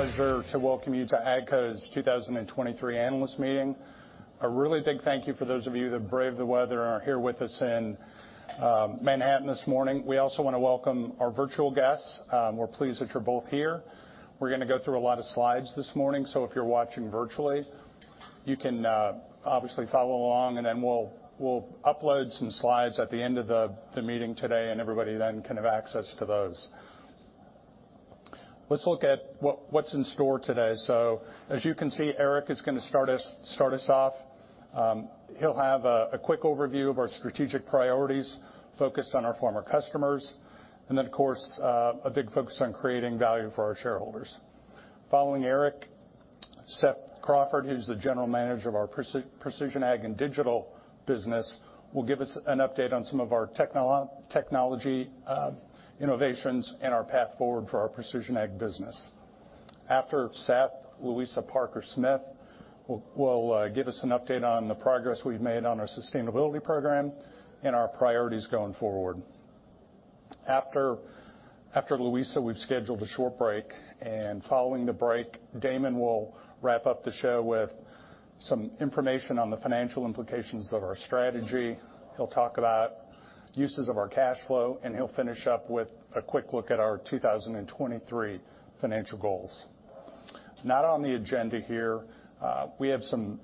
It is my pleasure to welcome you to AGCO's 2023 analyst meeting. A really big thank you for those of you that braved the weather and are here with us in Manhattan this morning. We also wanna welcome our virtual guests. We're pleased that you're both here. We're gonna go through a lot of slides this morning, so if you're watching virtually, you can obviously follow along, and then we'll upload some slides at the end of the meeting today, and everybody then can have access to those. Let's look at what's in store today. As you can see, Eric is gonna start us off. He'll have a quick overview of our strategic priorities focused on our farmer customers and then, of course, a big focus on creating value for our shareholders. Following Eric, Seth Crawford, who's the general manager of our precision ag and digital business, will give us an update on some of our technology innovations and our path forward for our precision ag business. After Seth, Louisa Parker-Smith will give us an update on the progress we've made on our sustainability program and our priorities going forward. After Louisa, we've scheduled a short break. Following the break, Damon will wrap up the show with some information on the financial implications of our strategy. He'll talk about uses of our cash flow. He'll finish up with a quick look at our 2023 financial goals. Not on the agenda here, we have some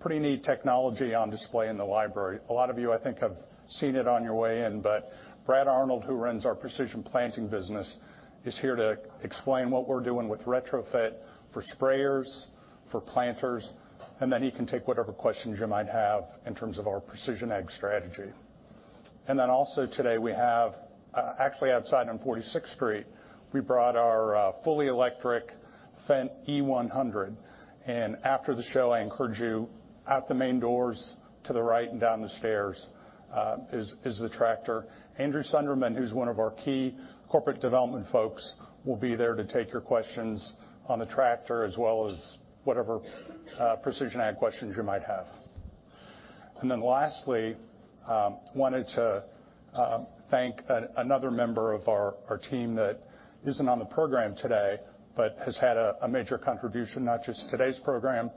pretty neat technology on display in the library. A lot of you, I think, have seen it on your way in, but Brad Arnold, who runs our Precision Planting business, is here to explain what we're doing with retrofit for sprayers, for planters, and then he can take whatever questions you might have in terms of our precision ag strategy. Also today, we have, actually outside on 46th Street, we brought our fully electric Fendt e100. After the show, I encourage you, out the main doors to the right and down the stairs, is the tractor. Andrew Sunderman, who's one of our key corporate development folks, will be there to take your questions on the tractor as well as whatever precision ag questions you might have. Lastly, wanted to thank another member of our team that isn't on the program today but has had a major contribution, not just to today's program,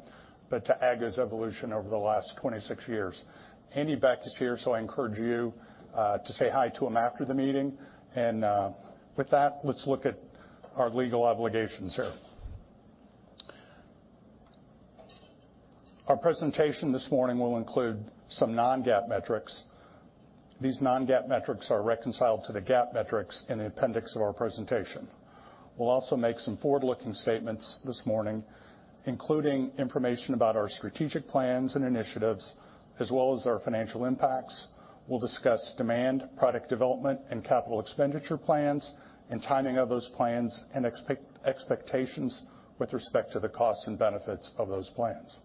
but to AGCO's evolution over the last 26 years. Andy Beck is here, so I encourage you to say hi to him after the meeting. With that, let's look at our legal obligations here. Our presentation this morning will include some non-GAAP metrics. These non-GAAP metrics are reconciled to the GAAP metrics in the appendix of our presentation. We'll also make some forward-looking statements this morning, including information about our strategic plans and initiatives as well as their financial impacts. We'll discuss demand, product development, and capital expenditure plans and timing of those plans, and expectations with respect to the costs and benefits of those plans.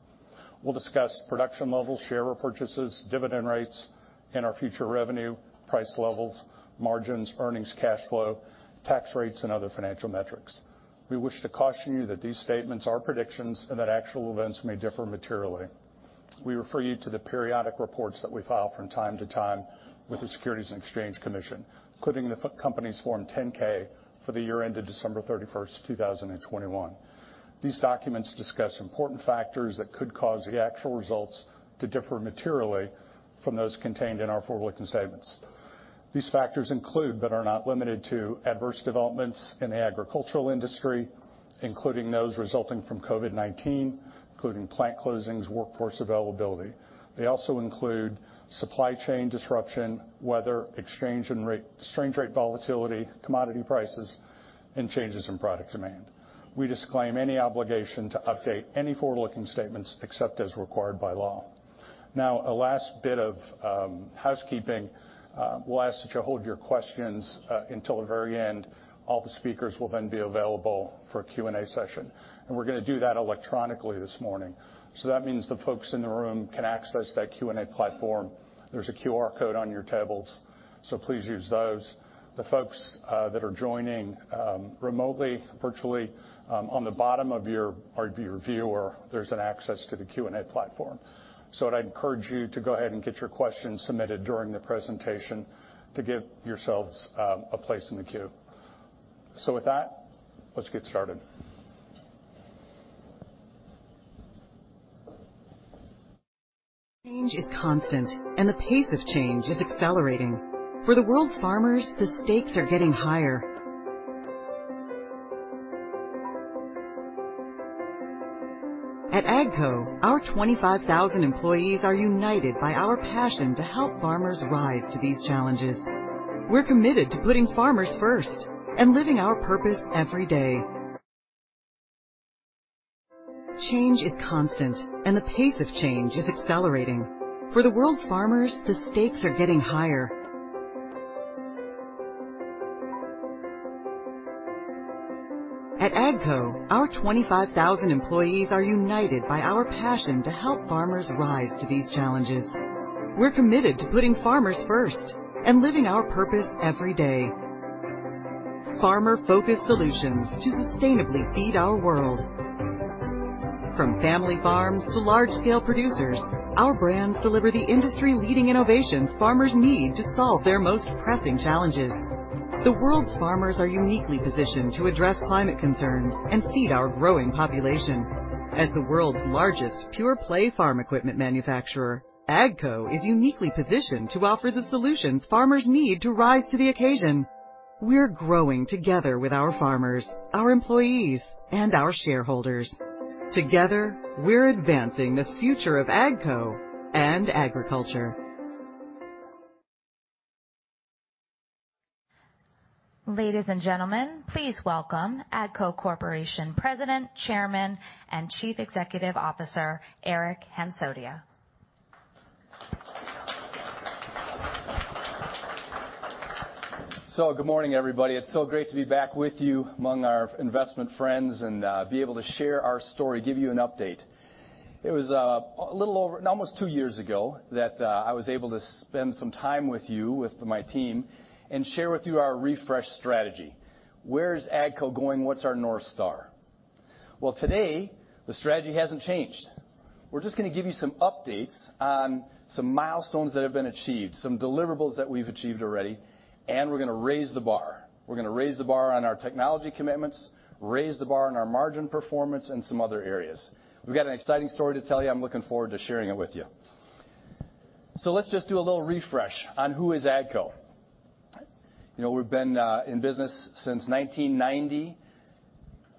We'll discuss production levels, share repurchases, dividend rates, and our future revenue, price levels, margins, earnings, cash flow, tax rates, and other financial metrics. We wish to caution you that these statements are predictions and that actual events may differ materially. We refer you to the periodic reports that we file from time to time with the Securities and Exchange Commission, including the company's Form 10-K for the year ended December 31st, 2021. These documents discuss important factors that could cause the actual results to differ materially from those contained in our forward-looking statements. These factors include, but are not limited to adverse developments in the agricultural industry, including those resulting from COVID-19, including plant closings, workforce availability. They also include supply chain disruption, weather, exchange rate volatility, commodity prices, and changes in product demand. We disclaim any obligation to update any forward-looking statements except as required by law. A last bit of housekeeping. We'll ask that you hold your questions until the very end. All the speakers will then be available for a Q&A session, and we're gonna do that electronically this morning. That means the folks in the room can access that Q&A platform. There's a QR code on your tables, so please use those. The folks that are joining remotely, virtually, on the bottom of your, of your viewer, there's an access to the Q&A platform. What I'd encourage you to go ahead and get your questions submitted during the presentation to give yourselves a place in the queue. With that, let's get started. Change is constant, and the pace of change is accelerating. For the world's farmers, the stakes are getting higher. At AGCO, our 25,000 employees are united by our passion to help farmers rise to these challenges. We're committed to putting farmers first and living our purpose every day. Change is constant, and the pace of change is accelerating. For the world's farmers, the stakes are getting higher. At AGCO, our 25,000 employees are united by our passion to help farmers rise to these challenges. We're committed to putting farmers first and living our purpose every day. Farmer-focused solutions to sustainably feed our world. From family farms to large-scale producers, our brands deliver the industry-leading innovations farmers need to solve their most pressing challenges. The world's farmers are uniquely positioned to address climate concerns and feed our growing population. As the world's largest pure-play farm equipment manufacturer, AGCO is uniquely positioned to offer the solutions farmers need to rise to the occasion. We're growing together with our farmers, our employees, and our shareholders. Together, we're advancing the future of AGCO and agriculture. Ladies and gentlemen, please welcome AGCO Corporation President, Chairman, and Chief Executive Officer, Eric Hansotia. Good morning, everybody. It's so great to be back with you among our investment friends and be able to share our story, give you an update. It was almost two years ago that I was able to spend some time with you, with my team and share with you our refresh strategy. Where's AGCO going? What's our North Star? Today, the strategy hasn't changed. We're just gonna give you some updates on some milestones that have been achieved, some deliverables that we've achieved already, and we're gonna raise the bar. We're gonna raise the bar on our technology commitments, raise the bar on our margin performance, and some other areas. We've got an exciting story to tell you. I'm looking forward to sharing it with you. Let's just do a little refresh on who is AGCO. You know, we've been in business since 1990.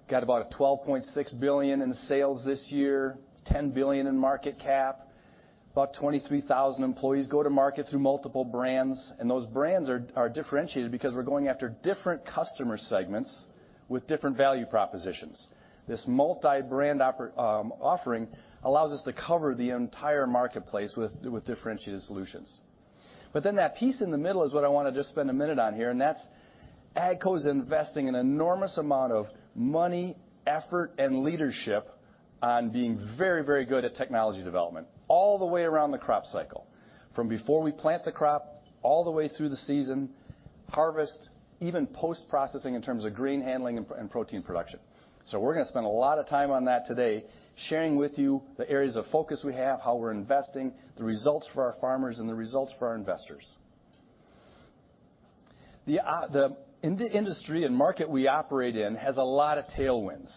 Got about $12.6 billion in sales this year, $10 billion in market cap. About 23,000 employees go to market through multiple brands, and those brands are differentiated because we're going after different customer segments with different value propositions. This multi-brand offering allows us to cover the entire marketplace with differentiated solutions. That piece in the middle is what I wanna just spend a minute on here, and that's AGCO's investing an enormous amount of money, effort, and leadership on being very, very good at technology development all the way around the crop cycle. From before we plant the crop, all the way through the season, harvest, even post-processing in terms of grain handling and protein production. We're going to spend a lot of time on that today, sharing with you the areas of focus we have, how we're investing, the results for our farmers and the results for our investors. The industry and market we operate in has a lot of tailwinds.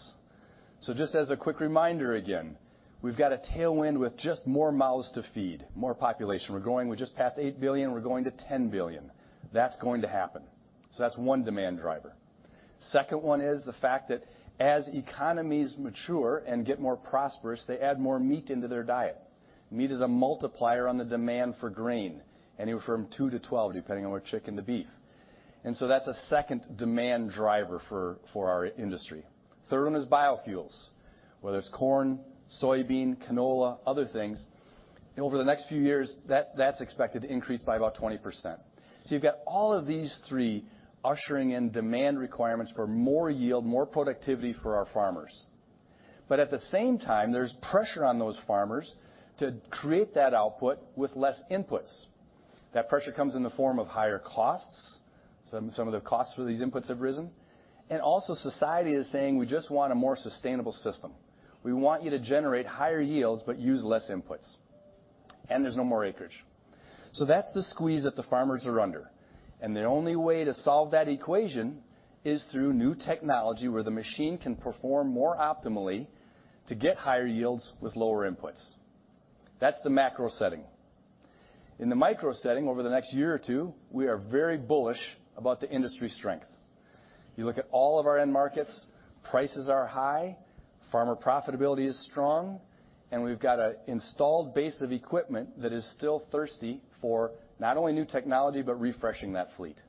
Just as a quick reminder, again, we've got a tailwind with just more mouths to feed, more population. We just passed 8 billion. We're going to 10 billion. That's going to happen. That's one demand driver. Second one is the fact that as economies mature and get more prosperous, they add more meat into their diet. Meat is a multiplier on the demand for grain, anywhere from two to 12, depending on whether chicken to beef. That's a second demand driver for our industry. Third one is biofuels, whether it's corn, soybean, canola, other things. Over the next few years, that's expected to increase by about 20%. You've got all of these three ushering in demand requirements for more yield, more productivity for our farmers. At the same time, there's pressure on those farmers to create that output with less inputs. That pressure comes in the form of higher costs. Some of the costs for these inputs have risen. Also society is saying, "We just want a more sustainable system. We want you to generate higher yields, but use less inputs." There's no more acreage. That's the squeeze that the farmers are under. The only way to solve that equation is through new technology where the machine can perform more optimally to get higher yields with lower inputs. That's the macro setting. In the micro setting over the next year or two, we are very bullish about the industry strength. You look at all of our end markets, prices are high, farmer profitability is strong, and we've got an installed base of equipment that is still thirsty for not only new technology, but refreshing that fleet.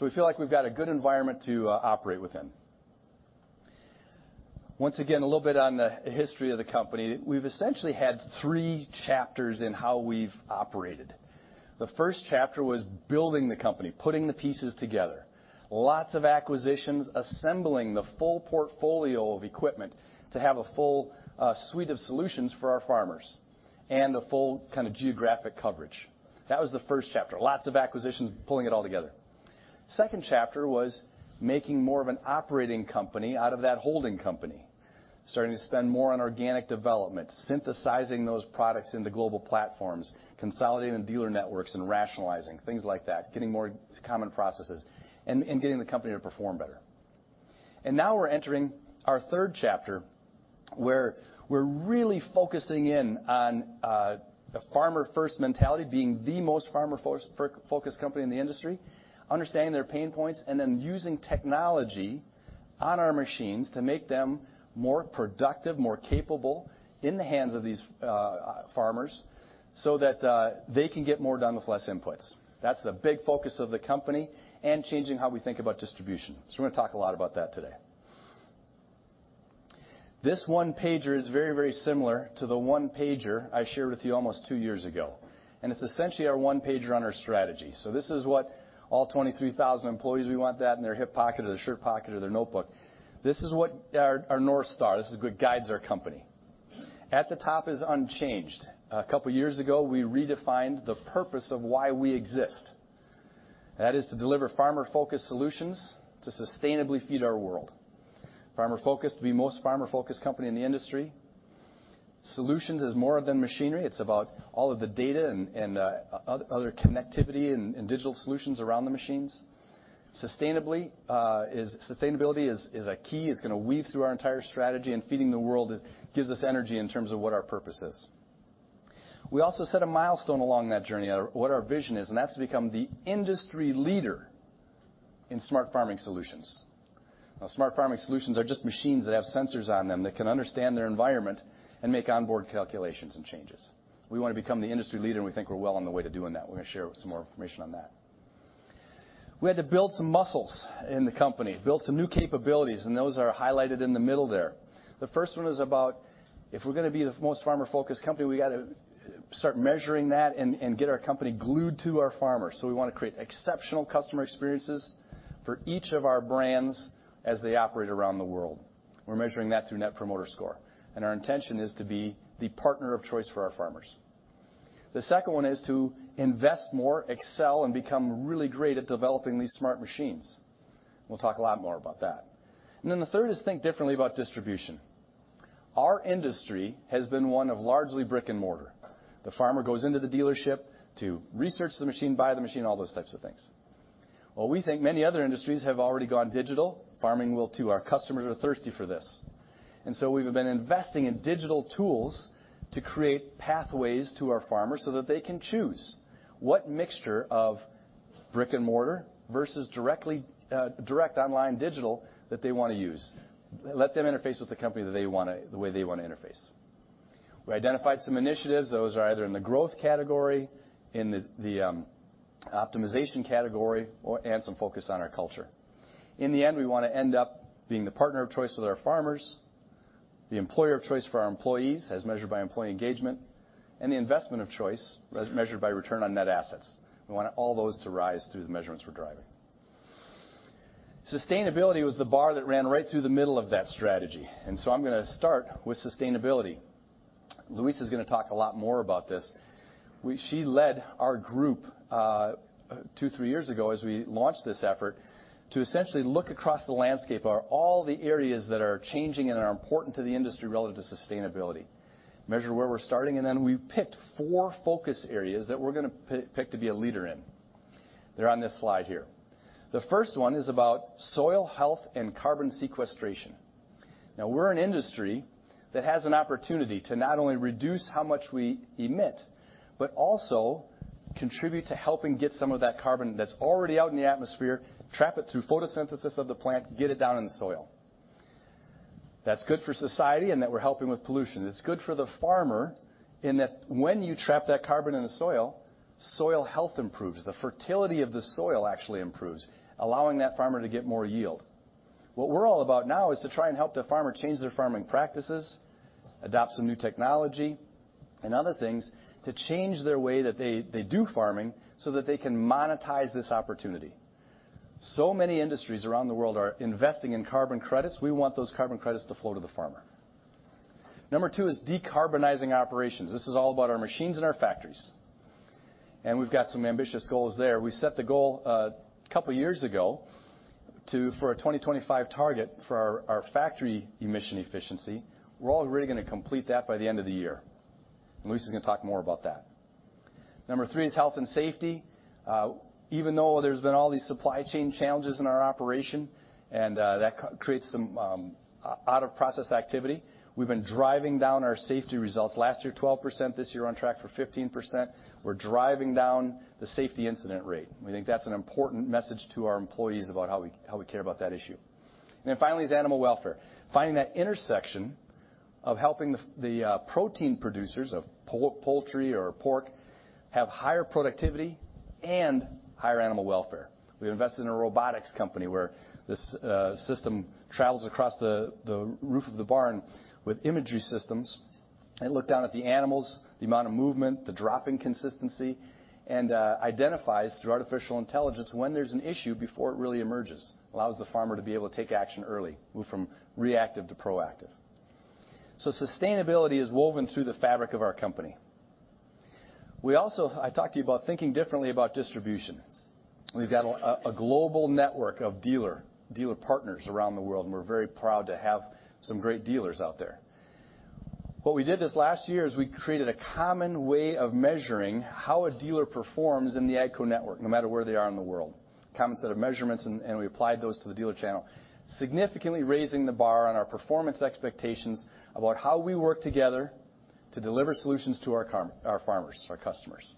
We feel like we've got a good environment to operate within. Once again, a little bit on the history of the company. We've essentially had three chapters in how we've operated. The first chapter was building the company, putting the pieces together. Lots of acquisitions, assembling the full portfolio of equipment to have a full suite of solutions for our farmers and a full kind of geographic coverage. That was the first chapter. Lots of acquisitions, pulling it all together. Second chapter was making more of an operating company out of that holding company, starting to spend more on organic development, synthesizing those products into global platforms, consolidating dealer networks and rationalizing, things like that, getting more common processes and getting the company to perform better. Now we're entering our third chapter, where we're really focusing in on the farmer-first mentality, being the most farmer-focus company in the industry, understanding their pain points, and then using technology on our machines to make them more productive, more capable in the hands of these farmers so that they can get more done with less inputs. That's the big focus of the company and changing how we think about distribution. We're gonna talk a lot about that today. This one-pager is very, very similar to the one-pager I shared with you almost two years ago, it's essentially our one-pager on our strategy. This is what all 23,000 employees, we want that in their hip pocket or their shirt pocket or their notebook. This is what our North Star, this is what guides our company. At the top is unchanged. A couple years ago, we redefined the purpose of why we exist. That is to deliver farmer-focused solutions to sustainably feed our world. Farmer-focused, to be most farmer-focused company in the industry. Solutions is more than machinery. It's about all of the data and other connectivity and digital solutions around the machines. Sustainably, sustainability is a key, is going to weave through our entire strategy. Feeding the world gives us energy in terms of what our purpose is. We also set a milestone along that journey on what our vision is, that's to become the industry leader in smart farming solutions. Smart farming solutions are just machines that have sensors on them that can understand their environment and make onboard calculations and changes. We wanna become the industry leader, we think we're well on the way to doing that. We're gonna share some more information on that. We had to build some muscles in the company, build some new capabilities, those are highlighted in the middle there. The first one is about if we're gonna be the most farmer-focused company, we gotta start measuring that and get our company glued to our farmers. We wanna create exceptional customer experiences for each of our brands as they operate around the world. We're measuring that through Net Promoter Score, and our intention is to be the partner of choice for our farmers. The second one is to invest more, excel, and become really great at developing these smart machines. We'll talk a lot more about that. The third is think differently about distribution. Our industry has been one of largely brick-and-mortar. The farmer goes into the dealership to research the machine, buy the machine, all those types of things. Well, we think many other industries have already gone digital. Farming will too. Our customers are thirsty for this. We've been investing in digital tools to create pathways to our farmers so that they can choose what mixture of brick-and-mortar versus directly— direct online digital that they wanna use. Let them interface with the company that they wanna, the way they wanna interface. We identified some initiatives. Those are either in the growth category, in the optimization category or/and some focus on our culture. In the end, we wanna end up being the partner of choice with our farmers, the employer of choice for our employees, as measured by employee engagement, and the investment of choice, as measured by return on net assets. We want all those to rise through the measurements we're driving. Sustainability was the bar that ran right through the middle of that strategy. I'm gonna start with sustainability. Louisa's gonna talk a lot more about this. She led our group, two, three years ago as we launched this effort to essentially look across the landscape are all the areas that are changing and are important to the industry relative to sustainability, measure where we're starting, then we picked four focus areas that we're gonna pick to be a leader in. They're on this slide here. The first one is about soil health and carbon sequestration. We're an industry that has an opportunity to not only reduce how much we emit but also contribute to helping get some of that carbon that's already out in the atmosphere, trap it through photosynthesis of the plant, get it down in the soil. That's good for society in that we're helping with pollution. It's good for the farmer in that when you trap that carbon in the soil, soil health improves. The fertility of the soil actually improves, allowing that farmer to get more yield. What we're all about now is to try and help the farmer change their farming practices, adopt some new technology and other things to change their way that they do farming, that they can monetize this opportunity. Many industries around the world are investing in carbon credits. We want those carbon credits to flow to the farmer. Number two is decarbonizing operations. This is all about our machines and our factories, we've got some ambitious goals there. We set the goal a couple years ago for our 2025 target for our factory emission efficiency. We're already gonna complete that by the end of the year, Louisa's gonna talk more about that. Number three is health and safety. Even though there's been all these supply chain challenges in our operation and that creates some out-of-process activity, we've been driving down our safety results. Last year, 12%. This year, on track for 15%. We're driving down the safety incident rate. We think that's an important message to our employees about how we care about that issue. Finally is animal welfare. Finding that intersection of helping the protein producers of poultry or pork have higher productivity and higher animal welfare. We invested in a robotics company where this system travels across the roof of the barn with imagery systems and look down at the animals, the amount of movement, the drop in consistency, and identifies through artificial intelligence when there's an issue before it really emerges. Allows the farmer to be able to take action early, move from reactive to proactive. Sustainability is woven through the fabric of our company. We also... I talked to you about thinking differently about distribution. We've got a global network of dealer, dealer partners around the world, and we're very proud to have some great dealers out there. What we did this last year is we created a common way of measuring how a dealer performs in the AGCO network, no matter where they are in the world. Common set of measurements, and we applied those to the dealer channel, significantly raising the bar on our performance expectations about how we work together to deliver solutions to our farmers, our customers.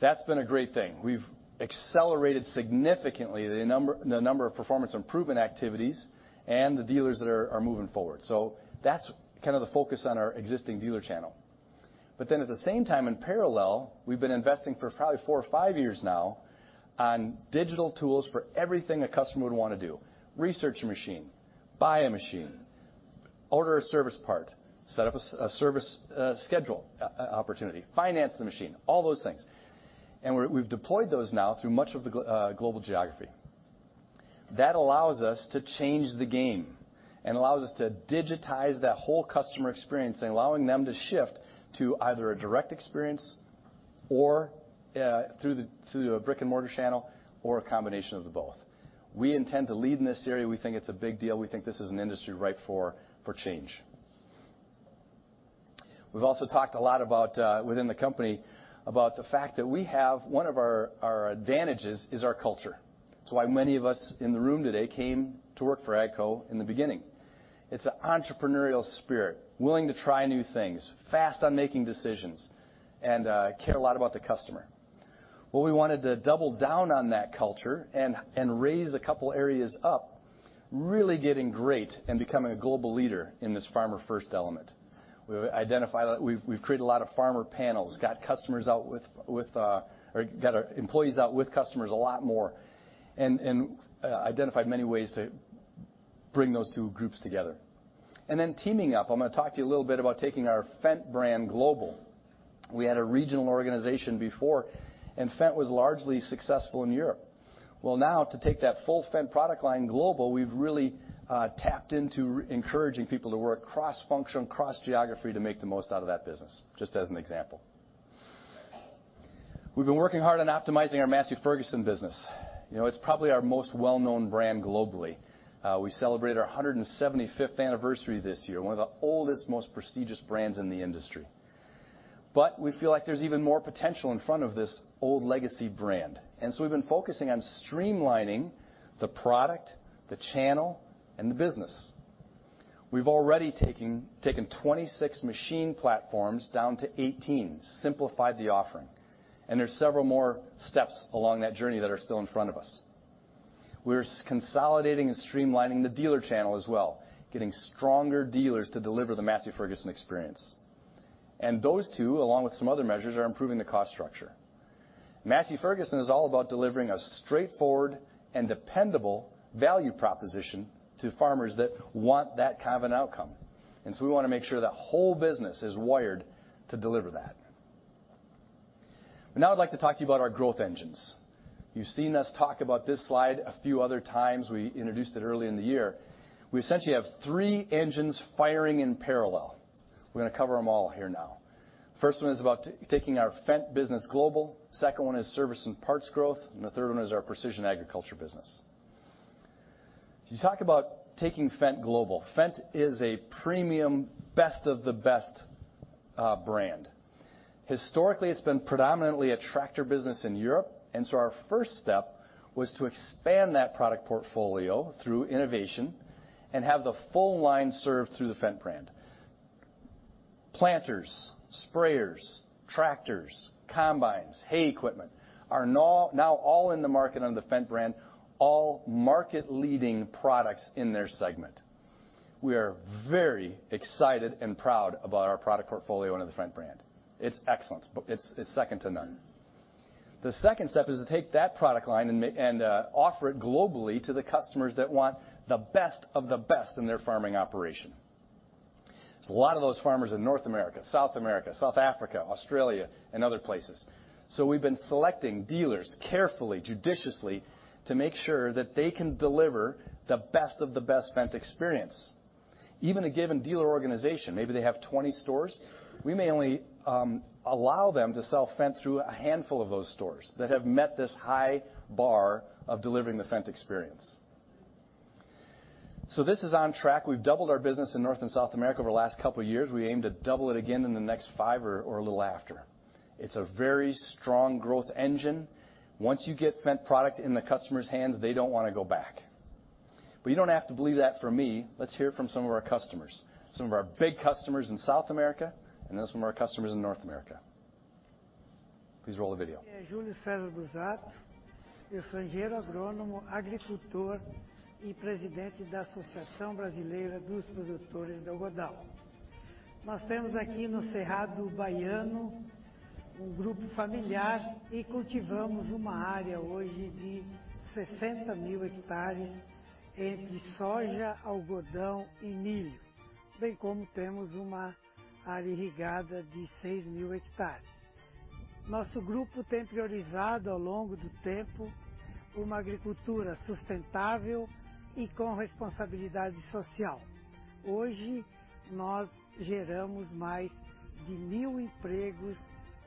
That's been a great thing. We've accelerated significantly the number of performance improvement activities and the dealers that are moving forward. That's kind of the focus on our existing dealer channel. At the same time, in parallel, we've been investing for probably four or five years now on digital tools for everything a customer would wanna do. Research a machine, buy a machine, order a service part, set up a service, schedule opportunity, finance the machine, all those things. We've deployed those now through much of the global geography. That allows us to change the game and allows us to digitize that whole customer experience and allowing them to shift to either a direct experience or through the, through a brick-and-mortar channel or a combination of the both. We intend to lead in this area. We think it's a big deal. We think this is an industry ripe for change. We've also talked a lot about within the company about the fact that we have. One of our advantages is our culture. It's why many of us in the room today came to work for AGCO in the beginning. It's entrepreneurial spirit, willing to try new things, fast on making decisions and care a lot about the customer. Well, we wanted to double down on that culture and raise a couple areas up, really getting great and becoming a global leader in this farmer-first element. We've identified that we've created a lot of farmer panels, got customers out with, or got our employees out with customers a lot more and identified many ways to bring those two groups together. Teaming up, I'm gonna talk to you a little bit about taking our Fendt brand global. We had a regional organization before. Fendt was largely successful in Europe. Well, now to take that full Fendt product line global, we've really tapped into encouraging people to work cross-function, cross-geography to make the most out of that business, just as an example. We've been working hard on optimizing our Massey Ferguson business. You know, it's probably our most well-known brand globally. We celebrated our 175th anniversary this year, one of the oldest, most prestigious brands in the industry. We feel like there's even more potential in front of this old legacy brand. We've been focusing on streamlining the product, the channel, and the business. We've already taken 26 machine platforms down to 18, simplified the offering, and there's several more steps along that journey that are still in front of us. We're consolidating and streamlining the dealer channel as well, getting stronger dealers to deliver the Massey Ferguson experience. Those two, along with some other measures, are improving the cost structure. Massey Ferguson is all about delivering a straightforward and dependable value proposition to farmers that want that kind of an outcome, and so we wanna make sure that whole business is wired to deliver that. Now I'd like to talk to you about our growth engines. You've seen us talk about this slide a few other times. We introduced it early in the year. We essentially have three engines firing in parallel. We're gonna cover them all here now. First one is about taking our Fendt business global. Second one is service and parts growth, and the third one is our precision agriculture business. If you talk about taking Fendt global, Fendt is a premium, best of the best brand. Historically, it's been predominantly a tractor business in Europe. Our first step was to expand that product portfolio through innovation and have the full line served through the Fendt brand. Planters, sprayers, tractors, combines, hay equipment are now all in the market under the Fendt brand, all market-leading products in their segment. We are very excited and proud about our product portfolio under the Fendt brand. It's excellent. It's second to none. The second step is to take that product line and offer it globally to the customers that want the best of the best in their farming operation. There's a lot of those farmers in North America, South America, South Africa, Australia and other places. We've been selecting dealers carefully, judiciously to make sure that they can deliver the best of the best Fendt experience. Even a given dealer organization, maybe they have 20 stores, we may only allow them to sell Fendt through a handful of those stores that have met this high bar of delivering the Fendt experience. This is on track. We've doubled our business in North and South America over the last couple years. We aim to double it again in the next five or a little after. It's a very strong growth engine. Once you get Fendt product in the customer's hands, they don't wanna go back. You don't have to believe that from me. Let's hear from some of our customers, some of our big customers in South America, and then some of our customers in North America. Please roll the video. Júlio Cézar Busato. I'm an agronomist, farmer, and President of the Brazilian Cotton Producers Association. Here in the Bahian Cerrado, we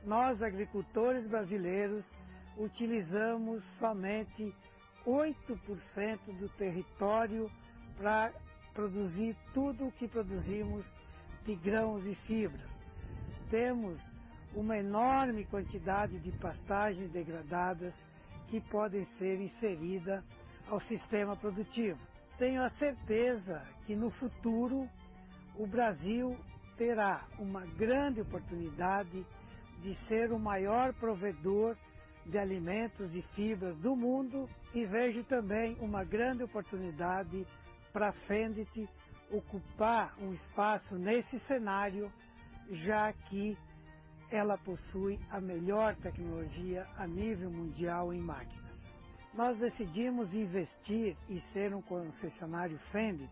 are a family group and today we cultivate an area of 60,000 hectares of soybeans, cotton and corn, as well as having an irrigated area of 6,000 hectares. Our group has prioritized, over time, sustainable agriculture and social responsibility. Today, we generate more than 1,000 jobs. We, Brazilian farmers, use only 8% of the territory to produce all the grains and fibers we produce. We have a huge amount of degraded pastures that can be inserted into the production system. I am certain that in the future Brazil will have a great opportunity to be the largest provider of food and fiber in the world. I also see a great opportunity for Fendt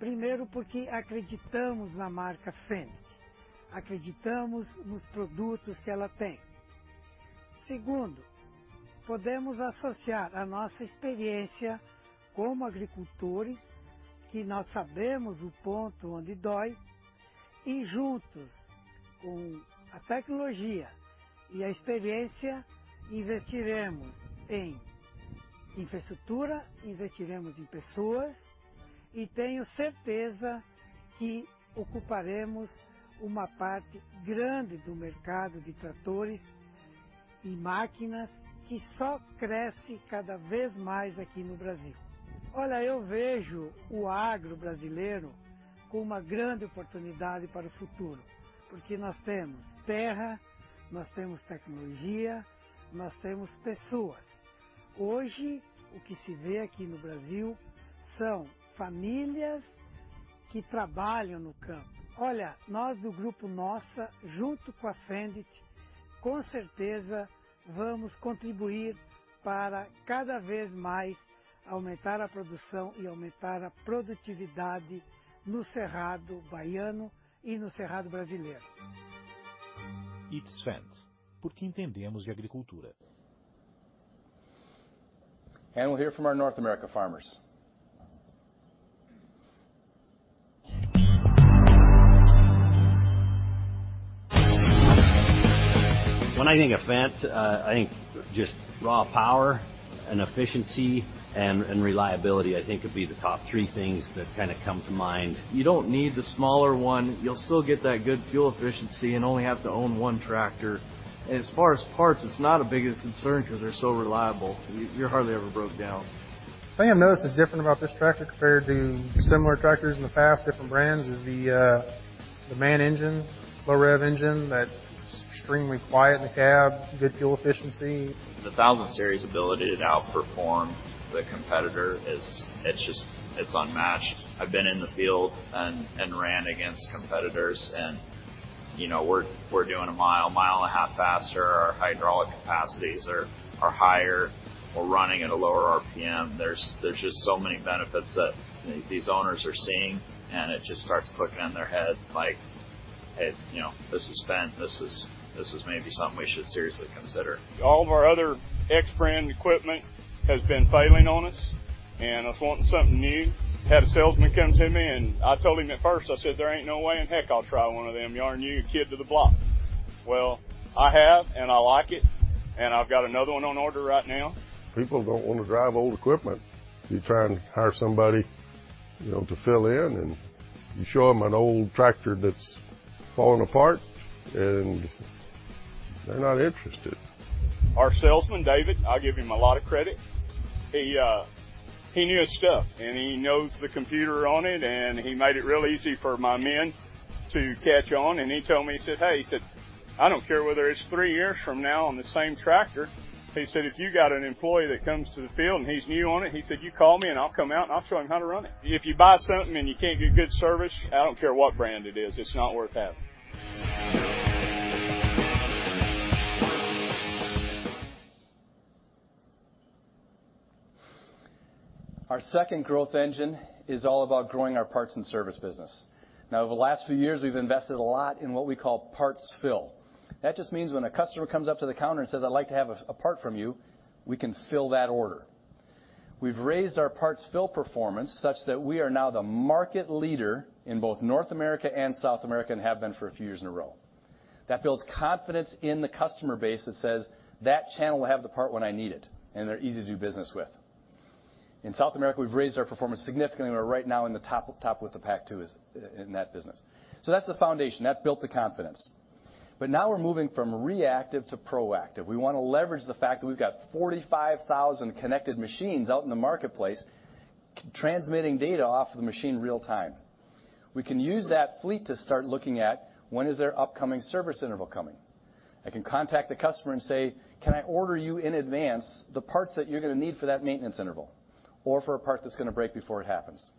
to occupy a space in this scenario, as it has the best technology worldwide in machines. We decided to invest and be a Fendt dealer, first because we believe in the Fendt brand. We believe in the products it has. Segundo, podemos asociar a nossa experiência como agricultores, que nós sabemos o ponto onde dói, e juntos com a tecnologia e a experiência, investiremos em infraestrutura, investiremos em pessoas e tenho certeza que ocuparemos uma parte grande do mercado de tratores e máquinas que só cresce cada vez mais aqui no Brasil. Olha, eu vejo o agro brasileiro como uma grande oportunidade para o futuro, porque nós temos terra, nós temos tecnologia, nós temos pessoas. Hoje, o que se vê aqui no Brasil são famílias que trabalham no campo. Olha, nós do Grupo Nossa, junto com a Fendt, com certeza vamos contribuir para cada vez mais aumentar a produção e aumentar a produtividade no cerrado baiano e no cerrado brasileiro. It's Fendt. Porque entendemos de agricultura. We'll hear from our North America farmers. When I think of Fendt, I think just raw power and efficiency and reliability, I think would be the top three things that kinda come to mind. You don't need the smaller one. You'll still get that good fuel efficiency and only have to own one tractor. As far as parts, it's not a big of a concern 'cause they're so reliable. You hardly ever broke down. The thing I've noticed that's different about this tractor compared to similar tractors in the past, different brands, is the MAN engine, low-rev engine that's extremely quiet in the cab, good fuel efficiency. The 1,000 series ability to now perform the competitor, it's just, it's unmatched. I've been in the field and ran against competitors and, you know, we're doing a mile, mile and a half faster. Our hydraulic capacities are higher. We're running at a lower RPM. There's just so many benefits that these owners are seeing, and it just starts clicking in their head, like, you know, "This is Fendt. This is maybe something we should seriously consider." All of our other X brand equipment has been failing on us, and I was wanting something new. Had a salesman come to me, and I told him at first, I said, "There ain't no way in heck I'll try one of them, you're the new kid to the block." Well, I have, and I like it, and I've got another one on order right now. People don't wanna drive old equipment. You try and hire somebody, you know, to fill in, and you show 'em an old tractor that's falling apart, and they're not interested. Our salesman, David, I give him a lot of credit. He knew his stuff, and he knows the computer on it, and he made it real easy for my men to catch on. He told me, he said, "Hey," he said, "I don't care whether it's three years from now on the same tractor." He said, "If you got an employee that comes to the field and he's new on it," he said, "you call me and I'll come out, and I'll show him how to run it." If you buy something and you can't get good service, I don't care what brand it is, it's not worth having. Our second growth engine is all about growing our parts and service business. Now, over the last few years, we've invested a lot in what we call parts fill. That just means when a customer comes up to the counter and says, "I'd like to have a part from you," we can fill that order. We've raised our parts fill performance such that we are now the market leader in both North America and South America and have been for a few years in a row. That builds confidence in the customer base that says, "That channel will have the part when I need it, and they're easy to do business with." In South America, we've raised our performance significantly. We're right now in the top with the pack, too, is in that business. That's the foundation. That built the confidence. Now we're moving from reactive to proactive. We wanna leverage the fact that we've got 45,000 connected machines out in the marketplace transmitting data off the machine real time. We can use that fleet to start looking at when is their upcoming service interval coming. I can contact the customer and say, "Can I order you in advance the parts that you're gonna need for that maintenance interval or for a part that's gonna break before it happens?"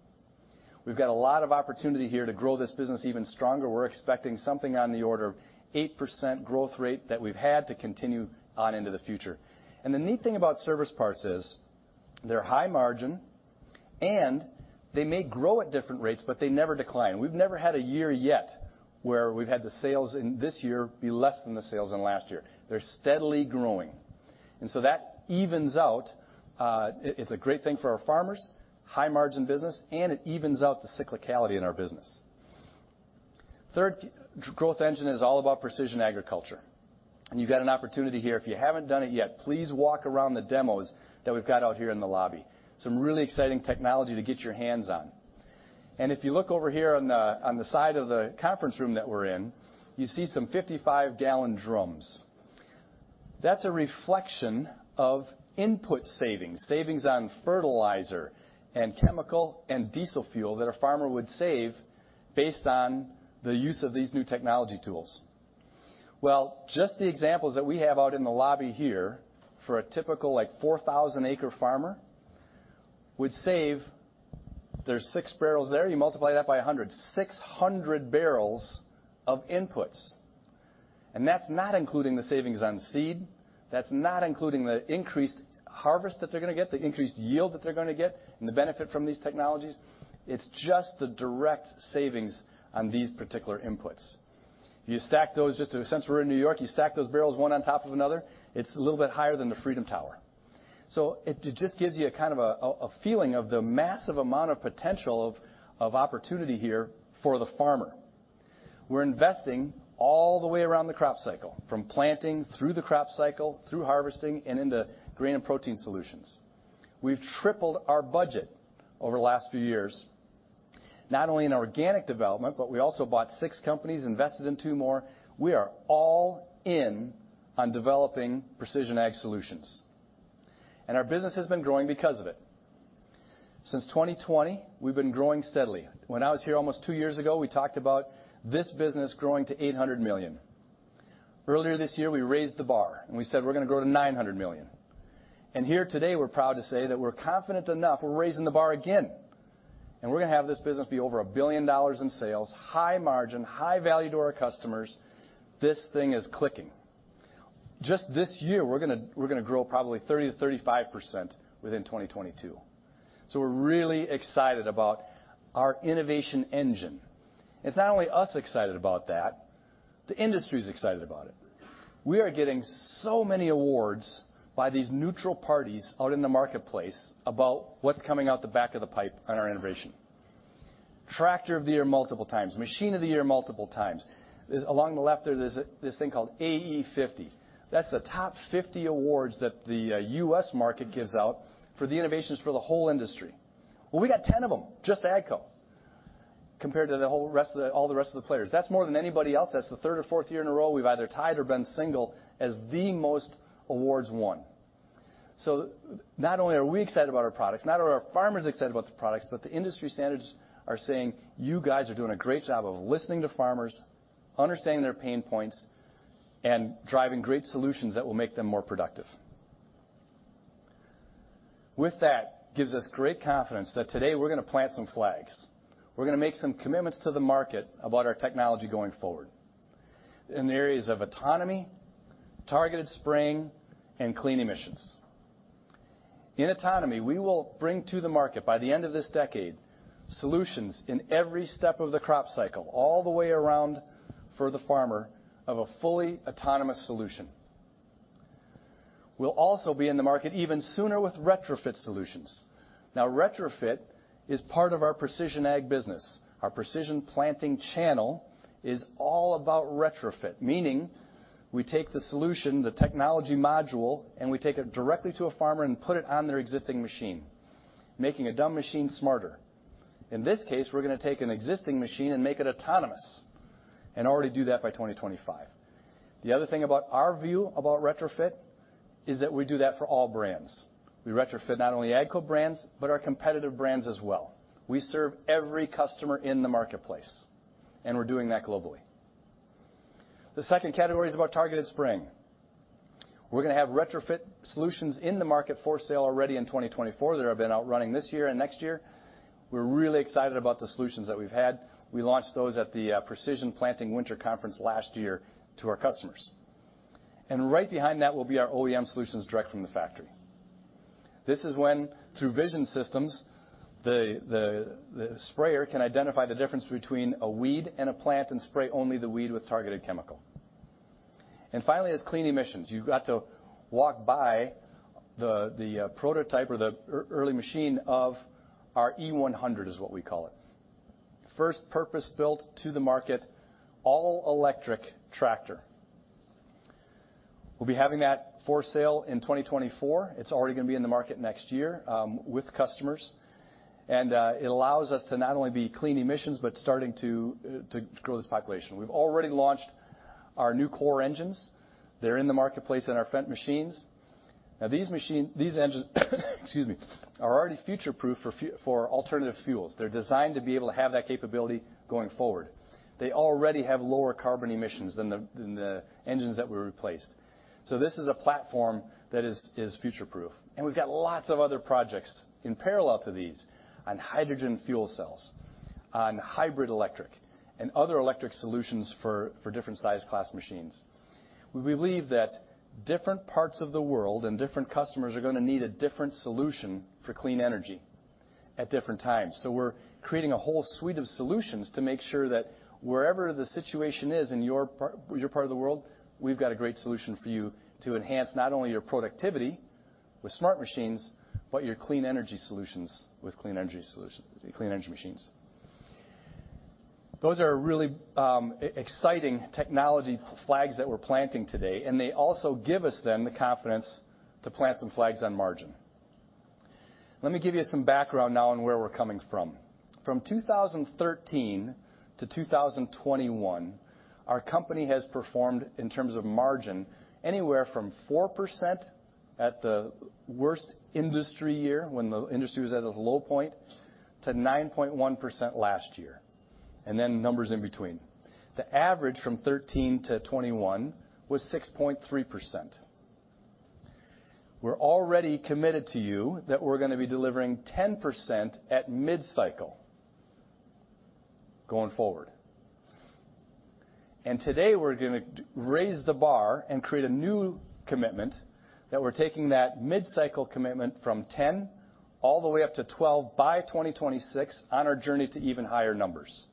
We've got a lot of opportunity here to grow this business even stronger. We're expecting something on the order of 8% growth rate that we've had to continue on into the future. The neat thing about service parts is they're high margin, and they may grow at different rates, but they never decline. We've never had a year yet where we've had the sales in this year be less than the sales in last year. They're steadily growing. That evens out, it's a great thing for our farmers, high-margin business, and it evens out the cyclicality in our business. Third growth engine is all about precision agriculture. You've got an opportunity here. If you haven't done it yet, please walk around the demos that we've got out here in the lobby. Some really exciting technology to get your hands on. If you look over here on the side of the conference room that we're in, you see some 55-gallon drums. That's a reflection of input savings on fertilizer and chemical and diesel fuel that a farmer would save based on the use of these new technology tools. Just the examples that we have out in the lobby here for a typical, like, 4,000-acre farmer would save... There's six barrels there. You multiply that by 100. 600 barrels of inputs, and that's not including the savings on seed. That's not including the increased harvest that they're gonna get, the increased yield that they're gonna get, and the benefit from these technologies. It's just the direct savings on these particular inputs. If you stack those just since we're in New York, you stack those barrels one on top of another, it's a little bit higher than the Freedom Tower. It just gives you a kind of a feeling of the massive amount of potential of opportunity here for the farmer. We're investing all the way around the crop cycle, from planting through the crop cycle, through harvesting, and into grain and protein solutions. We've tripled our budget over the last few years, not only in organic development, but we also bought six companies, invested in two more. We are all in on developing precision ag solutions. Our business has been growing because of it. Since 2020, we've been growing steadily. When I was here almost 2 years ago, we talked about this business growing to $800 million. Earlier this year, we raised the bar and we said we're gonna grow to $900 million. Here today, we're proud to say, that we're confident enough, we're raising the bar again, and we're gonna have this business be over $1 billion in sales, high margin, high value to our customers. This thing is clicking. Just this year, we're gonna, we're gonna grow probably 30%-35% within 2022. We're really excited about our innovation engine. It's not only us excited about that, the industry's excited about it. We are getting so many awards by these neutral parties out in the marketplace about what's coming out the back of the pipe on our innovation. Tractor of the Year multiple times, Machine of the Year multiple times. Along the left there's this thing called AE50. That's the top 50 awards that the U.S. market gives out for the innovations for the whole industry. Well, we got 10 of them, just AGCO, compared to all the rest of the players. That's more than anybody else. That's the third or fourth year in a row we've either tied or been single as the most awards won. Not only are we excited about our products, not only are farmers excited about the products, but the industry standards are saying, "You guys are doing a great job of listening to farmers, understanding their pain points, and driving great solutions that will make them more productive." With that, gives us great confidence that today we're gonna plant some flags. We're gonna make some commitments to the market about our technology going forward in the areas of autonomy, targeted spraying, and clean emissions. In autonomy, we will bring to the market by the end of this decade, solutions in every step of the crop cycle, all the way around for the farmer of a fully autonomous solution. We'll also be in the market even sooner with retrofit solutions. Retrofit is part of our precision ag business. Our Precision Planting channel is all about retrofit, meaning we take the solution, the technology module, and we take it directly to a farmer and put it on their existing machine, making a dumb machine smarter. In this case, we're gonna take an existing machine and make it autonomous, and already do that by 2025. The other thing about our view about retrofit is that we do that for all brands. We retrofit not only AGCO brands, but our competitive brands as well. We serve every customer in the marketplace, and we're doing that globally. The second category is about targeted spraying. We're gonna have retrofit solutions in the market for sale already in 2024 that are been out running this year and next year. We're really excited about the solutions that we've had. We launched those at the Precision Planting Winter Conference last year to our customers. Right behind that will be our OEM solutions direct from the factory. This is when, through vision systems, the sprayer can identify the difference between a weed and a plant and spray only the weed with targeted chemical. Finally, there's clean emissions. You got to walk by the prototype or the early machine of our e100, is what we call it. First purpose-built to the market, all electric tractor. We'll be having that for sale in 2024. It's already gonna be in the market next year with customers. It allows us to not only be clean emissions, but starting to grow this population. We've already launched our new CORE engines. They're in the marketplace in our Fendt machines. These engines are already future-proof for alternative fuels. They're designed to be able to have that capability going forward. They already have lower carbon emissions than the engines that were replaced. This is a platform that is future-proof. We've got lots of other projects in parallel to these on hydrogen fuel cells, on hybrid electric, and other electric solutions for different size class machines. We believe that different parts of the world and different customers are gonna need a different solution for clean energy at different times. We're creating a whole suite of solutions to make sure that wherever the situation is in your part, your part of the world, we've got a great solution for you to enhance not only your productivity with smart machines, but your clean energy solutions with clean energy machines. Those are really exciting technology flags that we're planting today, and they also give us then the confidence to plant some flags on margin. Let me give you some background now on where we're coming from. From 2013 to 2021, our company has performed in terms of margin anywhere from 4% at the worst industry year, when the industry was at its low point, to 9.1% last year, and then numbers in between. The average from 2013 to 2021 was 6.3%. We're already committed to you that we're gonna be delivering 10% at mid-cycle going forward. Today, we're gonna raise the bar and create a new commitment that we're taking that mid-cycle commitment from 10% all the way up to 12% by 2026 on our journey to even higher numbers.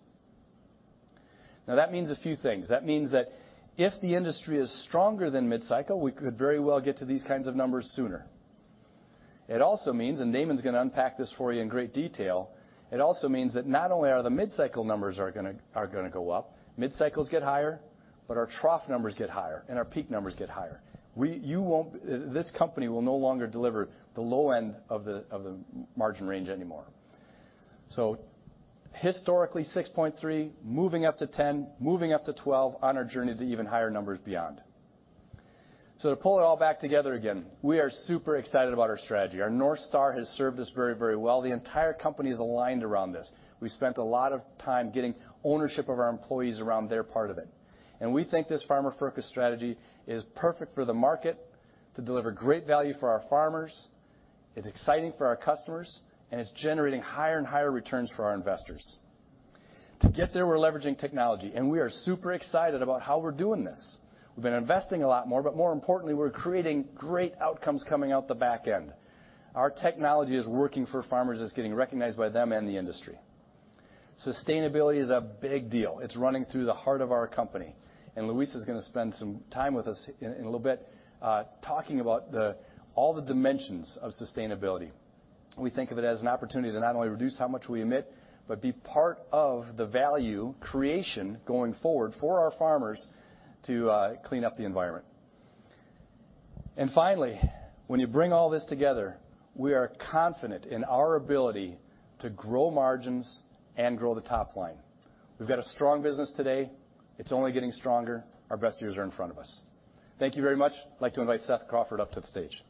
That means a few things. That means that if the industry is stronger than mid-cycle, we could very well get to these kinds of numbers sooner. It also means, Damon's gonna unpack this for you in great detail, it also means that not only are the mid-cycle numbers are gonna go up, mid-cycles get higher, but our trough numbers get higher, and our peak numbers get higher. This company will no longer deliver the low end of the margin range anymore. Historically 6.3%, moving up to 10%, moving up to 12% on our journey to even higher numbers beyond. To pull it all back together again, we are super excited about our strategy. Our North Star has served us very, very well. The entire company is aligned around this. We spent a lot of time getting ownership of our employees around their part of it. We think this farmer-focused strategy is perfect for the market to deliver great value for our farmers, it's exciting for our customers, and it's generating higher and higher returns for our investors. To get there, we're leveraging technology, and we are super excited about how we're doing this. We've been investing a lot more, but more importantly, we're creating great outcomes coming out the back end. Our technology is working for farmers, it's getting recognized by them and the industry. Sustainability is a big deal. It's running through the heart of our company, and Louisa is gonna spend some time with us in a little bit talking about all the dimensions of sustainability. We think of it as an opportunity to not only reduce how much we emit, but be part of the value creation going forward for our farmers to clean up the environment. Finally, when you bring all this together, we are confident in our ability to grow margins and grow the top line. We've got a strong business today. It's only getting stronger. Our best years are in front of us. Thank you very much. I'd like to invite Seth Crawford up to the stage.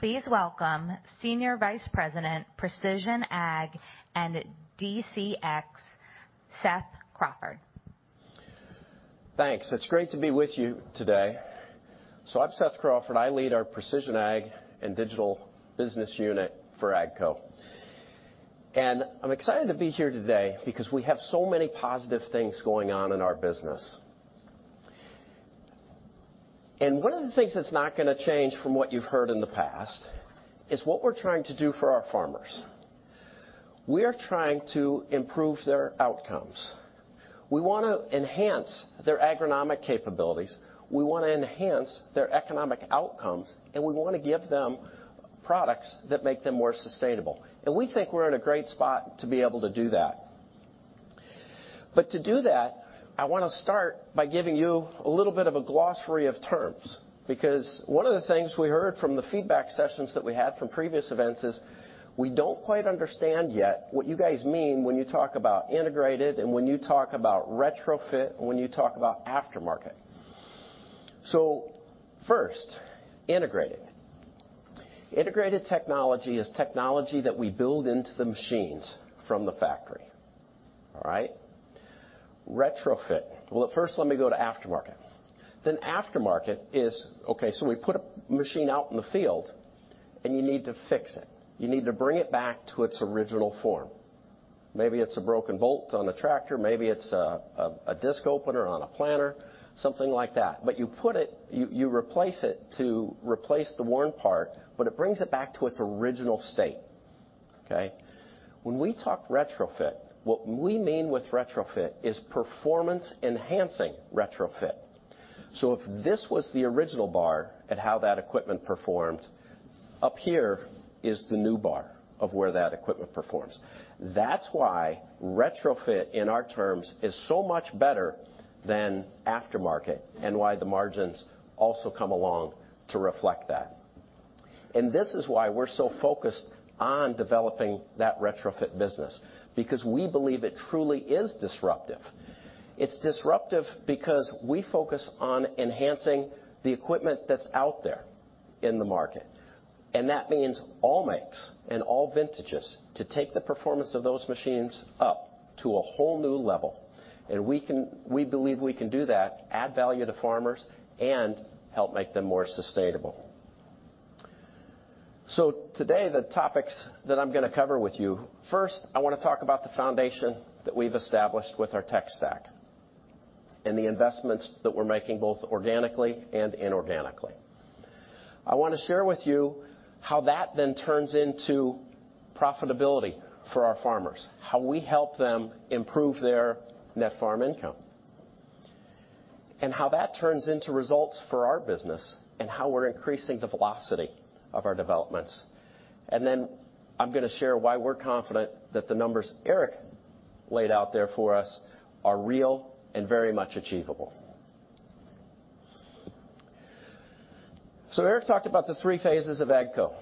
Please welcome Senior Vice President, Precision Ag and DCX, Seth Crawford. Thanks. It's great to be with you today. I'm Seth Crawford. I lead our Precision Ag and Digital Business unit for AGCO. I'm excited to be here today because we have so many positive things going on in our business. One of the things that's not gonna change from what you've heard in the past is what we're trying to do for our farmers. We are trying to improve their outcomes. We wanna enhance their agronomic capabilities, we wanna enhance their economic outcomes, and we wanna give them products that make them more sustainable. We think we're in a great spot to be able to do that. To do that, I wanna start by giving you a little bit of a glossary of terms, because one of the things we heard from the feedback sessions that we had from previous events is we don't quite understand yet what you guys mean when you talk about integrated and when you talk about retrofit and when you talk about aftermarket. First, integrated. Integrated technology is technology that we build into the machines from the factory. All right? Retrofit. Well, first let me go to aftermarket. Aftermarket is, okay, we put a machine out in the field and you need to fix it. You need to bring it back to its original form. Maybe it's a broken bolt on a tractor, maybe it's a disc opener on a planter, something like that. You put it, you replace it to replace the worn part, but it brings it back to its original state. Okay? When we talk retrofit, what we mean with retrofit is performance-enhancing retrofit. If this was the original bar at how that equipment performed, up here is the new bar of where that equipment performs. That's why retrofit, in our terms, is so much better than aftermarket, and why the margins also come along to reflect that. This is why we're so focused on developing that retrofit business, because we believe it truly is disruptive. It's disruptive because we focus on enhancing the equipment that's out there in the market. That means all makes and all vintages to take the performance of those machines up to a whole new level. We believe we can do that, add value to farmers and help make them more sustainable. Today, the topics that I'm gonna cover with you, first, I wanna talk about the foundation that we've established with our tech stack and the investments that we're making both organically and inorganically. I wanna share with you how that then turns into profitability for our farmers, how we help them improve their net farm income, and how that turns into results for our business, and how we're increasing the velocity of our developments. I'm gonna share why we're confident that the numbers Eric laid out there for us are real and very much achievable. Eric talked about the three phases of AGCO.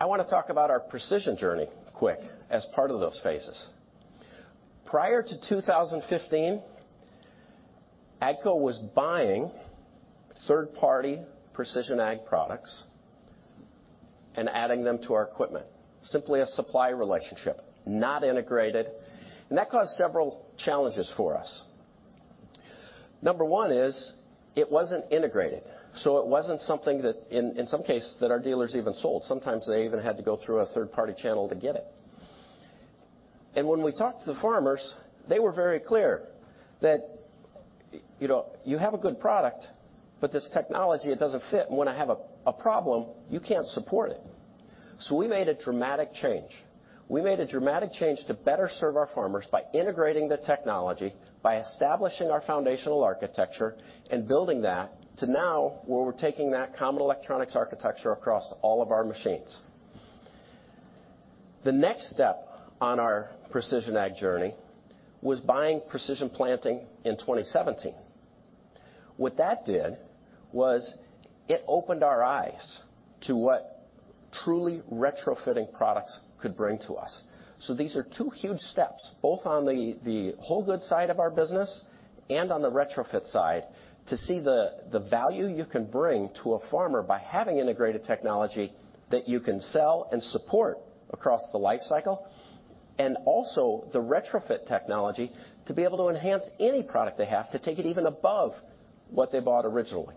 I wanna talk about our precision journey quick as part of those phases. Prior to 2015, AGCO was buying third-party precision ag products and adding them to our equipment. Simply a supply relationship, not integrated, that caused several challenges for us. Number one is it wasn't integrated, so it wasn't something that in some cases, that our dealers even sold. Sometimes they even had to go through a third-party channel to get it. When we talked to the farmers, they were very clear that, you know, you have a good product, but this technology, it doesn't fit, and when I have a problem, you can't support it. We made a dramatic change. We made a dramatic change to better serve our farmers by integrating the technology, by establishing our foundational architecture and building that to now where we're taking that common electronics architecture across all of our machines. The next step on our precision ag journey was buying Precision Planting in 2017. What that did was it opened our eyes to what truly retrofitting products could bring to us. These are two huge steps, both on the whole good side of our business and on the retrofit side to see the value you can bring to a farmer by having integrated technology that you can sell and support across the life cycle, and also the retrofit technology to be able to enhance any product they have to take it even above what they bought originally.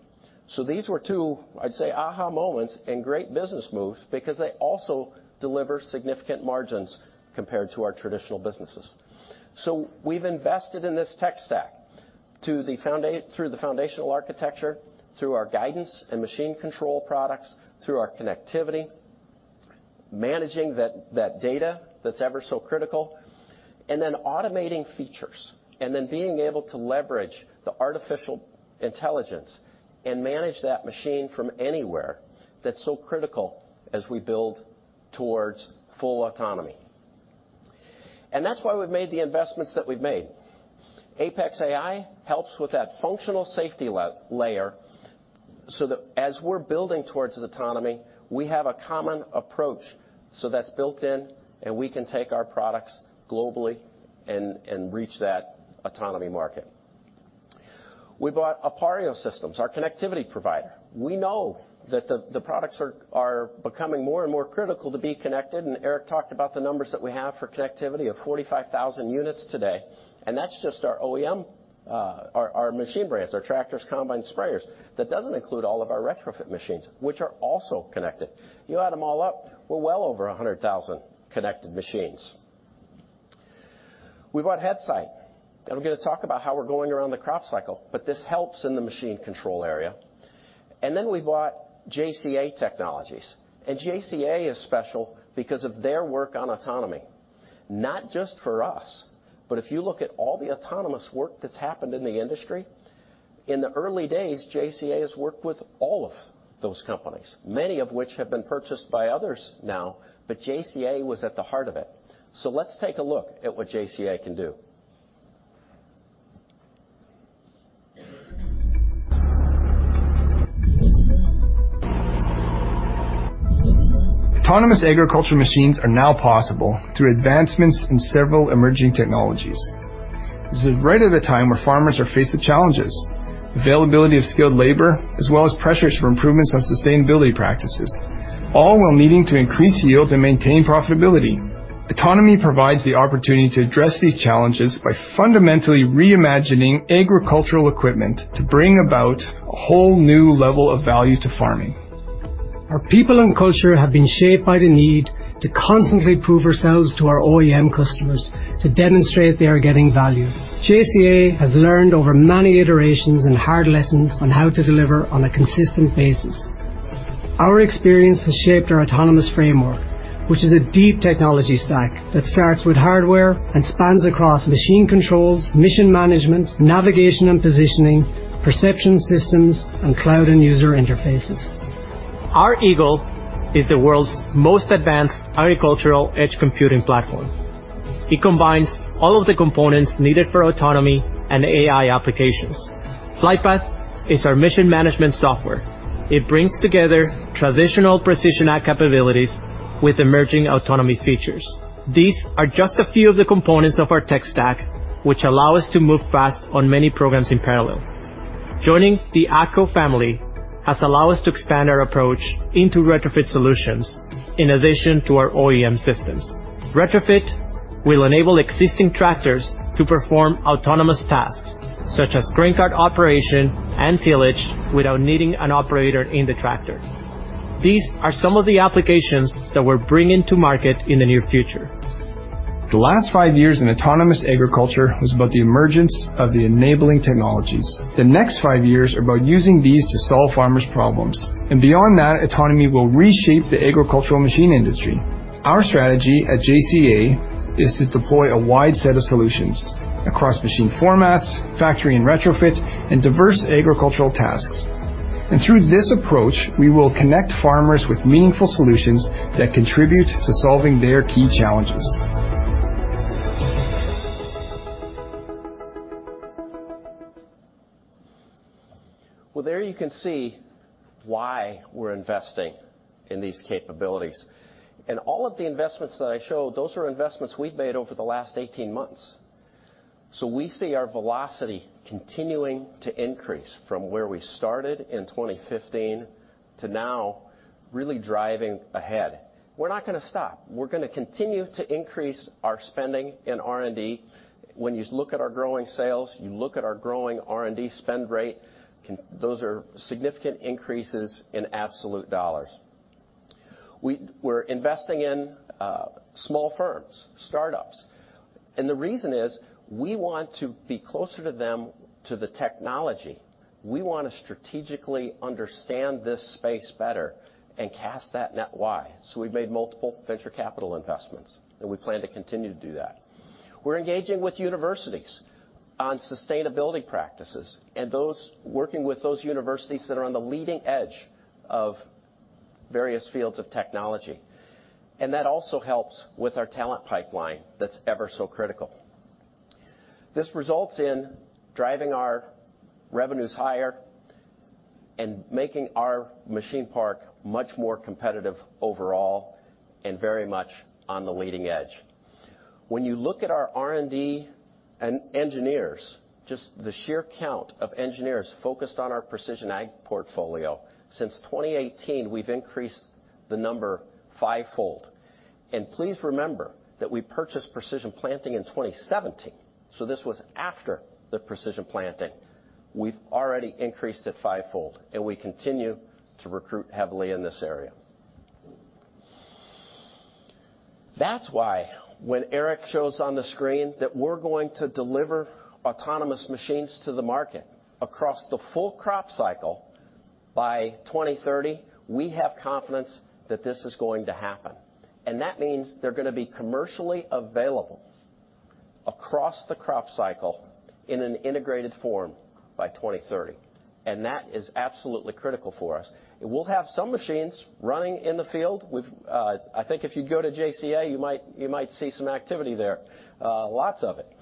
These were two, I'd say, aha moments and great business moves because they also deliver significant margins compared to our traditional businesses. We've invested in this tech stack through the foundational architecture, through our guidance and machine control products, through our connectivity, managing that data that's ever so critical, and then automating features, and then being able to leverage the artificial intelligence and manage that machine from anywhere that's so critical as we build towards full autonomy. That's why we've made the investments that we've made. Apex.AI helps with that functional safety layer so that as we're building towards autonomy, we have a common approach. That's built in, and we can take our products globally and reach that autonomy market. We bought Appareo Systems, our connectivity provider. We know that the products are becoming more and more critical to be connected. Eric talked about the numbers that we have for connectivity of 45,000 units today, and that's just our OEM, our machine brands, our tractors, combine sprayers. That doesn't include all of our retrofit machines, which are also connected. You add them all up, we're well over 100,000 connected machines. We bought Headsight. I'm gonna talk about how we're going around the crop cycle. This helps in the machine control area. We bought JCA Technologies. JCA is special because of their work on autonomy, not just for us, but if you look at all the autonomous work that's happened in the industry, in the early days, JCA has worked with all of those companies, many of which have been purchased by others now, but JCA was at the heart of it. Let's take a look at what JCA can do. Autonomous agriculture machines are now possible through advancements in several emerging technologies. This is right at a time where farmers are faced with challenges, availability of skilled labor, as well as pressures for improvements on sustainability practices, all while needing to increase yields and maintain profitability. Autonomy provides the opportunity to address these challenges by fundamentally reimagining agricultural equipment to bring about a whole new level of value to farming. Our people and culture have been shaped by the need to constantly prove ourselves to our OEM customers to demonstrate they are getting value. JCA has learned over many iterations and hard lessons on how to deliver on a consistent basis. Our experience has shaped our autonomous framework, which is a deep technology stack that starts with hardware and spans across machine controls, mission management, navigation and positioning, perception systems, and cloud and user interfaces. Our Eagle is the world's most advanced agricultural edge computing platform. It combines all of the components needed for autonomy and AI applications. FlightPath is our mission management software. It brings together traditional precision ag capabilities with emerging autonomy features. These are just a few of the components of our tech stack which allow us to move fast on many programs in parallel. Joining the AGCO family has allowed us to expand our approach into retrofit solutions in addition to our OEM systems. Retrofit will enable existing tractors to perform autonomous tasks such as grain cart operation and tillage without needing an operator in the tractor. These are some of the applications that we're bringing to market in the near future. The last five years in autonomous agriculture was about the emergence of the enabling technologies. The next five years are about using these to solve farmers' problems. Beyond that, autonomy will reshape the agricultural machine industry. Our strategy at JCA is to deploy a wide set of solutions across machine formats, factory and retrofit, and diverse agricultural tasks. Through this approach, we will connect farmers with meaningful solutions that contribute to solving their key challenges. Well, there you can see why we're investing in these capabilities. All of the investments that I showed, those are investments we've made over the last 18 months. We see our velocity continuing to increase from where we started in 2015 to now really driving ahead. We're not gonna stop. We're gonna continue to increase our spending in R&D. When you look at our growing sales, you look at our growing R&D spend rate, those are significant increases in absolute dollars. We're investing in small firms, startups, and the reason is we want to be closer to them to the technology. We wanna strategically understand this space better and cast that net wide. We've made multiple venture capital investments, and we plan to continue to do that. We're engaging with universities on sustainability practices, working with those universities that are on the leading edge of various fields of technology. That also helps with our talent pipeline that's ever so critical. This results in driving our revenues higher and making our machine park much more competitive overall and very much on the leading edge. When you look at our R&D and engineers, just the sheer count of engineers focused on our precision ag portfolio, since 2018, we've increased the number fivefold. Please remember that we purchased Precision Planting in 2017, so this was after the Precision Planting. We've already increased it fivefold, and we continue to recruit heavily in this area. That's why when Eric shows on the screen that we're going to deliver autonomous machines to the market across the full crop cycle by 2030, we have confidence that this is going to happen. That means they're gonna be commercially available across the crop cycle in an integrated form by 2030. That is absolutely critical for us. We'll have some machines running in the field with... I think if you go to JCA, you might see some activity there, lots of it.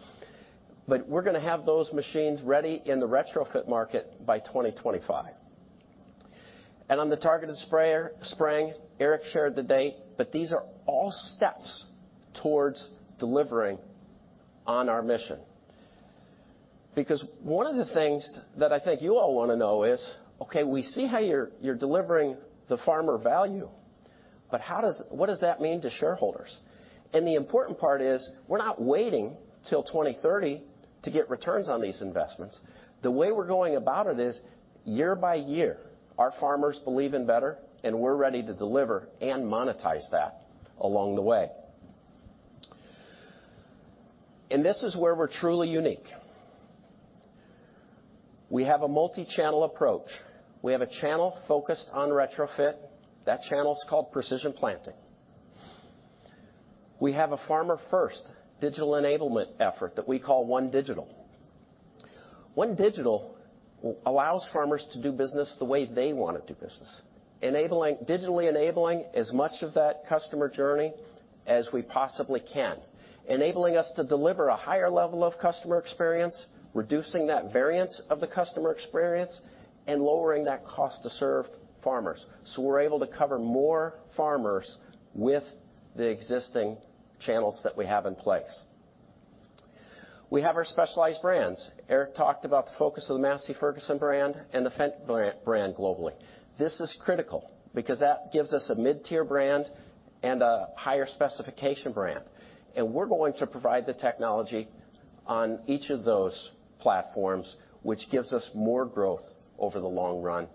We're gonna have those machines ready in the retrofit market by 2025. On the targeted spraying, Eric shared the date, but these are all steps towards delivering on our mission. One of the things that I think you all want to know is, okay, we see how you're delivering the farmer value, but what does that mean to shareholders? The important part is we're not waiting until 2030 to get returns on these investments. The way we're going about it is year by year, our farmers believe in better, and we're ready to deliver and monetize that along the way. This is where we're truly unique. We have a multi-channel approach. We have a channel focused on retrofit. That channel's called Precision Planting. We have a farmer-first digital enablement effort that we call ONE Digital. ONE Digital allows farmers to do business the way they wanna do business, digitally enabling as much of that customer journey as we possibly can, enabling us to deliver a higher level of customer experience, reducing that variance of the customer experience, and lowering that cost to serve farmers, so we're able to cover more farmers with the existing channels that we have in place. We have our specialized brands. Eric talked about the focus of the Massey Ferguson brand and the Fendt brand globally. This is critical because that gives us a mid-tier brand and a higher specification brand, and we're going to provide the technology on each of those platforms, which gives us more growth over the long run.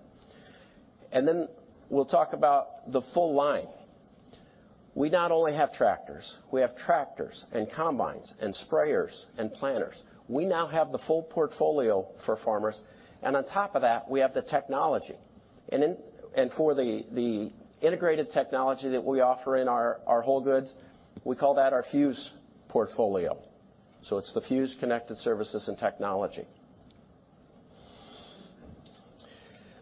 Then we'll talk about the full line. We not only have tractors, we have tractors and combines and sprayers and planters. We now have the full portfolio for farmers, and on top of that, we have the technology. For the integrated technology that we offer in our whole goods, we call that our Fuse portfolio. It's the Fuse-connected services and technology.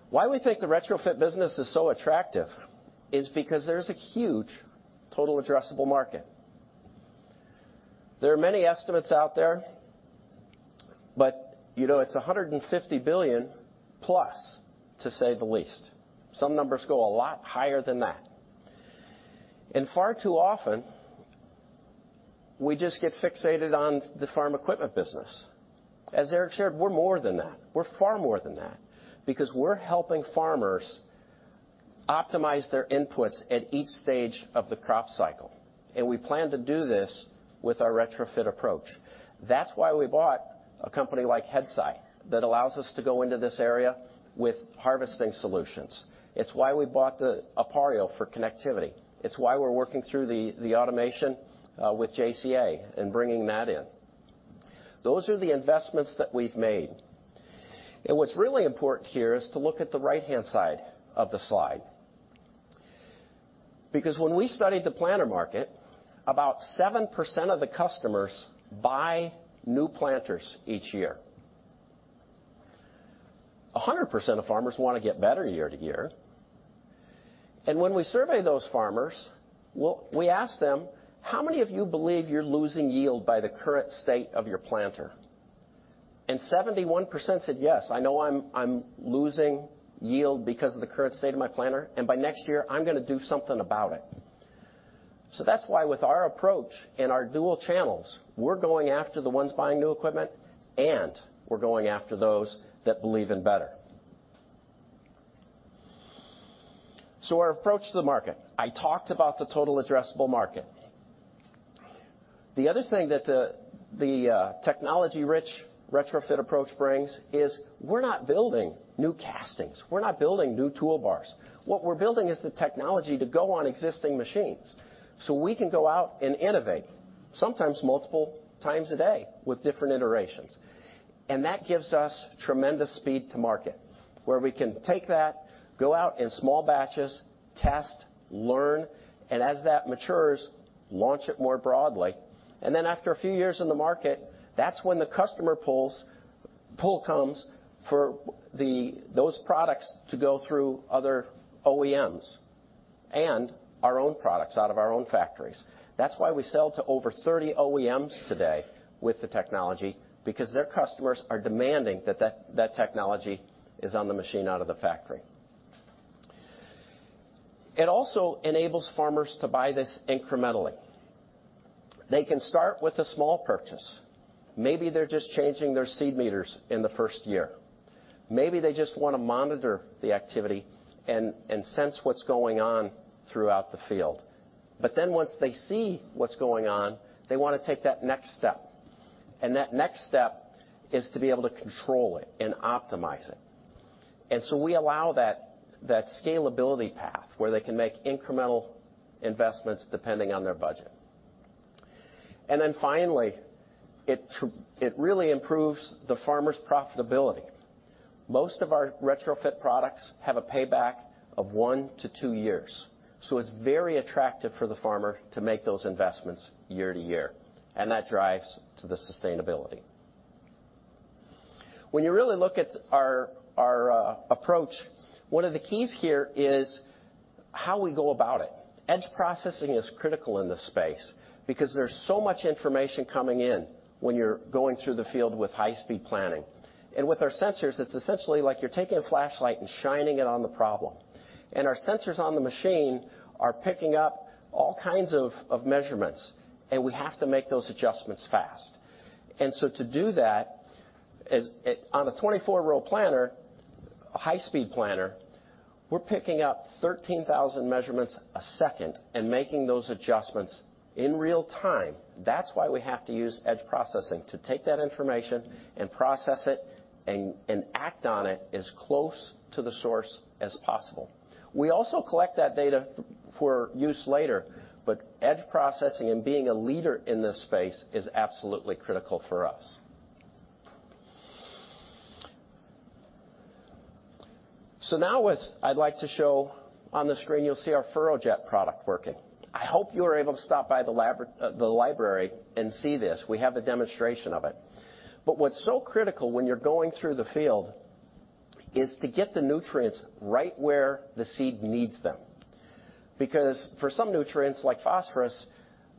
Why we think the retrofit business is so attractive is because there's a huge total addressable market. There are many estimates out there, but, you know, it's a $150 billion-plus, to say the least. Some numbers go a lot higher than that. Far too often, we just get fixated on the farm equipment business. As Eric shared, we're more than that. We're far more than that because we're helping farmers optimize their inputs at each stage of the crop cycle, and we plan to do this with our retrofit approach. That's why we bought a company like Headsight that allows us to go into this area with harvesting solutions. It's why we bought the, Appareo for connectivity. It's why we're working through the automation with JCA and bringing that in. Those are the investments that we've made. What's really important here is to look at the right-hand side of the slide. When we studied the planter market, about 7% of the customers buy new planters each year. 100% of farmers wanna get better year-to-year. When we survey those farmers, we ask them, "How many of you believe you're losing yield by the current state of your planter?" 71% said, "Yes, I know I'm losing yield because of the current state of my planter, and by next year, I'm gonna do something about it." That's why with our approach and our dual channels, we're going after the ones buying new equipment, and we're going after those that believe in better. Our approach to the market. I talked about the total addressable market. The other thing that the technology-rich retrofit approach brings is we're not building new castings. We're not building new toolbars. What we're building is the technology to go on existing machines, so we can go out and innovate sometimes multiple times a day with different iterations. That gives us tremendous speed to market, where we can take that, go out in small batches, test, learn, and as that matures, launch it more broadly. Then after a few years in the market, that's when the customer pull, pull comes for those products to go through other OEMs and our own products out of our own factories. That's why we sell to over 30 OEMs today with the technology because their customers are demanding that technology is on the machine out of the factory. It also enables farmers to buy this incrementally. They can start with a small purchase. Maybe they're just changing their seed meters in the first year. Maybe they just wanna monitor the activity and sense what's going on throughout the field. Then once they see what's going on, they wanna take that next step. That next step is to be able to control it and optimize it. We allow that scalability path where they can make incremental investments depending on their budget. Finally, it really improves the farmer's profitability. Most of our retrofit products have a payback of one to two years, so it's very attractive for the farmer to make those investments year-to-year. That drives to the sustainability. When you really look at our approach, one of the keys here is how we go about it. Edge processing is critical in this space because there's so much information coming in when you're going through the field with high-speed planning. With our sensors, it's essentially like you're taking a flashlight and shining it on the problem. Our sensors on the machine are picking up all kinds of measurements, and we have to make those adjustments fast. To do that, on a 24-row planter, a high-speed planter, we're picking up 13,000 measurements a second and making those adjustments in real time. That's why we have to use edge processing to take that information and process it and act on it as close to the source as possible. We also collect that data for use later, but edge processing and being a leader in this space is absolutely critical for us. Now what I'd like to show on the screen, you'll see our FurrowJet product working. I hope you're able to stop by the library and see this. We have a demonstration of it. What's so critical when you're going through the field is to get the nutrients right where the seed needs them. For some nutrients like phosphorus,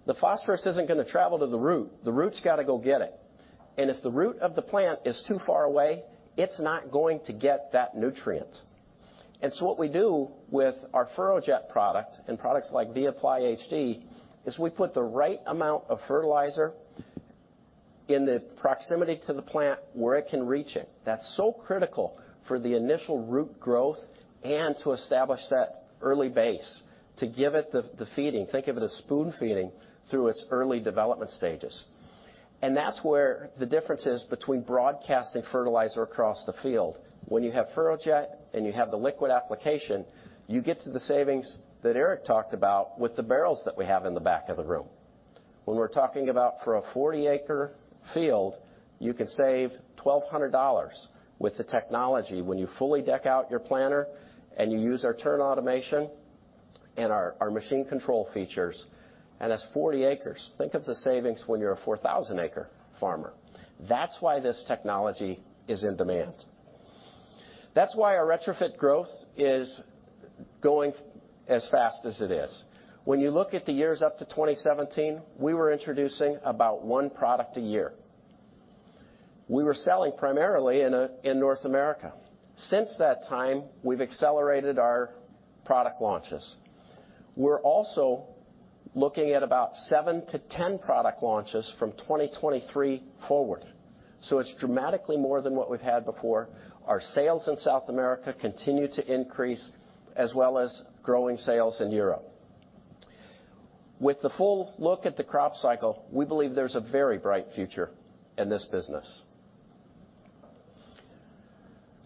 the phosphorus isn't gonna travel to the root. The root's gotta go get it. If the root of the plant is too far away, it's not going to get that nutrient. What we do with our FurrowJet product and products like vApplyHD, is we put the right amount of fertilizer in the proximity to the plant where it can reach it. That's so critical for the initial root growth and to establish that early base to give it the feeding. Think of it as spoon-feeding through its early development stages. That's where the difference is between broadcasting fertilizer across the field. When you have FurrowJet and you have the liquid application, you get to the savings that Eric talked about with the barrels that we have in the back of the room. When we're talking about for a 40-acre field, you can save $1,200 with the technology when you fully deck out your planter and you use our turn automation and our machine control features. That's 40 acres. Think of the savings when you're a 4,000 acre farmer. That's why this technology is in demand. That's why our retrofit growth is going as fast as it is. When you look at the years up to 2017, we were introducing about one product a year. We were selling primarily in North America. Since that time, we've accelerated our product launches. We're also looking at about seven to 10 product launches from 2023 forward. It's dramatically more than what we've had before. Our sales in South America continue to increase as well as growing sales in Europe. With the full look at the crop cycle, we believe there's a very bright future in this business.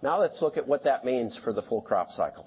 Let's look at what that means for the full crop cycle.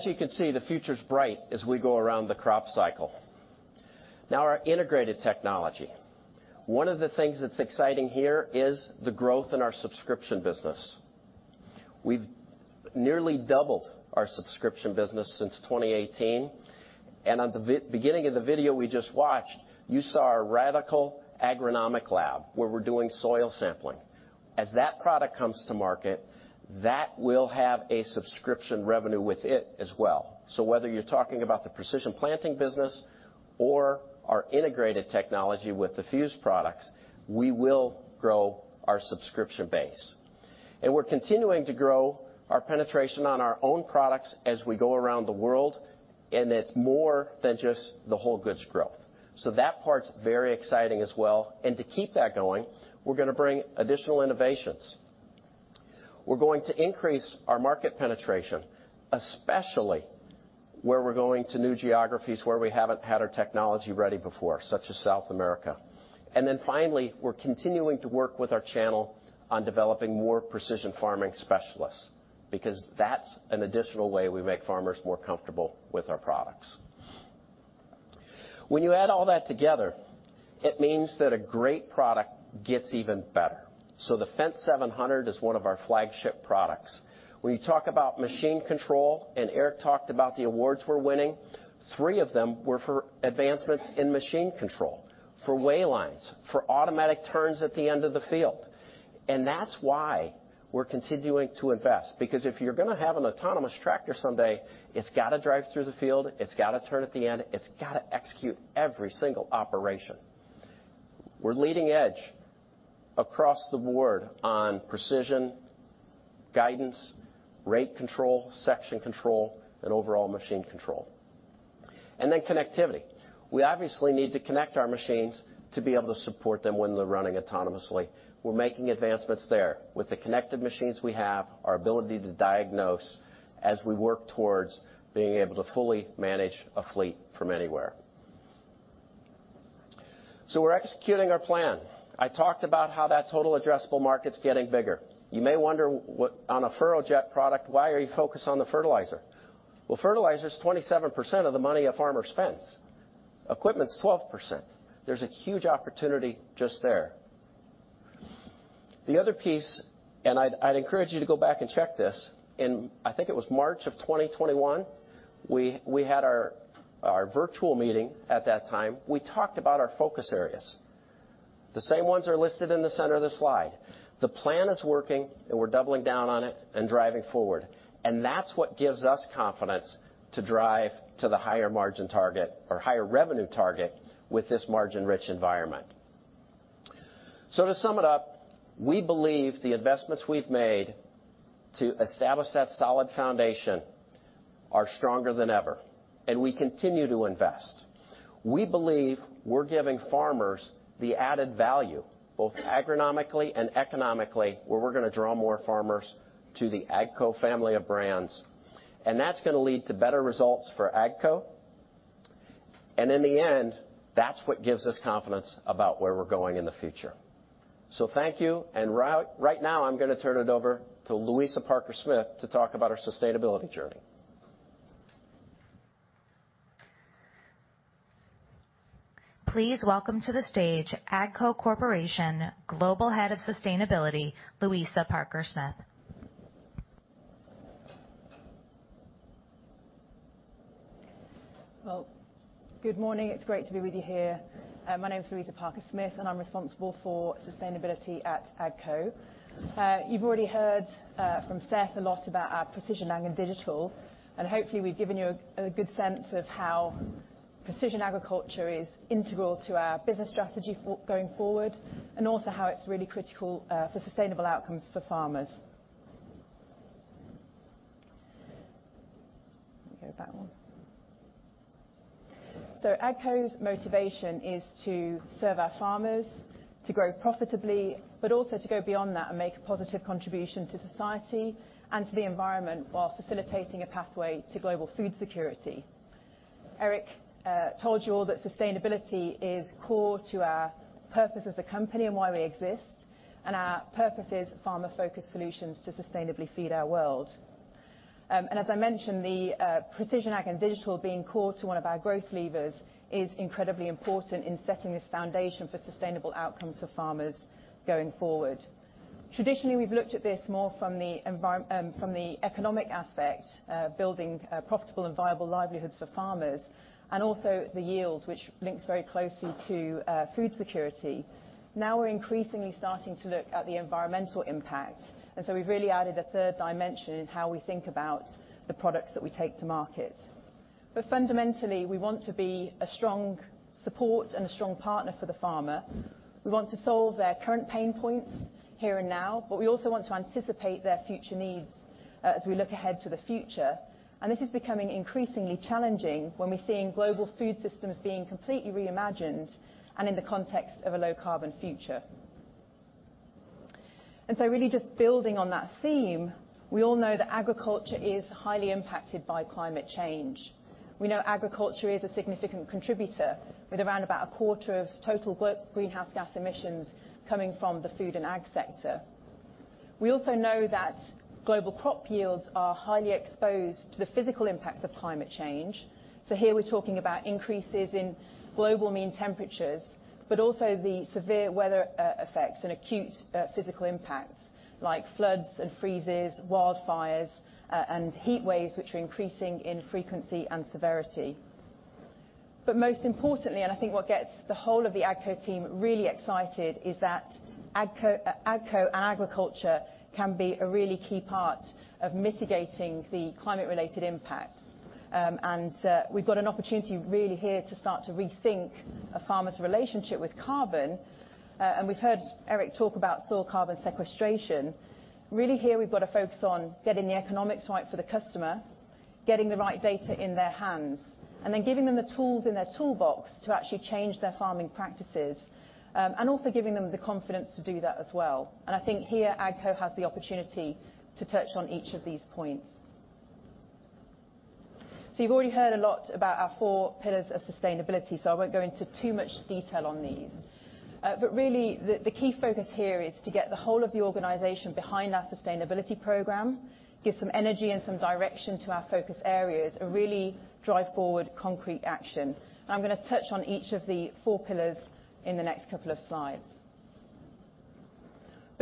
As you can see, the future's bright as we go around the crop cycle. Our integrated technology. One of the things that's exciting here is the growth in our subscription business. We've nearly doubled our subscription business since 2018. On the beginning of the video we just watched, you saw our Radicle Agronomic Lab, where we're doing soil sampling. As that product comes to market, that will have a subscription revenue with it as well. Whether you're talking about the Precision Planting business or our integrated technology with the Fuse products, we will grow our subscription base. We're continuing to grow our penetration on our own products as we go around the world, and it's more than just the whole goods growth. That part's very exciting as well. To keep that going, we're gonna bring additional innovations. We're going to increase our market penetration, especially where we're going to new geographies, where we haven't had our technology ready before, such as South America. Finally, we're continuing to work with our channel on developing more precision farming specialists, because that's an additional way we make farmers more comfortable with our products. When you add all that together, it means that a great product gets even better. The Fendt 700 is one of our flagship products. When you talk about machine control, Eric talked about the awards we're winning, three of them were for advancements in machine control, for waylines, for automatic turns at the end of the field. That's why we're continuing to invest because if you're gonna have an autonomous tractor someday, it's gotta drive through the field, it's gotta turn at the end, it's gotta execute every single operation. We're leading edge across the board on precision, guidance, rate control, section control, and overall machine control. Then connectivity. We obviously need to connect our machines to be able to support them when they're running autonomously. We're making advancements there with the connected machines we have, our ability to diagnose as we work towards being able to fully manage a fleet from anywhere. We're executing our plan. I talked about how that total addressable market's getting bigger. You may wonder on a FurrowJet product, why are you focused on the fertilizer? Well, fertilizer is 27% of the money a farmer spends. Equipment's 12%. There's a huge opportunity just there. The other piece, I'd encourage you to go back and check this. In, I think it was March of 2021, we had our virtual meeting at that time. We talked about our focus areas. The same ones are listed in the center of the slide. The plan is working, and we're doubling down on it and driving forward. That's what gives us confidence to drive to the higher margin target or higher revenue target with this margin-rich environment. To sum it up, we believe the investments we've made to establish that solid foundation are stronger than ever, and we continue to invest. We believe we're giving farmers the added value, both agronomically and economically, where we're gonna draw more farmers to the AGCO family of brands. That's gonna lead to better results for AGCO. In the end, that's what gives us confidence about where we're going in the future. Thank you. Right now, I'm gonna turn it over to Louisa Parker-Smith to talk about our sustainability journey. Please welcome to the stage AGCO Corporation Global Head of Sustainability, Louisa Parker-Smith. Well, good morning. It's great to be with you here. My name is Louisa Parker-Smith, and I'm responsible for sustainability at AGCO. You've already heard from Seth a lot about our precision ag and digital, and hopefully, we've given you a good sense of how precision agriculture is integral to our business strategy going forward and also how it's really critical for sustainable outcomes for farmers. AGCO's motivation is to serve our farmers, to grow profitably, but also to go beyond that and make a positive contribution to society and to the environment while facilitating a pathway to global food security. Eric told you all that sustainability is core to our purpose as a company and why we exist, and our purpose is farmer-focused solutions to sustainably feed our world. As I mentioned, the precision ag and digital being core to one of our growth levers is incredibly important in setting this foundation for sustainable outcomes for farmers going forward. Traditionally, we've looked at this more from the economic aspect, building profitable and viable livelihoods for farmers, and also the yields, which links very closely to food security. Now we're increasingly starting to look at the environmental impact, and so we've really added a third dimension in how we think about the products that we take to market. Fundamentally, we want to be a strong support and a strong partner for the farmer. We want to solve their current pain points here and now, but we also want to anticipate their future needs as we look ahead to the future. This is becoming increasingly challenging when we're seeing global food systems being completely reimagined and in the context of a low-carbon future. Really just building on that theme, we all know that agriculture is highly impacted by climate change. We know agriculture is a significant contributor with around about a quarter of total greenhouse gas emissions coming from the food and ag sector. We also know that global crop yields are highly exposed to the physical impacts of climate change. Here we're talking about increases in global mean temperatures, but also the severe weather effects and acute physical impacts like floods and freezes, wildfires, and heat waves which are increasing in frequency and severity. Most importantly, and I think what gets the whole of the AGCO team really excited, is that AGCO and agriculture can be a really key part of mitigating the climate-related impacts. We've got an opportunity really here to start to rethink a farmer's relationship with carbon. We've heard Eric talk about soil carbon sequestration. Really here, we've got to focus on getting the economics right for the customer, getting the right data in their hands, and then giving them the tools in their toolbox to actually change their farming practices, and also giving them the confidence to do that as well. I think here AGCO has the opportunity to touch on each of these points. You've already heard a lot about our four pillars of sustainability, so I won't go into too much detail on these. Really the key focus here is to get the whole of the organization behind our sustainability program, give some energy and some direction to our focus areas, and really drive forward concrete action. I'm gonna touch on each of the four pillars in the next couple of slides.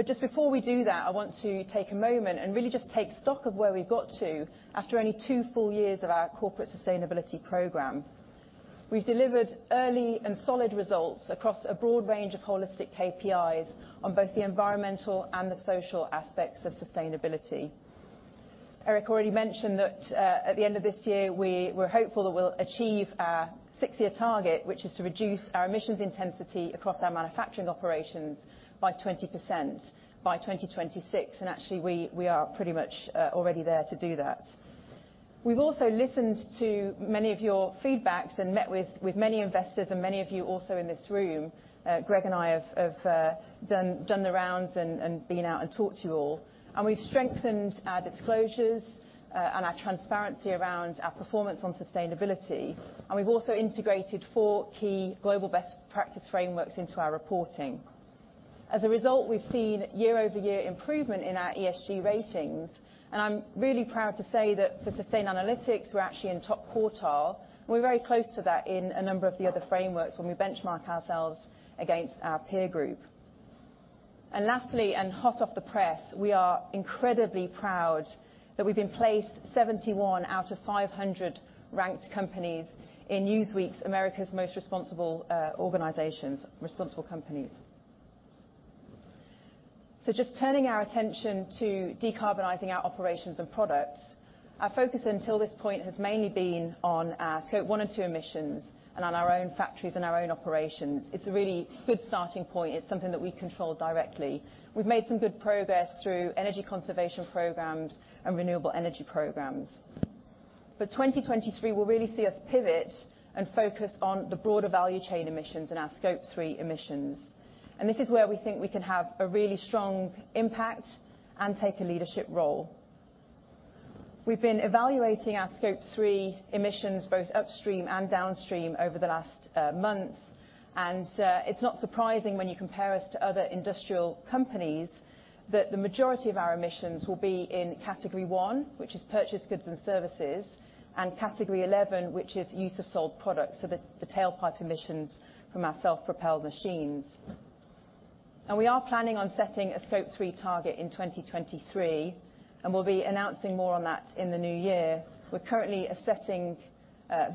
Just before we do that, I want to take a moment and really just take stock of where we got to after only two full years of our corporate sustainability program. We've delivered early and solid results across a broad range of holistic KPIs on both the environmental and the social aspects of sustainability. Eric already mentioned that at the end of this year, we're hopeful that we'll achieve our six-year target, which is to reduce our emissions intensity across our manufacturing operations by 20% by 2026, and actually we are pretty much already there to do that. We've also listened to many of your feedbacks and met with many investors and many of you also in this room. Greg and I have done the rounds and been out and talked to you all. We've strengthened our disclosures and our transparency around our performance on sustainability, and we've also integrated four key global best practice frameworks into our reporting. As a result, we've seen year-over-year improvement in our ESG ratings, and I'm really proud to say that for Sustainalytics, we're actually in top quartile. We're very close to that in a number of via the framework, so we benchmark ourselves against our peer group. Lastly, and hot off the press, we are incredibly proud that we've been placed 71 out of 500 ranked companies in Newsweek's America's Most Responsible Organizations, Responsible Companies. Just turning our attention to decarbonizing our operations and products, our focus until this point has mainly been on our Scope 1 and 2 emissions and on our own factories and our own operations. It's a really good starting point. It's something that we control directly. We've made some good progress through energy conservation programs and renewable energy programs. 2023 will really see us pivot and focus on the broader value chain emissions and our Scope 3 emissions. This is where we think we can have a really strong impact and take a leadership role. We've been evaluating our Scope 3 emissions, both upstream and downstream over the last months, and it's not surprising when you compare us to other industrial companies that the majority of our emissions will be in Category 1, which is purchased goods and services, and Category 11, which is use of sold products, so the tailpipe emissions from our self-propelled machines. We are planning on setting a Scope 3 target in 2023, and we'll be announcing more on that in the new year. We're currently assessing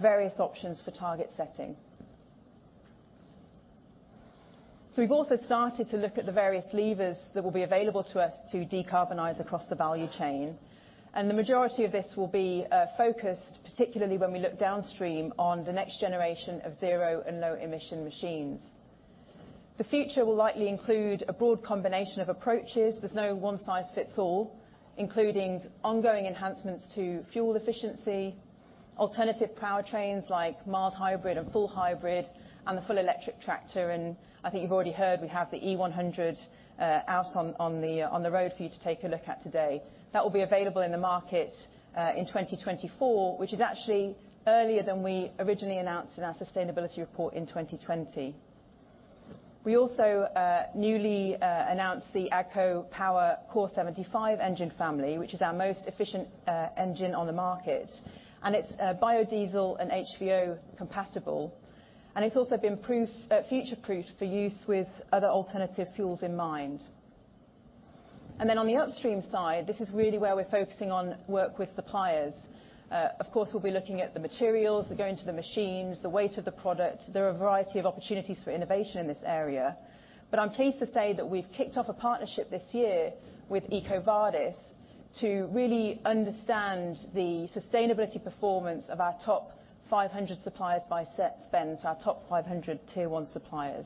various options for target setting. We've also started to look at the various levers that will be available to us to decarbonize across the value chain, and the majority of this will be focused, particularly when we look downstream on the next generation of zero and low-emission machines. The future will likely include a broad combination of approaches. There's no one-size-fits-all, including ongoing enhancements to fuel efficiency, alternative powertrains like mild hybrid and full hybrid, and the full electric tractor. I think you've already heard we have the e100 out on the road for you to take a look at today. That will be available in the market in 2024, which is actually earlier than we originally announced in our sustainability report in 2020. We also newly announced the AGCO Power CORE75 engine family, which is our most efficient engine on the market. It's biodiesel and HVO compatible. It's also been future-proofed for use with other alternative fuels in mind. Then on the upstream side, this is really where we're focusing on work with suppliers. Of course, we'll be looking at the materials that go into the machines, the weight of the product. There are a variety of opportunities for innovation in this area. I'm pleased to say that we've kicked off a partnership this year with EcoVadis to really understand the sustainability performance of our top 500 suppliers by set spend, so our top 500 tier one suppliers.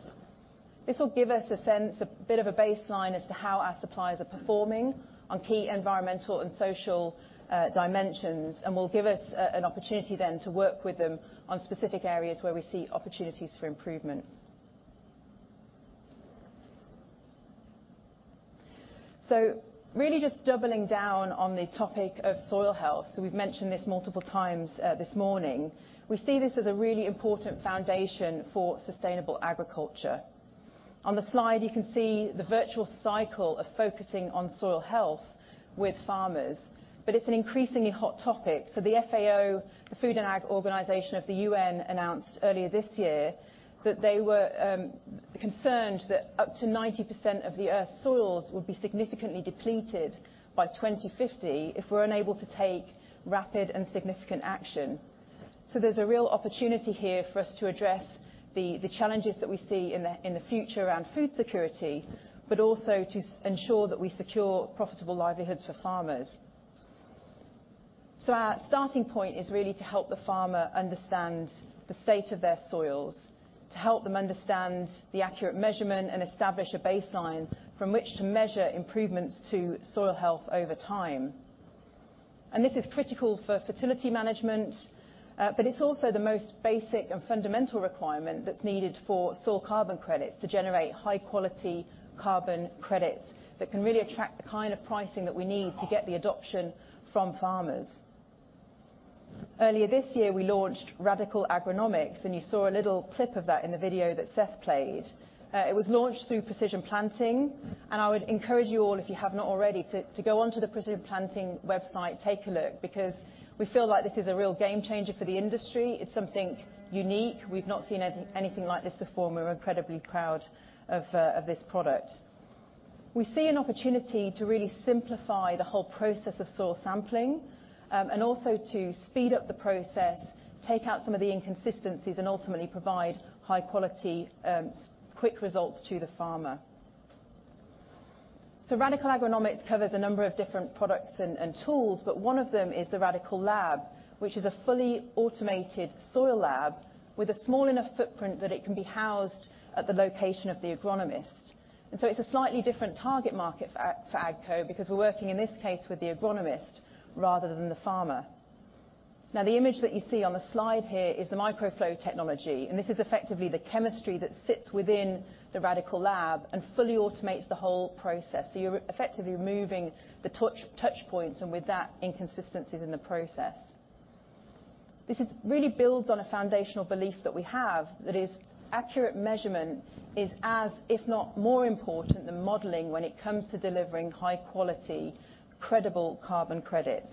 This will give us a sense, a bit of a baseline as to how our suppliers are performing on key environmental and social dimensions, and will give us an opportunity then to work with them on specific areas where we see opportunities for improvement. Really just doubling down on the topic of soil health, so we've mentioned this multiple times this morning. We see this as a really important foundation for sustainable agriculture. On the slide, you can see the virtual cycle of focusing on soil health with farmers, but it's an increasingly hot topic. The FAO, the Food and Ag Organization of the UN, announced earlier this year that they were concerned that up to 90% of the Earth's soils would be significantly depleted by 2050 if we're unable to take rapid and significant action. There's a real opportunity here for us to address the challenges that we see in the future around food security, but also to ensure that we secure profitable livelihoods for farmers. Our starting point is really to help the farmer understand the state of their soils, to help them understand the accurate measurement and establish a baseline from which to measure improvements to soil health over time. This is critical for fertility management, but it's also the most basic and fundamental requirement that's needed for soil carbon credits to generate high-quality carbon credits that can really attract the kind of pricing that we need to get the adoption from farmers. Earlier this year, we launched Radicle Agronomics, and you saw a little clip of that in the video that Seth played. It was launched through Precision Planting, and I would encourage you all, if you have not already, to go onto the Precision Planting website, take a look, because we feel like this is a real game changer for the industry. It's something unique. We've not seen anything like this before, and we're incredibly proud of this product. We see an opportunity to really simplify the whole process of soil sampling, and also to speed up the process, take out some of the inconsistencies, and ultimately provide high quality, quick results to the farmer. Radicle Agronomics covers a number of different products and tools, but one of them is the Radicle Lab, which is a fully automated soil lab with a small enough footprint that it can be housed at the location of the agronomist. It's a slightly different target market for AGCO because we're working in this case with the agronomist rather than the farmer. Now, the image that you see on the slide here is the MicroFlow technology, and this is effectively the chemistry that sits within the Radicle Lab and fully automates the whole process. You're effectively removing the touch points, and with that, inconsistencies in the process. This really builds on a foundational belief that we have that is accurate measurement is as, if not more important than modeling when it comes to delivering high-quality, credible carbon credits.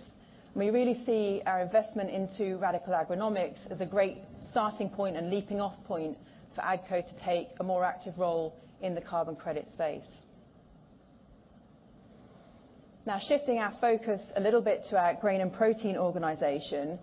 We really see our investment into Radicle Agronomics as a great starting point and leaping off point for AGCO to take a more active role in the carbon credit space. Shifting our focus a little bit to our grain and protein organization,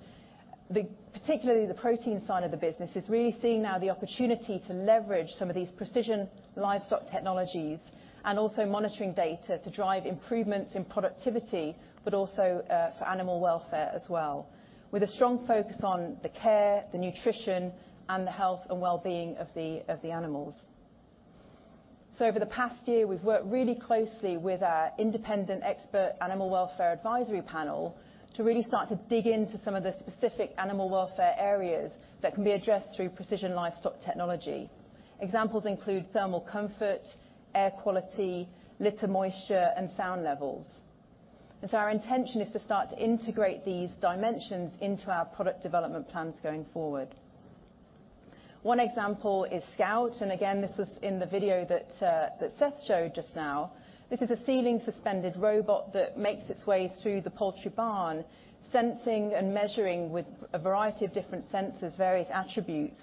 particularly the protein side of the business is really seeing now the opportunity to leverage some of these precision livestock technologies and also monitoring data to drive improvements in productivity, but also for animal welfare as well, with a strong focus on the care, the nutrition, and the health and well-being of the animals. Over the past year, we've worked really closely with our independent expert animal welfare advisory panel to really start to dig into some of the specific animal welfare areas that can be addressed through precision livestock technology. Examples include thermal comfort, air quality, litter moisture, and sound levels. Our intention is to start to integrate these dimensions into our product development plans going forward. One example is Scout. Again, this was in the video that Seth showed just now. This is a ceiling suspended robot that makes its way through the poultry barn, sensing and measuring with a variety of different sensors, various attributes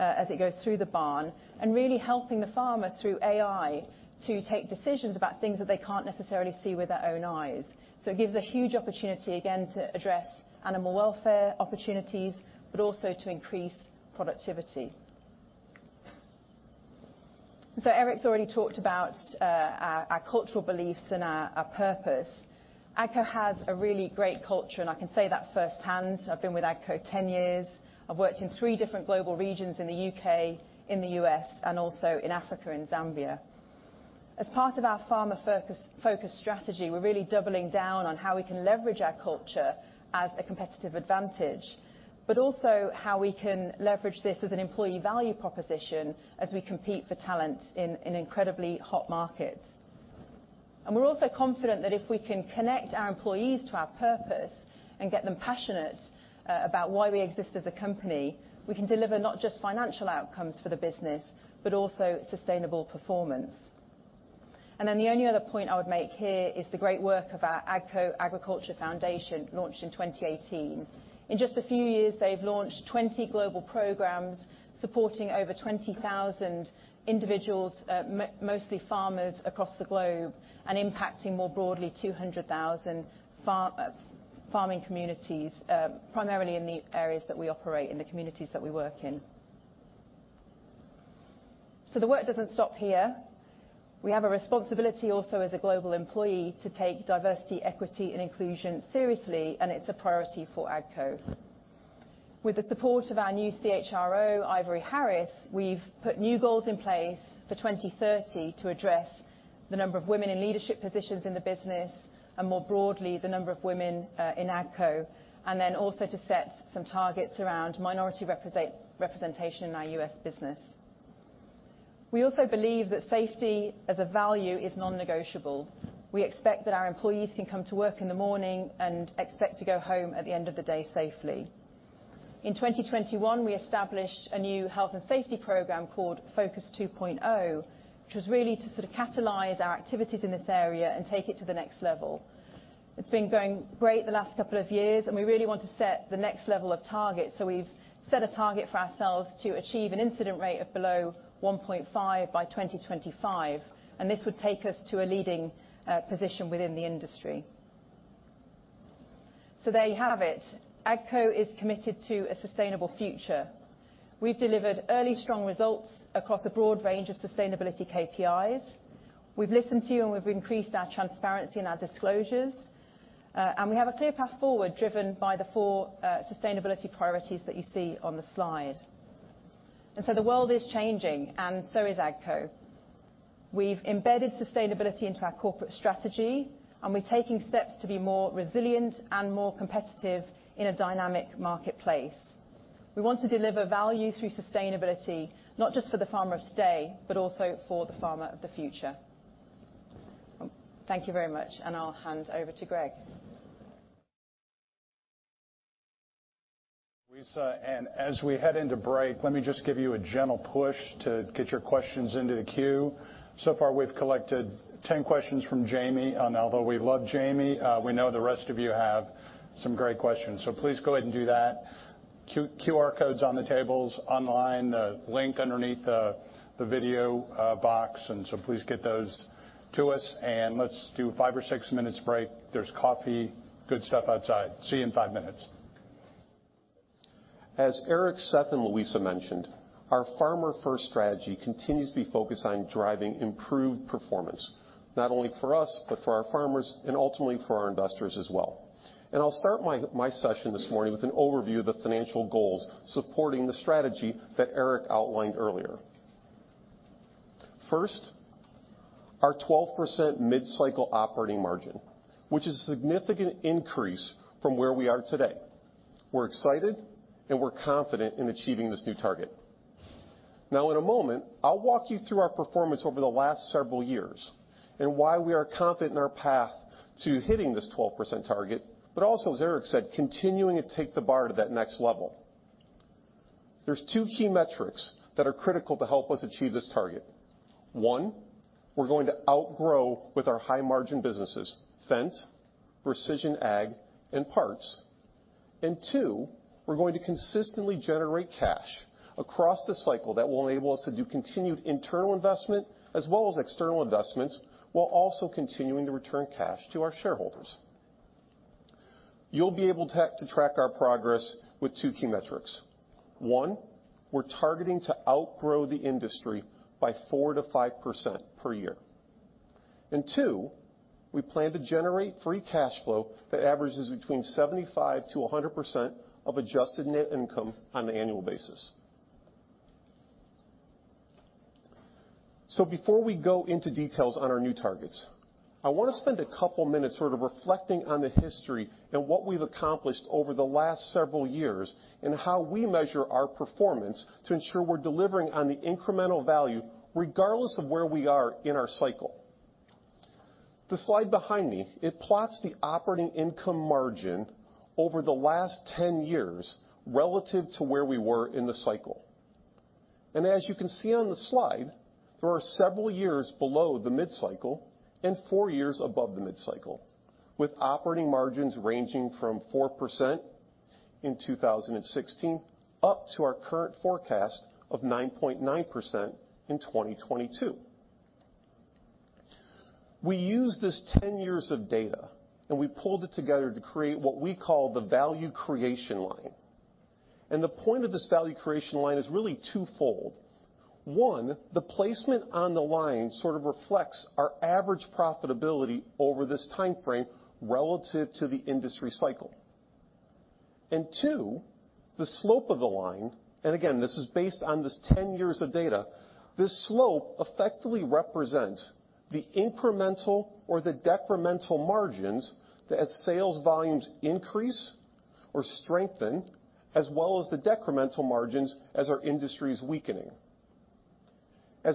as it goes through the barn, and really helping the farmer through AI to take decisions about things that they can't necessarily see with their own eyes. It gives a huge opportunity, again, to address animal welfare opportunities, but also to increase productivity. Eric's already talked about our cultural beliefs and our purpose. AGCO has a really great culture. I can say that firsthand. I've been with AGCO 10 years. I've worked in three different global regions in the U.K., in the U.S., and also in Africa and Zambia. As part of our farmer focus strategy, we're really doubling down on how we can leverage our culture as a competitive advantage, but also how we can leverage this as an employee value proposition as we compete for talent in incredibly hot markets. We're also confident that if we can connect our employees to our purpose and get them passionate about why we exist as a company, we can deliver not just financial outcomes for the business, but also sustainable performance. The only other point I would make here is the great work of our AGCO Agriculture Foundation, launched in 2018. In just a few years, they've launched 20 global programs supporting over 20,000 individuals, mostly farmers across the globe, and impacting more broadly 200,000 farming communities, primarily in the areas that we operate, in the communities that we work in. The work doesn't stop here. We have a responsibility also as a global employee to take diversity, equity, and inclusion seriously, and it's a priority for AGCO. With the support of our new CHRO, Ivory Harris, we've put new goals in place for 2030 to address the number of women in leadership positions in the business, and more broadly, the number of women in AGCO, and then also to set some targets around minority representation in our U.S. business. We also believe that safety as a value is non-negotiable. We expect that our employees can come to work in the morning and expect to go home at the end of the day safely. In 2021, we established a new health and safety program called Focus 2.0, which was really to sort of catalyze our activities in this area and take it to the next level. It's been going great the last couple of years, and we really want to set the next level of targets. We've set a target for ourselves to achieve an incident rate of below 1.5 by 2025, and this would take us to a leading position within the industry. There you have it. AGCO is committed to a sustainable future. We've delivered early strong results across a broad range of sustainability KPIs. We've listened to you, and we've increased our transparency and our disclosures. We have a clear path forward driven by the four sustainability priorities that you see on the slide. The world is changing and so is AGCO. We've embedded sustainability into our corporate strategy, and we're taking steps to be more resilient and more competitive in a dynamic marketplace. We want to deliver value through sustainability, not just for the farmer of today, but also for the farmer of the future. Thank you very much, and I'll hand over to Greg. Thank you, Louisa. As we head into break, let me just give you a gentle push to get your questions into the queue. Far, we've collected 10 questions from Jamie. Although we love Jamie, we know the rest of you have some great questions. Please go ahead and do that. QR code's on the tables, online, the link underneath the video box, please get those to us, let's do five or six minutes break. There's coffee, good stuff outside. See you in five minutes. As Eric, Seth, and Louisa mentioned, our farmer-first strategy continues to be focused on driving improved performance, not only for us, but for our farmers and ultimately for our investors as well. I'll start my session this morning with an overview of the financial goals supporting the strategy that Eric outlined earlier. First, our 12% mid-cycle operating margin, which is a significant increase from where we are today. We're excited, and we're confident in achieving this new target. In a moment, I'll walk you through our performance over the last several years and why we are confident in our path to hitting this 12% target, but also, as Eric said, continuing to take the bar to that next level. There's two key metrics that are critical to help us achieve this target. One, we're going to outgrow with our high-margin businesses, Fendt, precision ag, and parts. Two, we're going to consistently generate cash across the cycle that will enable us to do continued internal investment as well as external investments, while also continuing to return cash to our shareholders. You'll be able to track our progress with two key metrics. One, we're targeting to outgrow the industry by 4%-5% per year. Two, we plan to generate free cash flow that averages between 75%-100% of adjusted net income on an annual basis. Before we go into details on our new targets, I wanna spend a couple minutes sort of reflecting on the history and what we've accomplished over the last several years and how we measure our performance to ensure we're delivering on the incremental value regardless of where we are in our cycle. The slide behind me, it plots the operating income margin over the last 10 years relative to where we were in the cycle. As you can see on the slide, there are several years below the mid-cycle and four years above the mid-cycle, with operating margins ranging from 4% in 2016 up to our current forecast of 9.9% in 2022. We used this 10 years of data, and we pulled it together to create what we call the value creation line. The point of this value creation line is really twofold. One, the placement on the line sort of reflects our average profitability over this timeframe relative to the industry cycle. Two, the slope of the line, and again, this is based on this 10 years of data, this slope effectively represents the incremental or the decremental margins that as sales volumes increase or strengthen, as well as the decremental margins as our industry is weakening.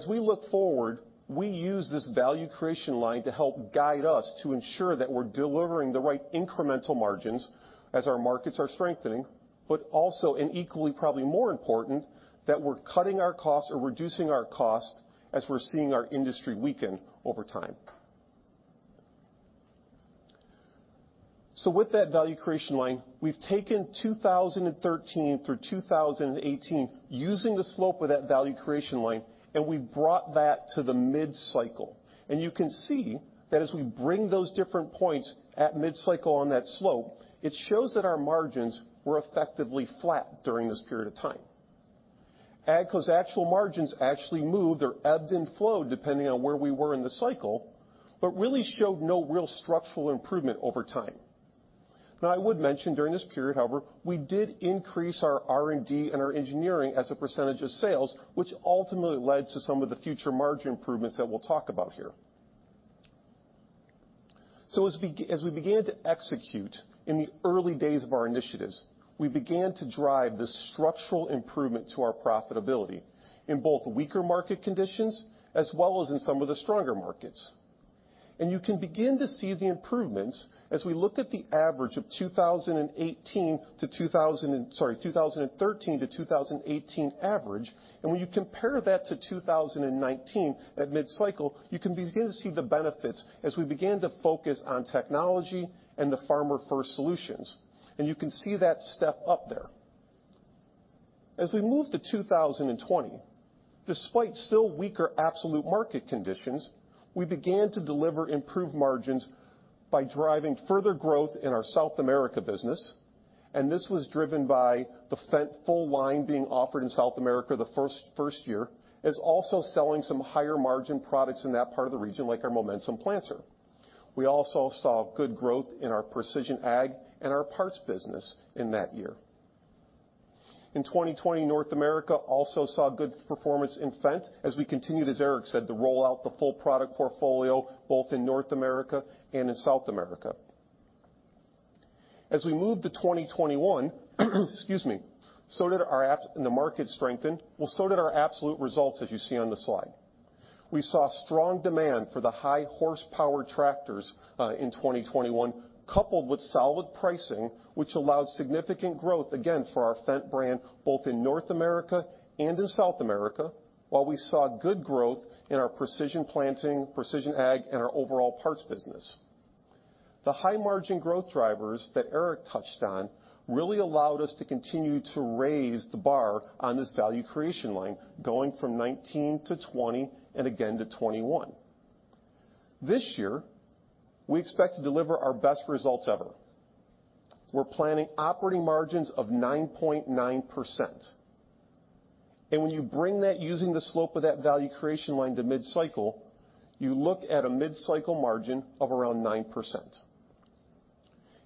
We look forward, we use this value creation line to help guide us to ensure that we're delivering the right incremental margins as our markets are strengthening, but also, and equally probably more important, that we're cutting our costs or reducing our cost as we're seeing our industry weaken over time. With that value creation line, we've taken 2013 through 2018 using the slope of that value creation line, and we've brought that to the mid-cycle. You can see that as we bring those different points at mid-cycle on that slope, it shows that our margins were effectively flat during this period of time. AGCO's actual margins actually moved or ebbed and flowed depending on where we were in the cycle, but really showed no real structural improvement over time. I would mention during this period, however, we did increase our R&D and our engineering as a percentage of sales, which ultimately led to some of the future margin improvements that we'll talk about here. As we began to execute in the early days of our initiatives, we began to drive the structural improvement to our profitability in both weaker market conditions as well as in some of the stronger markets. You can begin to see the improvements as we look at the average of 2018 to 20— Sorry, 2013 to 2018 average. When you compare that to 2019 at mid-cycle, you can begin to see the benefits as we began to focus on technology and the Farmer-First solutions. You can see that step up there. As we move to 2020, despite still weaker absolute market conditions, we began to deliver improved margins by driving further growth in our South America business, and this was driven by the Fendt full line being offered in South America the first year, as also selling some higher margin products in that part of the region, like our Momentum planter. We also saw good growth in our Precision Ag and our parts business in that year. In 2020, North America also saw good performance in Fendt as we continued, as Eric said, to roll out the full product portfolio both in North America and in South America. As we move to 2021, the market strengthened, well, so did our absolute results as you see on the slide. We saw strong demand for the high horsepower tractors, in 2021, coupled with solid pricing, which allowed significant growth, again, for our Fendt brand, both in North America and in South America, while we saw good growth in our Precision Planting, Precision Ag, and our overall parts business. The high margin growth drivers that Eric touched on really allowed us to continue to raise the bar on this value creation line, going from 2019 to 2020, and again to 2021. This year, we expect to deliver our best results ever. We're planning operating margins of 9.9%. When you bring that using the slope of that value creation line to mid-cycle, you look at a mid-cycle margin of around 9%.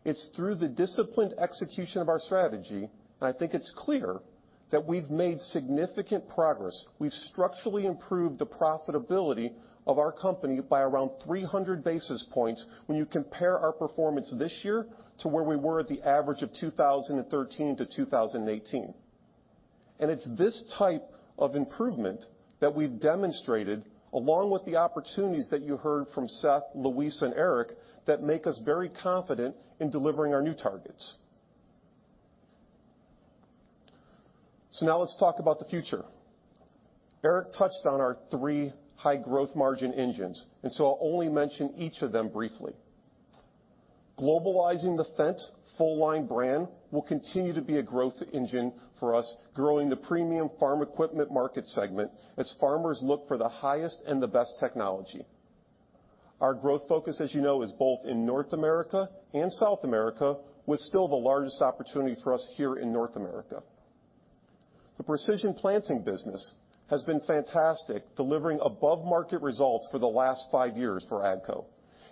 It's through the disciplined execution of our strategy, and I think it's clear, that we've made significant progress. We've structurally improved the profitability of our company by around 300 basis points when you compare our performance this year to where we were at the average of 2013 to 2018. It's this type of improvement that we've demonstrated, along with the opportunities that you heard from Seth, Louis, and Eric, that make us very confident in delivering our new targets. Now let's talk about the future. Eric touched on our three high-growth margin engines, and so I'll only mention each of them briefly. Globalizing the Fendt full line brand will continue to be a growth engine for us, growing the premium farm equipment market segment as farmers look for the highest and the best technology. Our growth focus, as you know, is both in North America and South America, with still the largest opportunity for us here in North America. The Precision Planting business has been fantastic, delivering above market results for the last five years for AGCO,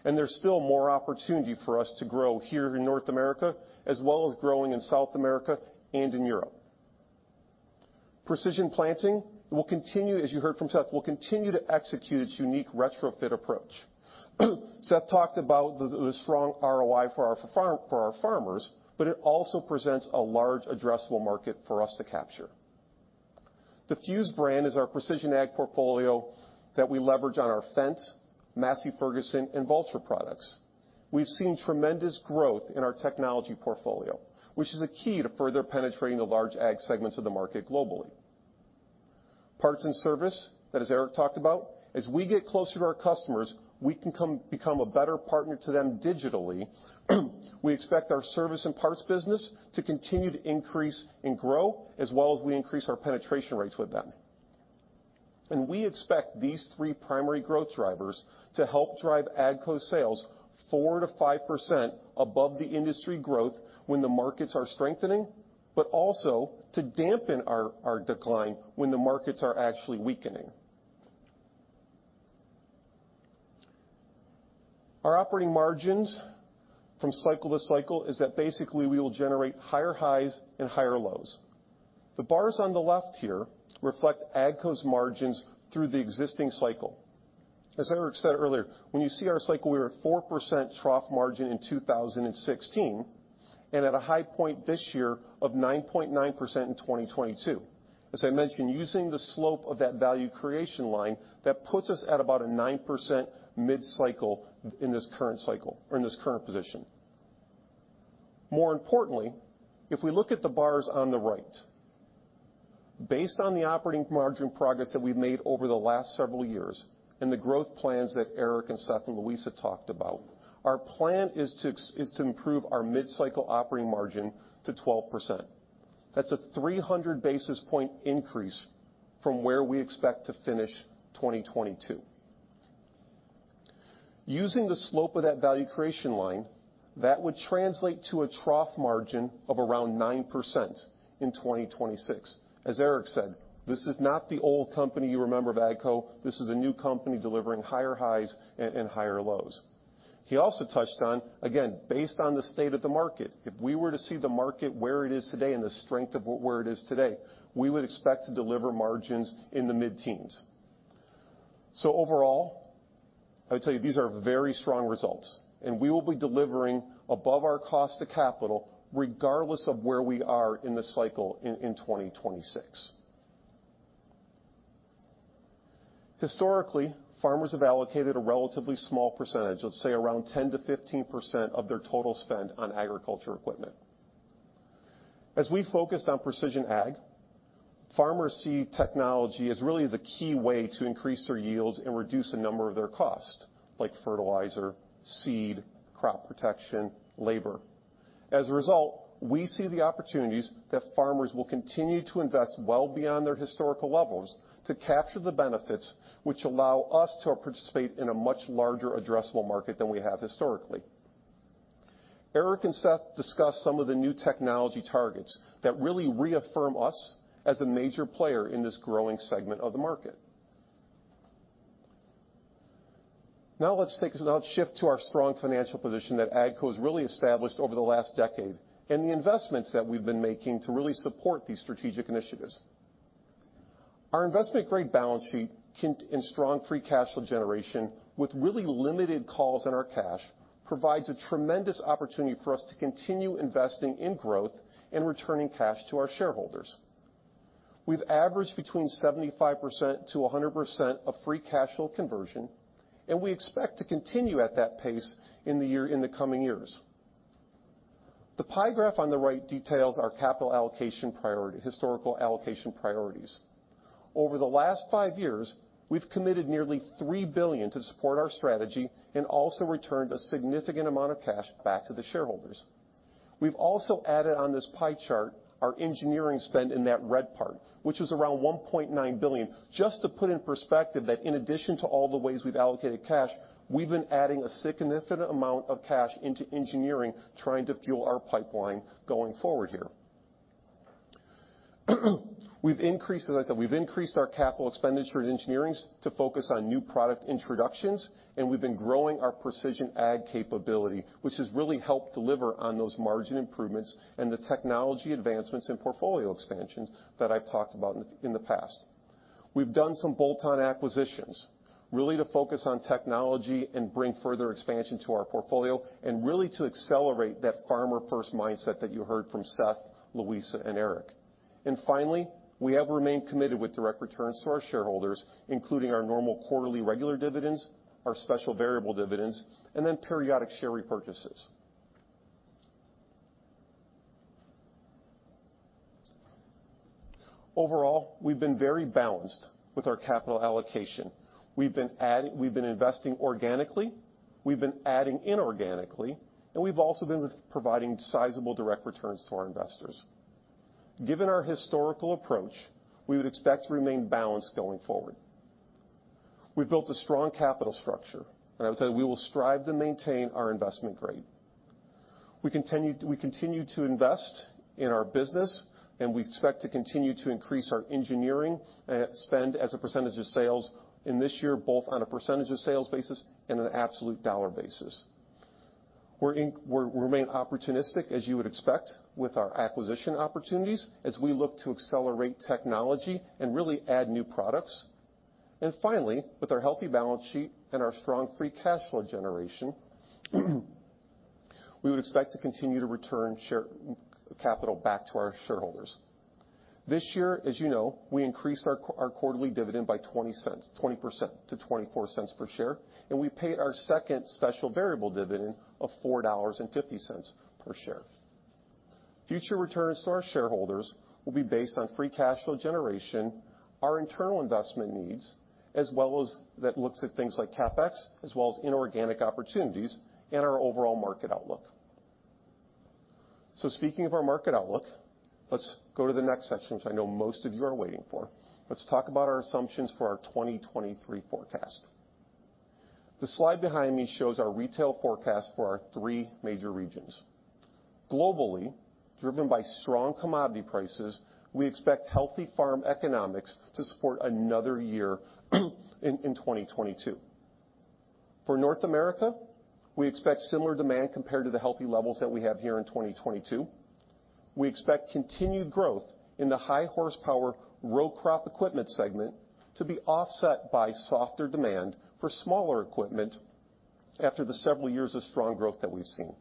and there's still more opportunity for us to grow here in North America, as well as growing in South America and in Europe. Precision Planting will continue, as you heard from Seth, will continue to execute its unique retrofit approach. Seth talked about the strong ROI for our farmers, but it also presents a large addressable market for us to capture. The Fuse brand is our Precision Ag portfolio that we leverage on our Fendt, Massey Ferguson, and Valtra products. We've seen tremendous growth in our technology portfolio, which is a key to further penetrating the large ag segments of the market globally. Parts and service, that as Eric talked about, as we get closer to our customers, we can become a better partner to them digitally. We expect our service and parts business to continue to increase and grow, as well as we increase our penetration rates with them. We expect these three primary growth drivers to help drive AGCO sales 4%-5% above the industry growth when the markets are strengthening, but also to dampen our decline when the markets are actually weakening. Our operating margins from cycle-to-cycle is that basically we will generate higher highs and higher lows. The bars on the left here reflect AGCO's margins through the existing cycle. As Eric said earlier, when you see our cycle, we were at 4% trough margin in 2016, at a high point this year of 9.9% in 2022. As I mentioned, using the slope of that value creation line, that puts us at about a 9% mid-cycle in this current cycle or in this current position. More importantly, if we look at the bars on the right. Based on the operating margin progress that we've made over the last several years and the growth plans that Eric, Seth, and Louisa talked about, our plan is to improve our mid-cycle operating margin to 12%. That's a 300 basis point increase from where we expect to finish 2022. Using the slope of that value creation line, that would translate to a trough margin of around 9% in 2026. As Eric said, this is not the old company you remember of AGCO. This is a new company delivering higher highs and higher lows. He also touched on, again, based on the state of the market, if we were to see the market where it is today and the strength of where it is today, we would expect to deliver margins in the mid-teens. Overall, I would tell you these are very strong results, and we will be delivering above our cost of capital regardless of where we are in the cycle in 2026. Historically, farmers have allocated a relatively small percentage, let's say around 10%-15% of their total spend on agriculture equipment. As we focused on precision ag, farmers see technology as really the key way to increase their yields and reduce a number of their costs, like fertilizer, seed, crop protection, labor. As a result, we see the opportunities that farmers will continue to invest well beyond their historical levels to capture the benefits which allow us to participate in a much larger addressable market than we have historically. Eric and Seth discussed some of the new technology targets that really reaffirm us as a major player in this growing segment of the market. Now let's shift to our strong financial position that AGCO has really established over the last decade and the investments that we've been making to really support these strategic initiatives. Our investment-grade balance sheet can— and strong free cash flow generation with really limited calls on our cash provides a tremendous opportunity for us to continue investing in growth and returning cash to our shareholders. We've averaged between 75%-100% of free cash flow conversion. We expect to continue at that pace in the coming years. The pie graph on the right details our capital allocation priorities— historical allocation priorities. Over the last five years, we've committed nearly $3 billion to support our strategy and also returned a significant amount of cash back to the shareholders. We've also added on this pie chart our engineering spend in that red part, which is around $1.9 billion, just to put in perspective that in addition to all the ways we've allocated cash, we've been adding a significant amount of cash into engineering, trying to fuel our pipeline going forward here. We've increased, as I said, we've increased our capital expenditure in engineering to focus on new product introductions, and we've been growing our precision ag capability, which has really helped deliver on those margin improvements and the technology advancements and portfolio expansions that I've talked about in the past. We've done some bolt-on acquisitions, really to focus on technology and bring further expansion to our portfolio and really to accelerate that farmer-first mindset that you heard from Seth, Louisa, and Eric. Finally, we have remained committed with direct returns to our shareholders, including our normal quarterly regular dividends, our special variable dividends, and then periodic share repurchases. Overall, we've been very balanced with our capital allocation. We've been investing organically, we've been adding inorganically, and we've also been providing sizable direct returns to our investors. Given our historical approach, we would expect to remain balanced going forward. We've built a strong capital structure, and I would say we will strive to maintain our investment grade. We continue to invest in our business, and we expect to continue to increase our engineering spend as a percentage of sales in this year, both on a percentage of sales basis and an absolute dollar basis. We remain opportunistic, as you would expect, with our acquisition opportunities as we look to accelerate technology and really add new products. Finally, with our healthy balance sheet and our strong free cash flow generation, we would expect to continue to return share, capital back to our shareholders. This year, as you know, we increased our quarterly dividend by 20% to $0.24 per share, and we paid our second special variable dividend of $4.50 per share. Future returns to our shareholders will be based on free cash flow generation, our internal investment needs, as well as that looks at things like CapEx, as well as inorganic opportunities and our overall market outlook. Speaking of our market outlook, let's go to the next section, which I know most of you are waiting for. Let's talk about our assumptions for our 2023 forecast. The slide behind me shows our retail forecast for our three major regions. Globally, driven by strong commodity prices, we expect healthy farm economics to support another year in 2022. For North America, we expect similar demand compared to the healthy levels that we have here in 2022. We expect continued growth in the high-horsepower row crop equipment segment to be offset by softer demand for smaller equipment after the several years of strong growth that we've seen.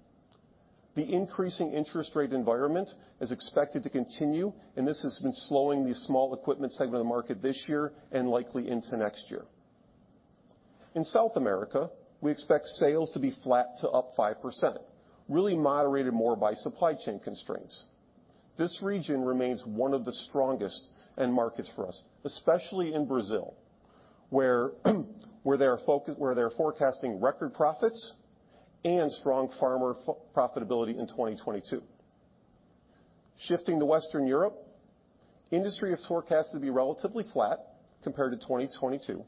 The increasing interest rate environment is expected to continue, and this has been slowing the small equipment segment of the market this year and likely into next year. In South America, we expect sales to be flat to up 5%, really moderated more by supply chain constraints. This region remains one of the strongest end markets for us, especially in Brazil, where they are forecasting record profits and strong farmer profitability in 2022. Shifting to Western Europe, industry is forecast to be relatively flat compared to 2022.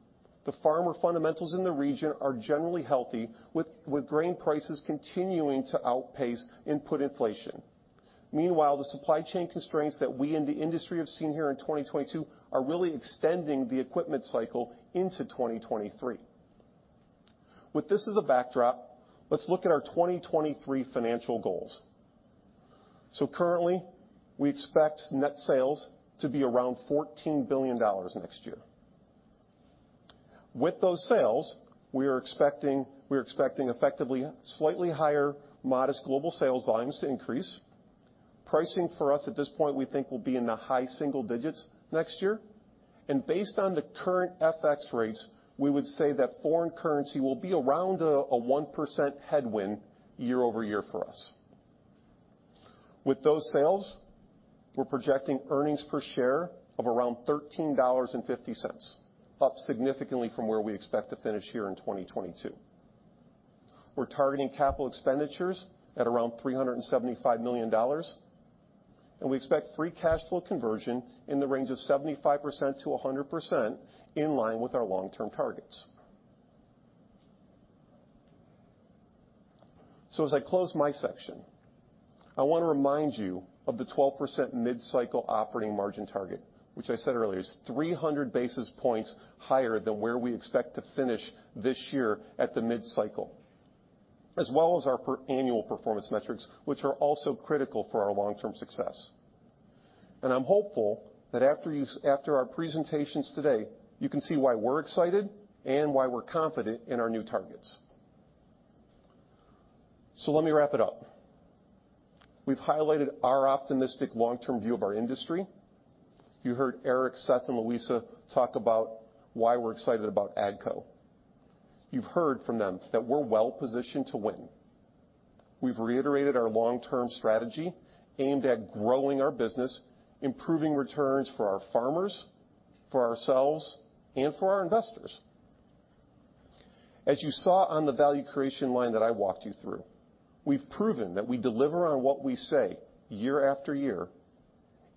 The farmer fundamentals in the region are generally healthy with grain prices continuing to outpace input inflation. Meanwhile, the supply chain constraints that we in the industry have seen here in 2022 are really extending the equipment cycle into 2023. With this as a backdrop, let's look at our 2023 financial goals. Currently, we expect net sales to be around $14 billion next year. With those sales, we're expecting effectively slightly higher modest global sales volumes to increase. Pricing for us at this point, we think will be in the high-single digits next year. Based on the current FX rates, we would say that foreign currency will be around a 1% headwind year-over-year for us. With those sales, we're projecting earnings per share of around $13.50, up significantly from where we expect to finish here in 2022. We're targeting capital expenditures at around $375 million, and we expect free cash flow conversion in the range of 75%-100% in line with our long-term targets. As I close my section, I want to remind you of the 12% mid-cycle operating margin target, which I said earlier is 300 basis points higher than where we expect to finish this year at the mid-cycle, as well as our per annual performance metrics, which are also critical for our long-term success. I'm hopeful that after our presentations today, you can see why we're excited and why we're confident in our new targets. Let me wrap it up. We've highlighted our optimistic long-term view of our industry. You heard Eric, Seth, and Louisa talk about why we're excited about AGCO. You've heard from them that we're well positioned to win. We've reiterated our long-term strategy aimed at growing our business, improving returns for our farmers, for ourselves, and for our investors. As you saw on the value creation line that I walked you through, we've proven that we deliver on what we say year-after-year.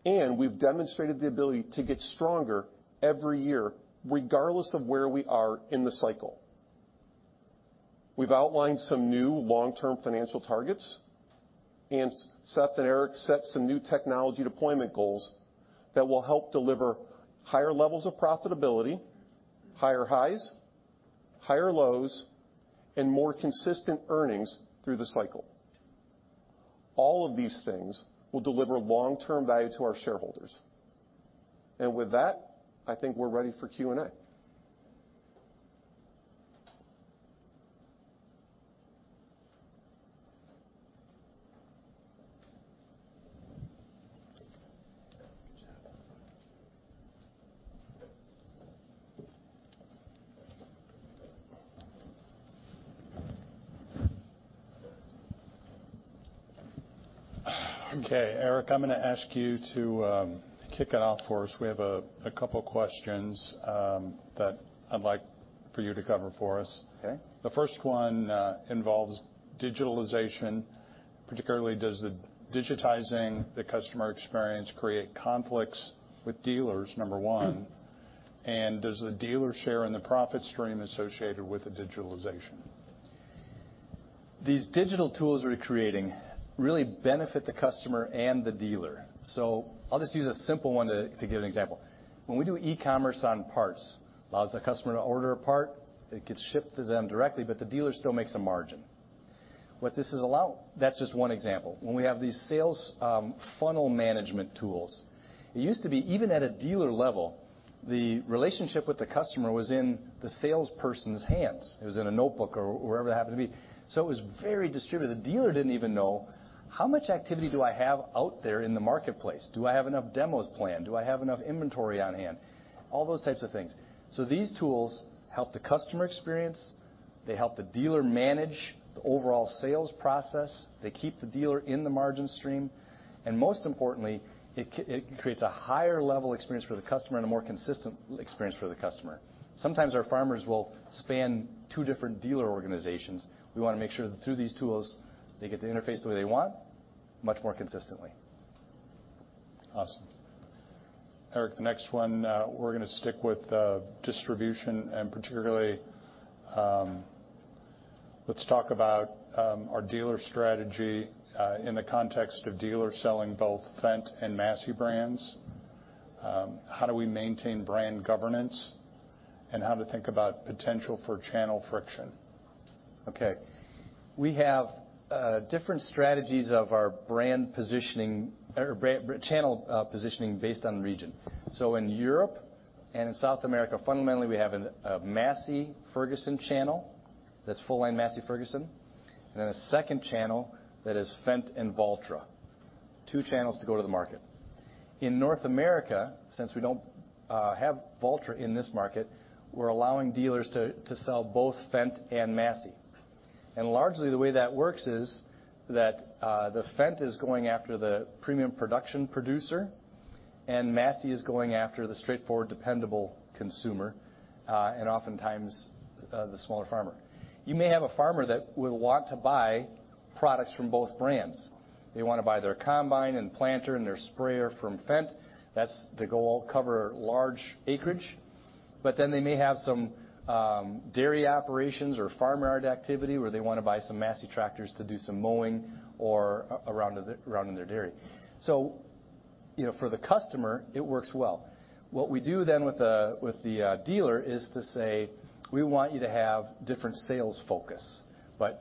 We've demonstrated the ability to get stronger every year, regardless of where we are in the cycle. We've outlined some new long-term financial targets. Seth and Eric set some new technology deployment goals that will help deliver higher levels of profitability, higher highs, higher lows, and more consistent earnings through the cycle. All of these things will deliver long-term value to our shareholders. With that, I think we're ready for Q&A. Okay, Eric, I'm gonna ask you to kick it off for us. We have a couple questions that I'd like for you to cover for us. The first one, involves digitalization. Particularly, does the digitizing the customer experience create conflicts with dealers, number one, and does the dealer share in the profit stream associated with the digitalization? These digital tools we're creating really benefit the customer and the dealer. I'll just use a simple one to give an example. When we do e-commerce on parts, allows the customer to order a part, it gets shipped to them directly, but the dealer still makes a margin. That's just one example. When we have these sales, funnel management tools, it used to be even at a dealer level, the relationship with the customer was in the salesperson's hands. It was in a notebook or wherever it happened to be. It was very distributed. The dealer didn't even know, how much activity do I have out there in the marketplace? Do I have enough demos planned? Do I have enough inventory on hand? All those types of things. These tools help the customer experience. They help the dealer manage the overall sales process. They keep the dealer in the margin stream. Most importantly, it creates a higher level experience for the customer and a more consistent experience for the customer. Sometimes our farmers will span two different dealer organizations. We wanna make sure that through these tools, they get to interface the way they want much more consistently. Awesome. Eric, the next one, we're gonna stick with distribution and particularly, let's talk about our dealer strategy, in the context of dealers selling both Fendt and Massey brands. How do we maintain brand governance and how to think about potential for channel friction? We have different strategies of our brand positioning or channel positioning based on region. In Europe and in South America, fundamentally, we have an Massey Ferguson channel that's full-line Massey Ferguson, and then a second channel that is Fendt and Valtra. Two channels to go to the market. In North America, since we don't have Valtra in this market, we're allowing dealers to sell both Fendt and Massey. Largely the way that works is that the Fendt is going after the premium production producer, and Massey is going after the straightforward, dependable consumer, and oftentimes, the smaller farmer. You may have a farmer that would want to buy products from both brands. They wanna buy their combine and planter and their sprayer from Fendt. That's to cover large acreage. They may have some dairy operations or farm yard activity where they wanna buy some Massey tractors to do some mowing or around in their dairy. You know, for the customer, it works well. What we do with the dealer is to say, "We want you to have different sales focus."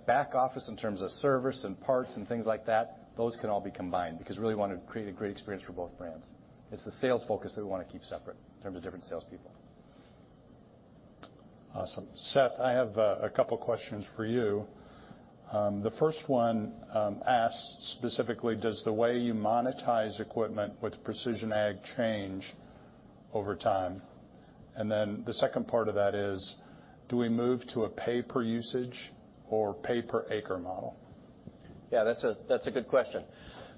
Back office in terms of service and parts and things like that, those can all be combined because we really wanna create a great experience for both brands. It's the sales focus that we wanna keep separate in terms of different salespeople. Awesome. Seth, I have a couple questions for you. The first one asks specifically, does the way you monetize equipment with precision ag change over time? The second part of that is, do we move to a pay-per-usage or pay-per-acre model? That's a good question.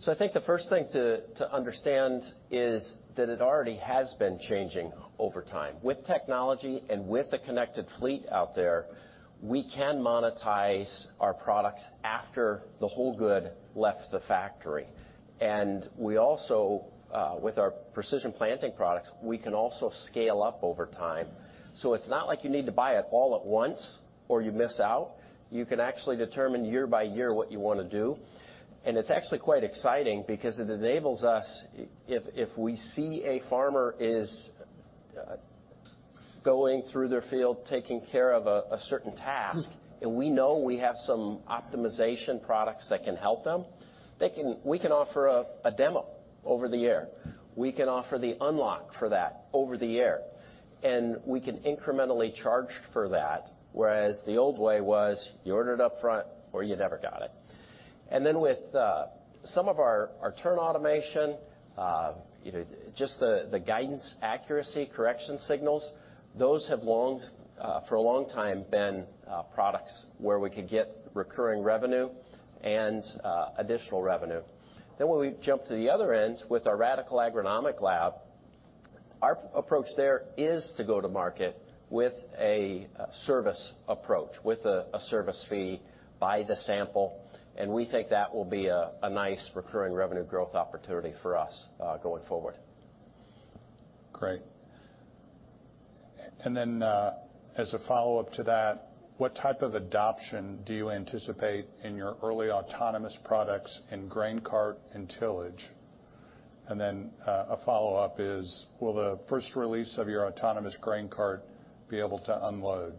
I think the first thing to understand is that it already has been changing over time. With technology and with the connected fleet out there, we can monetize our products after the whole good left the factory. We also, with our Precision Planting products, we can also scale up over time. It's not like you need to buy it all at once or you miss out. You can actually determine year-by-year what you wanna do. It's actually quite exciting because it enables us, if we see a farmer is going through their field, taking care of a certain task, and we know we have some optimization products that can help them, we can offer a demo over the air. We can offer the unlock for that over the air, we can incrementally charge for that. Whereas the old way was you ordered up front or you never got it. With some of our turn automation, you know, just the guidance accuracy correction signals, those have long, for a long time been products where we could get recurring revenue and additional revenue. When we jump to the other end with our Radicle Agronomic Lab, our approach there is to go to market with a service approach, with a service fee by the sample, we think that will be a nice recurring revenue growth opportunity for us, going forward. Great. Then, as a follow-up to that, what type of adoption do you anticipate in your early autonomous products in grain cart and tillage? Then, a follow-up is, will the first release of your autonomous grain cart be able to unload?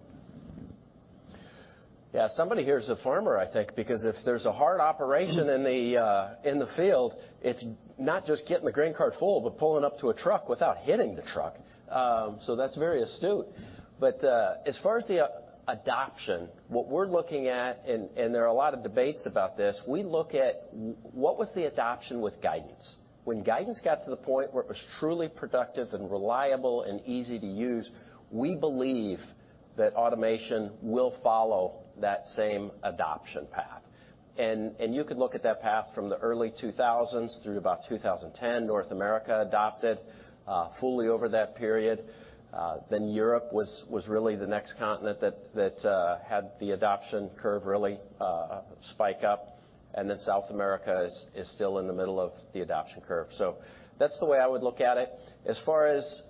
Yeah. Somebody here is a farmer, I think, because if there's a hard operation in the field, it's not just getting the grain cart full but pulling up to a truck without hitting the truck. That's very astute. As far as the adoption, what we're looking at, and there are a lot of debates about this, we look at what was the adoption with guidance. When guidance got to the point where it was truly productive and reliable and easy to use, we believe that automation will follow that same adoption path. You could look at that path from the early 2000s through to about 2010, North America adopted fully over that period. Europe was really the next continent that had the adoption curve really spike up. South America is still in the middle of the adoption curve. That's the way I would look at it. As far as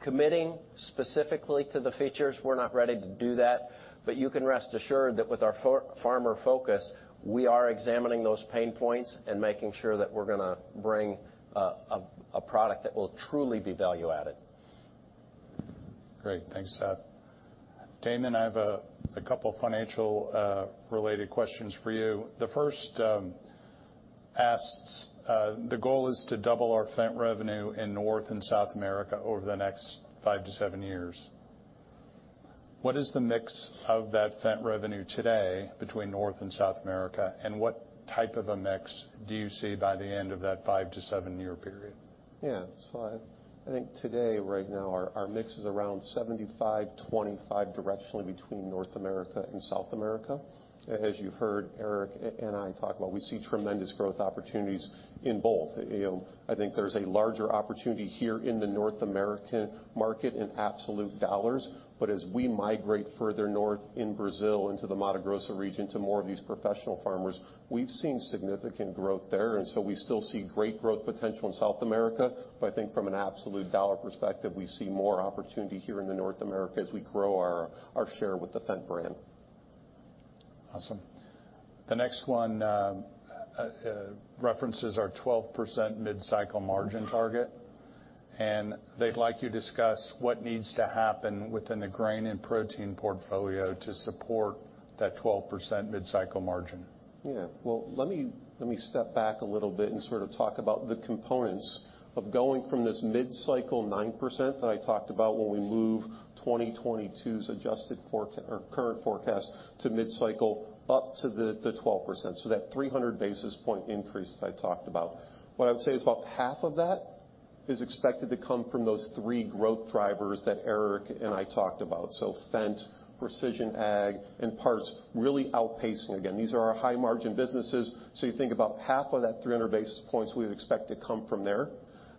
committing specifically to the features, we're not ready to do that. You can rest assured that with our farmer focus, we are examining those pain points and making sure that we're gonna bring a product that will truly be value-added. Great. Thanks, Seth. Damon, I have a couple financial-related questions for you. The first asks, the goal is to double our Fendt revenue in North and South America over the next five-seven years. What is the mix of that Fendt revenue today between North and South America, and what type of a mix do you see by the end of that five- to seven-year period? Yeah. I think today, right now, our mix is around 75, 25 directionally between North America and South America. As you've heard Eric and I talk about, we see tremendous growth opportunities in both. You know, I think there's a larger opportunity here in the North American market in absolute dollars, as we migrate further north in Brazil into the Mato Grosso region to more of these professional farmers. We've seen significant growth there, we still see great growth potential in South America. I think from an absolute dollar perspective, we see more opportunity here in North America as we grow our share with the Fendt brand. Awesome. The next one, references our 12% mid-cycle margin target. They'd like you to discuss what needs to happen within the grain and protein portfolio to support that 12% mid-cycle margin. Well, let me step back a little bit and sort of talk about the components of going from this mid-cycle 9% that I talked about when we move 2022's adjusted fore— or current forecast to mid-cycle up to the 12%, so that 300 basis point increase that I talked about. What I would say is about half of that is expected to come from those three growth drivers that Eric and I talked about. Fendt, precision ag, and parts really outpacing. Again, these are our high margin businesses, so you think about half of that 300 basis points we would expect to come from there.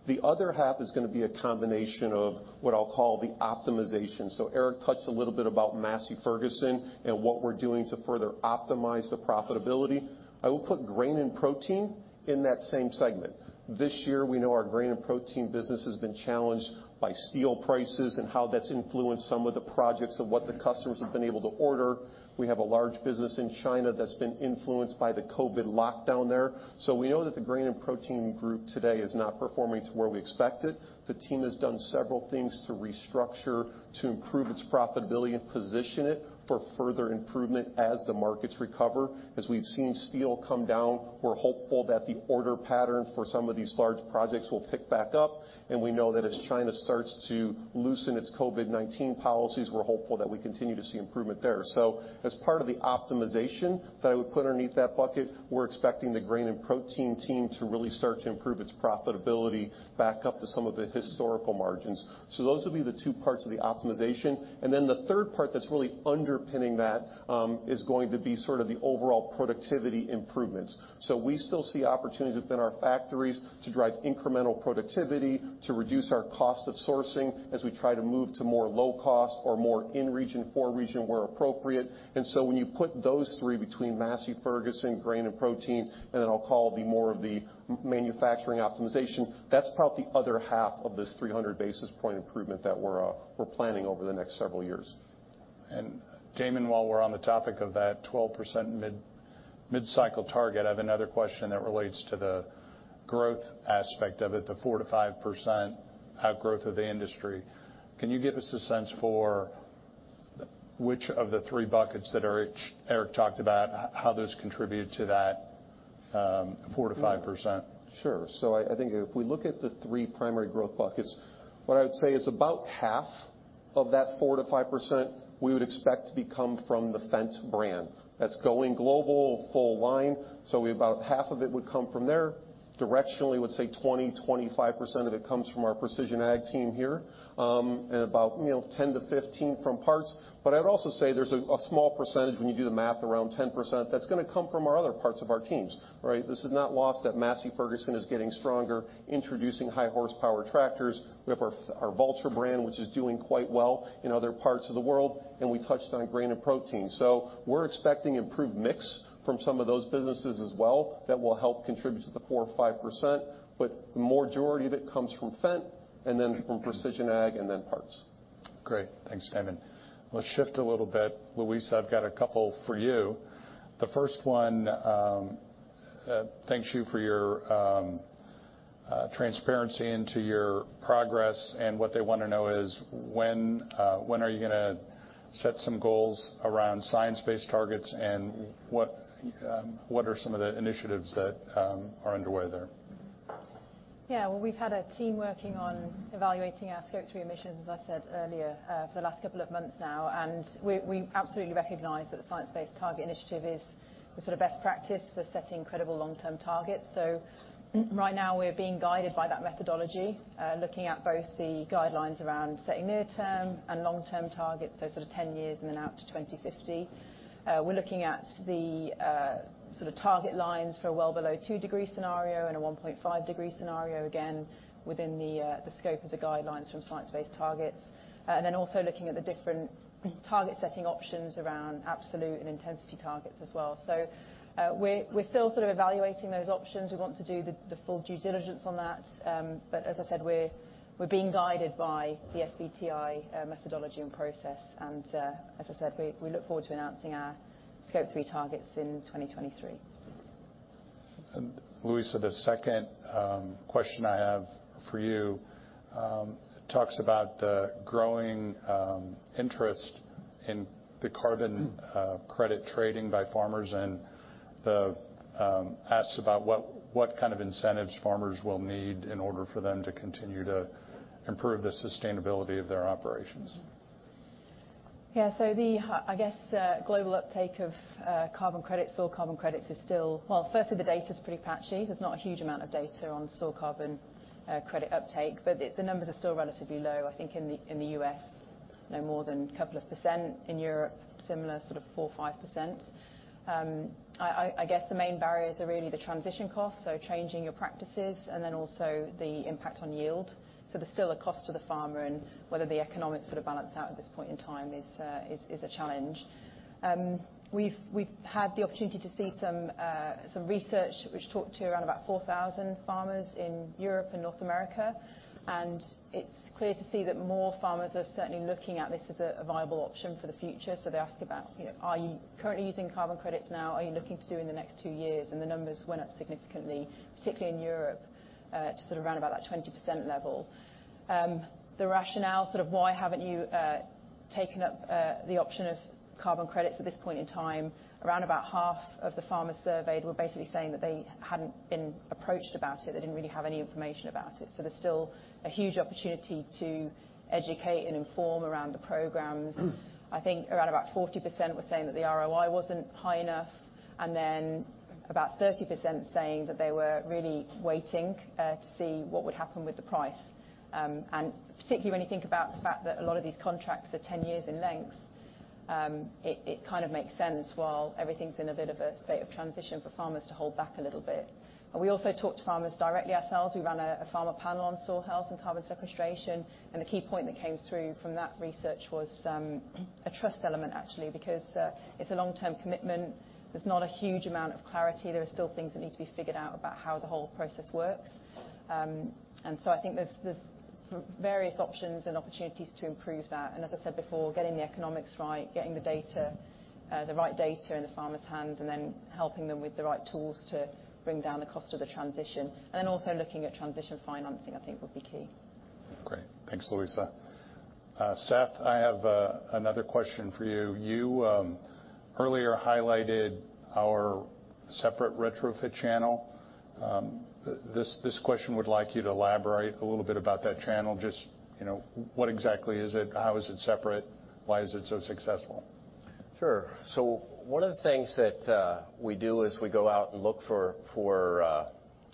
The other half is gonna be a combination of what I'll call the optimization. Eric touched a little bit about Massey Ferguson and what we're doing to further optimize the profitability. I will put grain and protein in that same segment. This year, we know our grain and protein business has been challenged by steel prices and how that's influenced some of the projects of what the customers have been able to order. We have a large business in China that's been influenced by the COVID lockdown there. We know that the grain and protein group today is not performing to where we expect it. The team has done several things to restructure to improve its profitability and position it for further improvement as the markets recover. As we've seen steel come down, we're hopeful that the order pattern for some of these large projects will pick back up. We know that as China starts to loosen its COVID-19 policies, we're hopeful that we continue to see improvement there. As part of the optimization that I would put underneath that bucket, we're expecting the grain and protein team to really start to improve its profitability back up to some of the historical margins. Those would be the two parts of the optimization. The third part that's really underpinning that, is going to be sort of the overall productivity improvements. We still see opportunities within our factories to drive incremental productivity, to reduce our cost of sourcing as we try to move to more low cost or more in region, for region where appropriate. When you put those three between Massey Ferguson, grain and protein, and then I'll call the more of the manufacturing optimization, that's about the other half of this 300 basis point improvement that we're planning over the next several years. Damon, while we're on the topic of that 12% mid-cycle target, I have another question that relates to the growth aspect of it, the 4%-5% outgrowth of the industry. Can you give us a sense for which of the three buckets that Eric talked about, how those contribute to that 4%-5%? Sure. I think if we look at the three primary growth buckets, what I would say is about half of that 4%-5% we would expect to come from the Fendt brand. That's going global, full line, about half of it would come from there. Directionally, we'd say 20%, 25% of it comes from our precision ag team here, about, you know, 10%-15% from parts. I would also say there's a small percentage, when you do the math, around 10% that's gonna come from our other parts of our teams, right? This is not lost that Massey Ferguson is getting stronger, introducing high-horsepower tractors. We have our Valtra brand, which is doing quite well in other parts of the world, we touched on grain and protein. We're expecting improved mix from some of those businesses as well that will help contribute to the 4% or 5%. The majority of it comes from Fendt, and then from precision ag, and then parts. Great. Thanks, Damon. Let's shift a little bit. Louisa, I've got a couple for you. The first one, thank you for your transparency into your progress, and what they want to know is when are you gonna set some goals around science-based targets, and what are some of the initiatives that are underway there? Well, we've had a team working on evaluating our Scope 3 emissions, as I said earlier, for the last couple of months now. We absolutely recognize that the Science Based Targets initiative is the sort of best practice for setting credible long-term targets. Right now, we're being guided by that methodology, looking at both the guidelines around setting near term and long-term targets, so sort of 10 years and then out to 2050. We're looking at the sort of target lines for a well below 2-degree scenario and a 1.5-degree scenario, again, within the scope of the guidelines from Science Based Targets. And then also looking at the different target setting options around absolute and intensity targets as well. We're still sort of evaluating those options. We want to do the full due diligence on that. As I said, we're being guided by the SBTI methodology and process. As I said, we look forward to announcing our Scope 3 targets in 2023. Louisa, the second question I have for you, talks about the growing interest in the carbon credit trading by farmers and asks about what kind of incentives farmers will need in order for them to continue to improve the sustainability of their operations. I guess global uptake of carbon credits, soil carbon credits is still. Well, firstly, the data's pretty patchy. There's not a huge amount of data on soil carbon credit uptake, but the numbers are still relatively low, I think, in the U.S. No more than a couple of percent. In Europe, similar sort of 4%, 5%. I guess the main barriers are really the transition costs, so changing your practices and then also the impact on yield. There's still a cost to the farmer and whether the economics sort of balance out at this point in time is a challenge. We've had the opportunity to see some research which talked to around about 4,000 farmers in Europe and North America. It's clear to see that more farmers are certainly looking at this as a viable option for the future. They ask about, you know, "Are you currently using carbon credits now? Are you looking to do in the next two years?" The numbers went up significantly, particularly in Europe, to sort of around about that 20% level. The rationale, sort of why haven't you taken up the option of carbon credits at this point in time, around about half of the farmers surveyed were basically saying that they hadn't been approached about it. They didn't really have any information about it. There's still a huge opportunity to educate and inform around the programs. I think around 40% were saying that the ROI wasn't high enough, then about 30% saying that they were really waiting to see what would happen with the price. Particularly when you think about the fact that a lot of these contracts are 10 years in length, it kind of makes sense while everything's in a bit of a state of transition for farmers to hold back a little bit. We also talked to farmers directly ourselves. We ran a farmer panel on soil health and carbon sequestration, the key point that came through from that research was a trust element actually, because it's a long-term commitment. There's not a huge amount of clarity. There are still things that need to be figured out about how the whole process works. I think there's sort of various options and opportunities to improve that. As I said before, getting the economics right, getting the data, the right data in the farmer's hands, helping them with the right tools to bring down the cost of the transition. Also looking at transition financing I think will be key. Great. Thanks, Louisa. Seth, I have another question for you. You earlier highlighted our separate retrofit channel. This question would like you to elaborate a little bit about that channel. Just, you know, what exactly is it? How is it separate? Why is it so successful? Sure. One of the things that we do as we go out and look for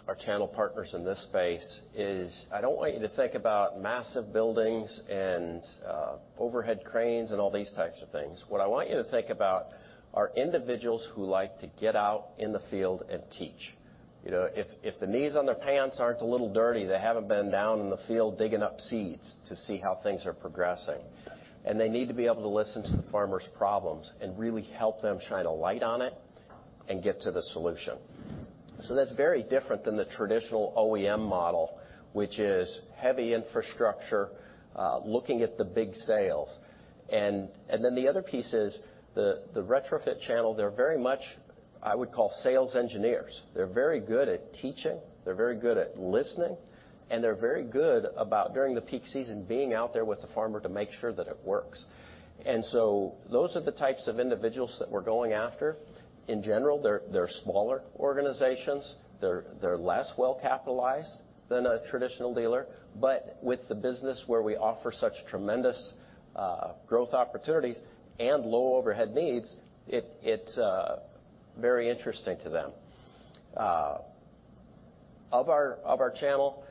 our channel partners in this space is I don't want you to think about massive buildings and overhead cranes and all these types of things. What I want you to think about are individuals who like to get out in the field and teach. You know, if the knees on their pants aren't a little dirty, they haven't been down in the field digging up seeds to see how things are progressing. They need to be able to listen to the farmer's problems and really help them shine a light on it and get to the solution. That's very different than the traditional OEM model, which is heavy infrastructure, looking at the big sales. The other piece is the retrofit channel, they're very much, I would call sales engineers. They're very good at teaching, they're very good at listening, and they're very good about during the peak season being out there with the farmer to make sure that it works. Those are the types of individuals that we're going after. In general, they're smaller organizations. They're less well capitalized than a traditional dealer, but with the business where we offer such tremendous growth opportunities and low overhead needs, it's very interesting to them. Of our channel,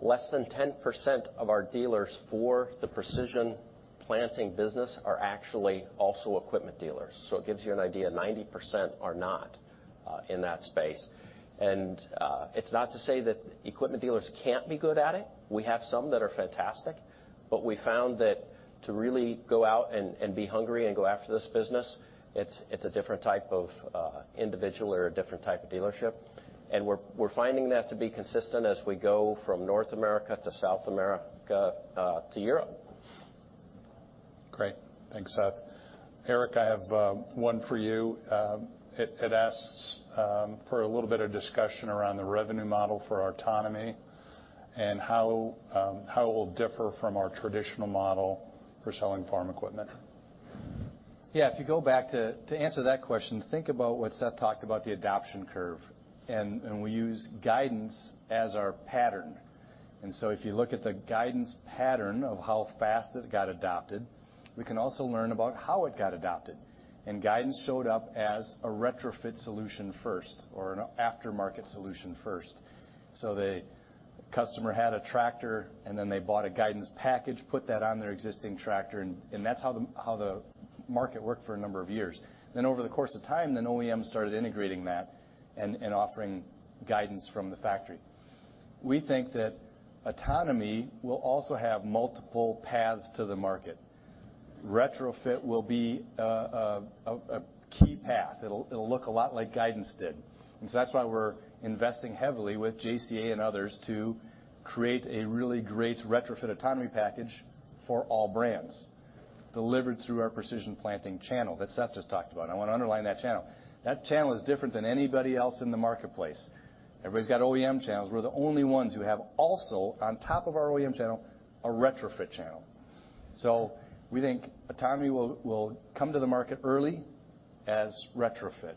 less than 10% of our dealers for the Precision Planting business are actually also equipment dealers. It gives you an idea, 90% are not in that space. It's not to say that equipment dealers can't be good at it. We have some that are fantastic. We found that to really go out and be hungry and go after this business, it's a different type of individual or a different type of dealership. We're finding that to be consistent as we go from North America to South America to Europe. Great. Thanks, Seth. Eric, I have one for you. It asks for a little bit of discussion around the revenue model for autonomy and how it will differ from our traditional model for selling farm equipment. If you go back to answer that question, think about what Seth talked about the adoption curve, and we use guidance as our pattern. If you look at the guidance pattern of how fast it got adopted, we can also learn about how it got adopted. Guidance showed up as a retrofit solution first or an aftermarket solution first. The customer had a tractor, and then they bought a guidance package, put that on their existing tractor, and that's how the market worked for a number of years. Over the course of time, then OEM started integrating that and offering guidance from the factory. We think that autonomy will also have multiple paths to the market. Retrofit will be a key path. It'll look a lot like guidance did. That's why we're investing heavily with JCA and others to create a really great retrofit autonomy package for all brands, delivered through our Precision Planting channel that Seth just talked about. I wanna underline that channel. That channel is different than anybody else in the marketplace. Everybody's got OEM channels. We're the only ones who have also, on top of our OEM channel, a retrofit channel. We think autonomy will come to the market early as retrofit,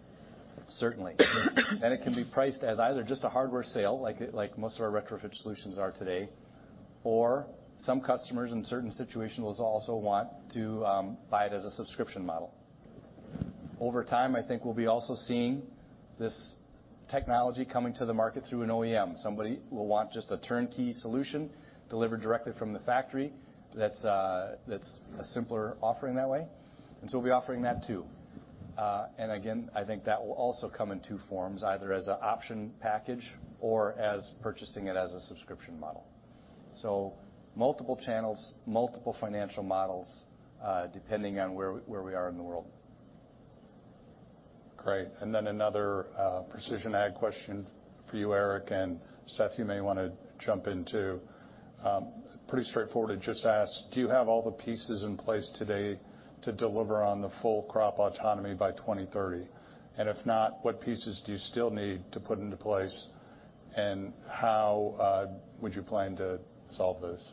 certainly. It can be priced as either just a hardware sale like most of our retrofit solutions are today, or some customers in certain situations will also want to buy it as a subscription model. Over time, I think we'll be also seeing this technology coming to the market through an OEM. Somebody will want just a turnkey solution delivered directly from the factory. That's, that's a simpler offering that way. We'll be offering that too. Again, I think that will also come in two forms, either as a option package or as purchasing it as a subscription model. Multiple channels, multiple financial models, depending on where we are in the world. Great. another precision ag question for you, Eric, and Seth, you may wanna jump in too. Pretty straightforward. It just asks, do you have all the pieces in place today to deliver on the full crop autonomy by 2030? If not, what pieces do you still need to put into place, and how would you plan to solve those?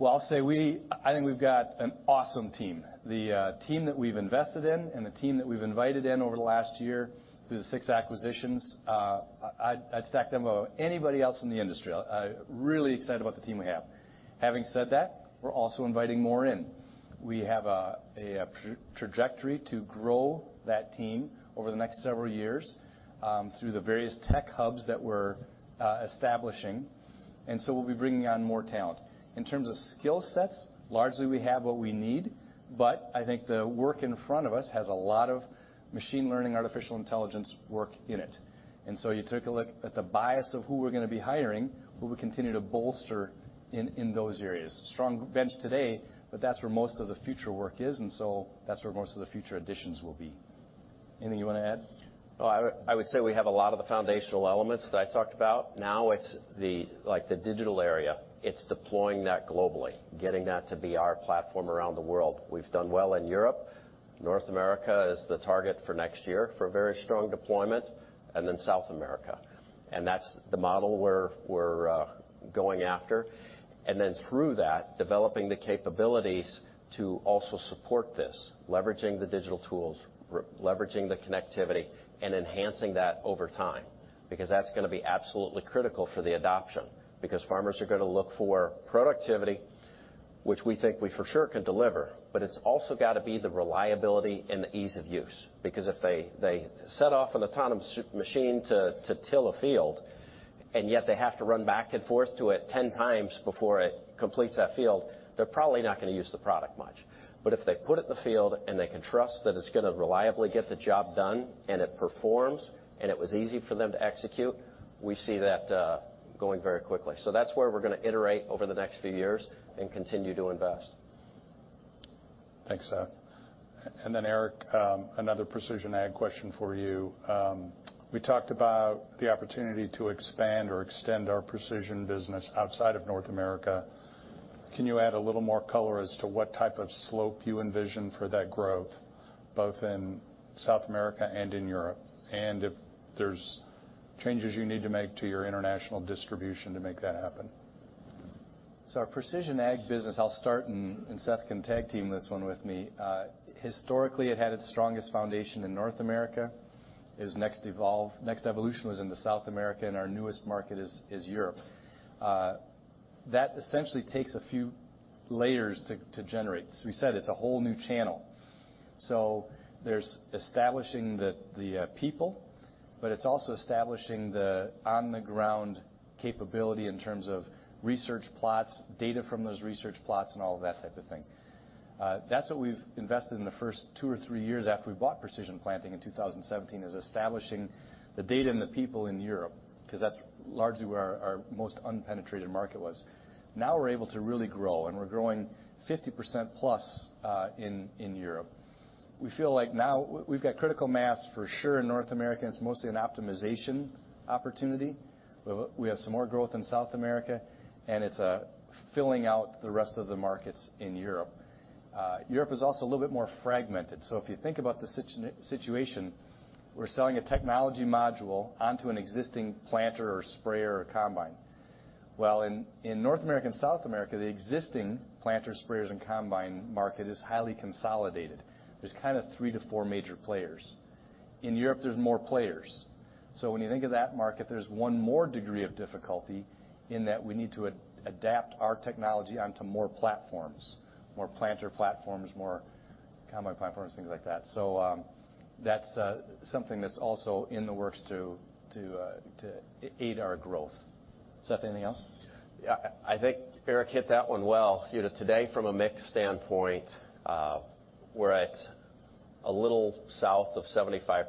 Well, I think we've got an awesome team. The team that we've invested in and the team that we've invited in over the last year through the six acquisitions, I'd stack them above anybody else in the industry. I really excited about the team we have. Having said that, we're also inviting more in. We have a trajectory to grow that team over the next several years through the various tech hubs that we're establishing, we'll be bringing on more talent. In terms of skill sets, largely we have what we need, but I think the work in front of us has a lot of machine learning, artificial intelligence work in it. You took a look at the bias of who we're gonna be hiring, who we continue to bolster in those areas. Strong bench today, but that's where most of the future work is, and so that's where most of the future additions will be. Anything you wanna add? Well, I would say we have a lot of the foundational elements that I talked about. Now it's the, like, the digital area. It's deploying that globally, getting that to be our platform around the world. We've done well in Europe. North America is the target for next year for very strong deployment, then South America. That's the model we're going after. Then through that, developing the capabilities to also support this, leveraging the digital tools, leveraging the connectivity and enhancing that over time, because that's gonna be absolutely critical for the adoption, because farmers are gonna look for productivity, which we think we for sure can deliver, but it's also gotta be the reliability and the ease of use. If they set off an autonomous machine to till a field, and yet they have to run back and forth to it 10 times before it completes that field, they're probably not gonna use the product much. If they put it in the field, and they can trust that it's gonna reliably get the job done, and it performs, and it was easy for them to execute, we see that going very quickly. That's where we're gonna iterate over the next few years and continue to invest. Thanks, Seth. Eric, another precision ag question for you. We talked about the opportunity to expand or extend our precision business outside of North America. Can you add a little more color as to what type of slope you envision for that growth, both in South America and in Europe? If there's changes you need to make to your international distribution to make that happen? Our precision ag business, I'll start and Seth can tag team this one with me. Historically, it had its strongest foundation in North America. Its next evolution was into South America, and our newest market is Europe. That essentially takes a few layers to generate. We said it's a whole new channel. There's establishing the people, but it's also establishing the on-the-ground capability in terms of research plots, data from those research plots, and all of that type of thing. That's what we've invested in the first two or three years after we bought Precision Planting in 2017, is establishing the data and the people in Europe, 'cause that's largely where our most unpenetrated market was. Now we're able to really grow, and we're growing 50%+ in Europe. We feel like now we've got critical mass for sure in North America, and it's mostly an optimization opportunity. We have, we have some more growth in South America, and it's filling out the rest of the markets in Europe. Europe is also a little bit more fragmented. If you think about the situation, we're selling a technology module onto an existing planter or sprayer or combine. In North America and South America, the existing planters, sprayers, and combine market is highly consolidated. There's kind of three to four major players. In Europe, there's more players. When you think of that market, there's one more degree of difficulty in that we need to adapt our technology onto more platforms, more planter platforms, more combine platforms, things like that. That's something that's also in the works to aid our growth. Seth, anything else? Yeah. I think Eric hit that one well. You know, today from a mix standpoint, we're at a little south of 75%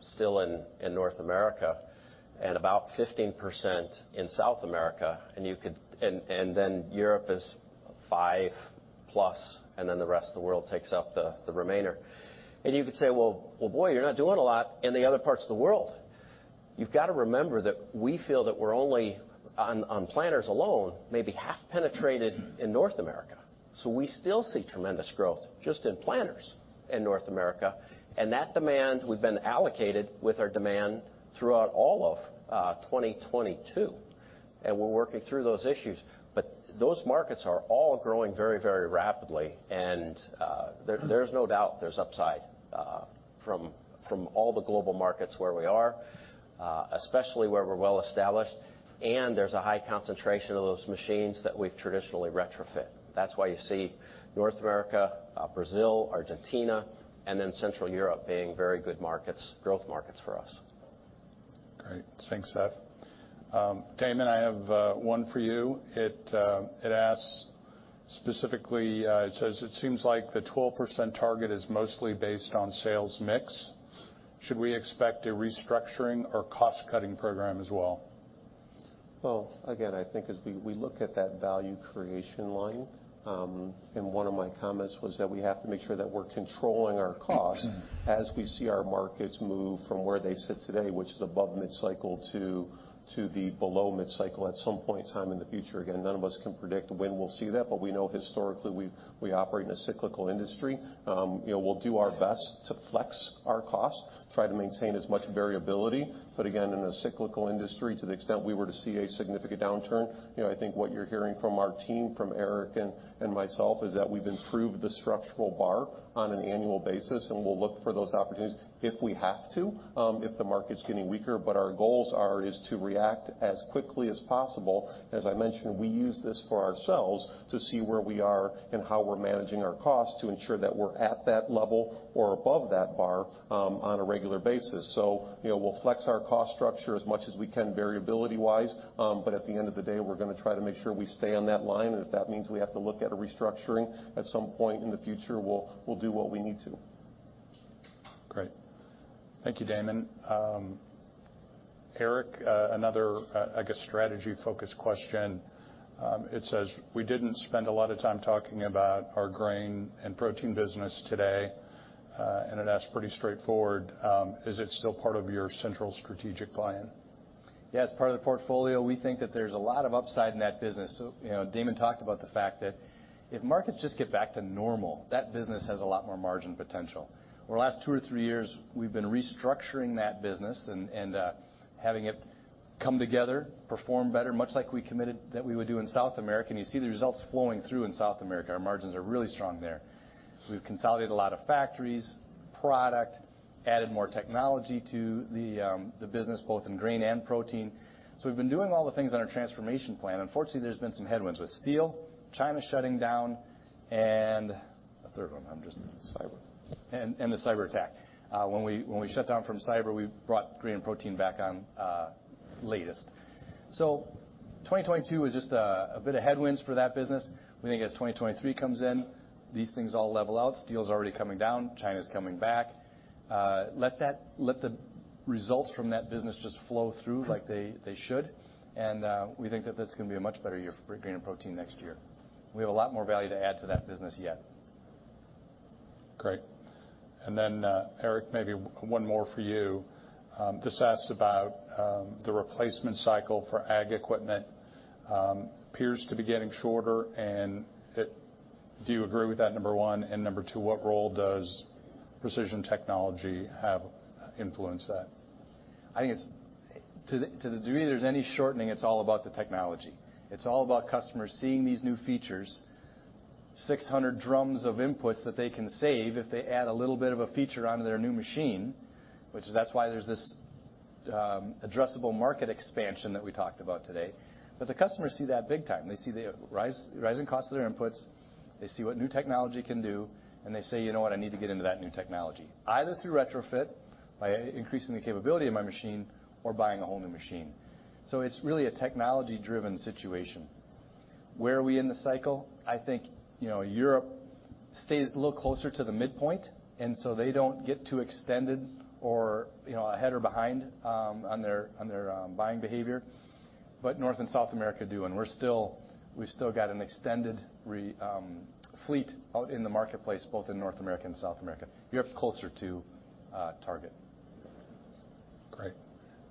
still in North America and about 15% in South America, and then Europe is 5%+, and then the rest of the world takes up the remainder. You could say, "Well, boy, you're not doing a lot in the other parts of the world." You've got to remember that we feel that we're only on planters alone, maybe half penetrated in North America. We still see tremendous growth just in planters in North America. That demand, we've been allocated with our demand throughout all of 2022, and we're working through those issues. Those markets are all growing very rapidly, and there's no doubt there's upside from all the global markets where we are, especially where we're well established, and there's a high concentration of those machines that we've traditionally retrofit. That's why you see North America, Brazil, Argentina, and then Central Europe being very good markets, growth markets for us. Great. Thanks, Seth. Damon, I have one for you. It asks specifically, it says, it seems like the 12% target is mostly based on sales mix. Should we expect a restructuring or cost-cutting program as well? Well, again, I think as we look at that value creation line, one of my comments was that we have to make sure that we're controlling our costs as we see our markets move from where they sit today, which is above mid-cycle to the below mid-cycle at some point in time in the future. Again, none of us can predict when we'll see that, but we know historically we operate in a cyclical industry. You know, we'll do our best to flex our costs, try to maintain as much variability. Again, in a cyclical industry, to the extent we were to see a significant downturn, you know, I think what you're hearing from our team, from Eric and myself, is that we've improved the structural bar on an annual basis, and we'll look for those opportunities if we have to, if the market's getting weaker. Our goals are to react as quickly as possible. As I mentioned, we use this for ourselves to see where we are and how we're managing our costs to ensure that we're at that level or above that bar on a regular basis. You know, we'll flex our cost structure as much as we can, variability-wise, but at the end of the day, we're gonna try to make sure we stay on that line. If that means we have to look at a restructuring at some point in the future, we'll do what we need to. Great. Thank you, Damon. Eric, another ag-strategy-focused question. It says, we didn't spend a lot of time talking about our grain and protein business today. It asks pretty straightforward, is it still part of your central strategic plan? Yeah, as part of the portfolio, we think that there's a lot of upside in that business. You know, Damon talked about the fact that if markets just get back to normal, that business has a lot more margin potential. Over the last two or three years, we've been restructuring that business and having it come together, perform better, much like we committed that we would do in South America. You see the results flowing through in South America. Our margins are really strong there. We've consolidated a lot of factories, product, added more technology to the business, both in grain and protein. We've been doing all the things on our transformation plan. Unfortunately, there's been some headwinds with steel, China shutting down and a third one. I'm just— Cyber. The cyberattack. When we shut down from cyber, we brought grain and protein back on latest. 2022 was just a bit of headwinds for that business. We think as 2023 comes in, these things all level out. Steel's already coming down, China's coming back. Let the results from that business just flow through like they should, and we think that's gonna be a much better year for grain and protein next year. We have a lot more value to add to that business yet. Great. Eric, maybe one more for you. This asks about the replacement cycle for ag equipment, appears to be getting shorter. Do you agree with that, number one? Number two, what role does precision technology have influenced that? I think To the degree there's any shortening, it's all about the technology. It's all about customers seeing these new features, 600 drums of inputs that they can save if they add a little bit of a feature onto their new machine, which that's why there's this addressable market expansion that we talked about today. The customers see that big time. They see the rising cost of their inputs, they see what new technology can do, and they say, "You know what? I need to get into that new technology, either through retrofit by increasing the capability of my machine or buying a whole new machine." It's really a technology-driven situation. Where are we in the cycle? I think, you know, Europe stays a little closer to the midpoint, and so they don't get too extended or, you know, ahead or behind, on their buying behavior. North and South America do, and we've still got an extended fleet out in the marketplace, both in North America and South America. Europe's closer to target. Great.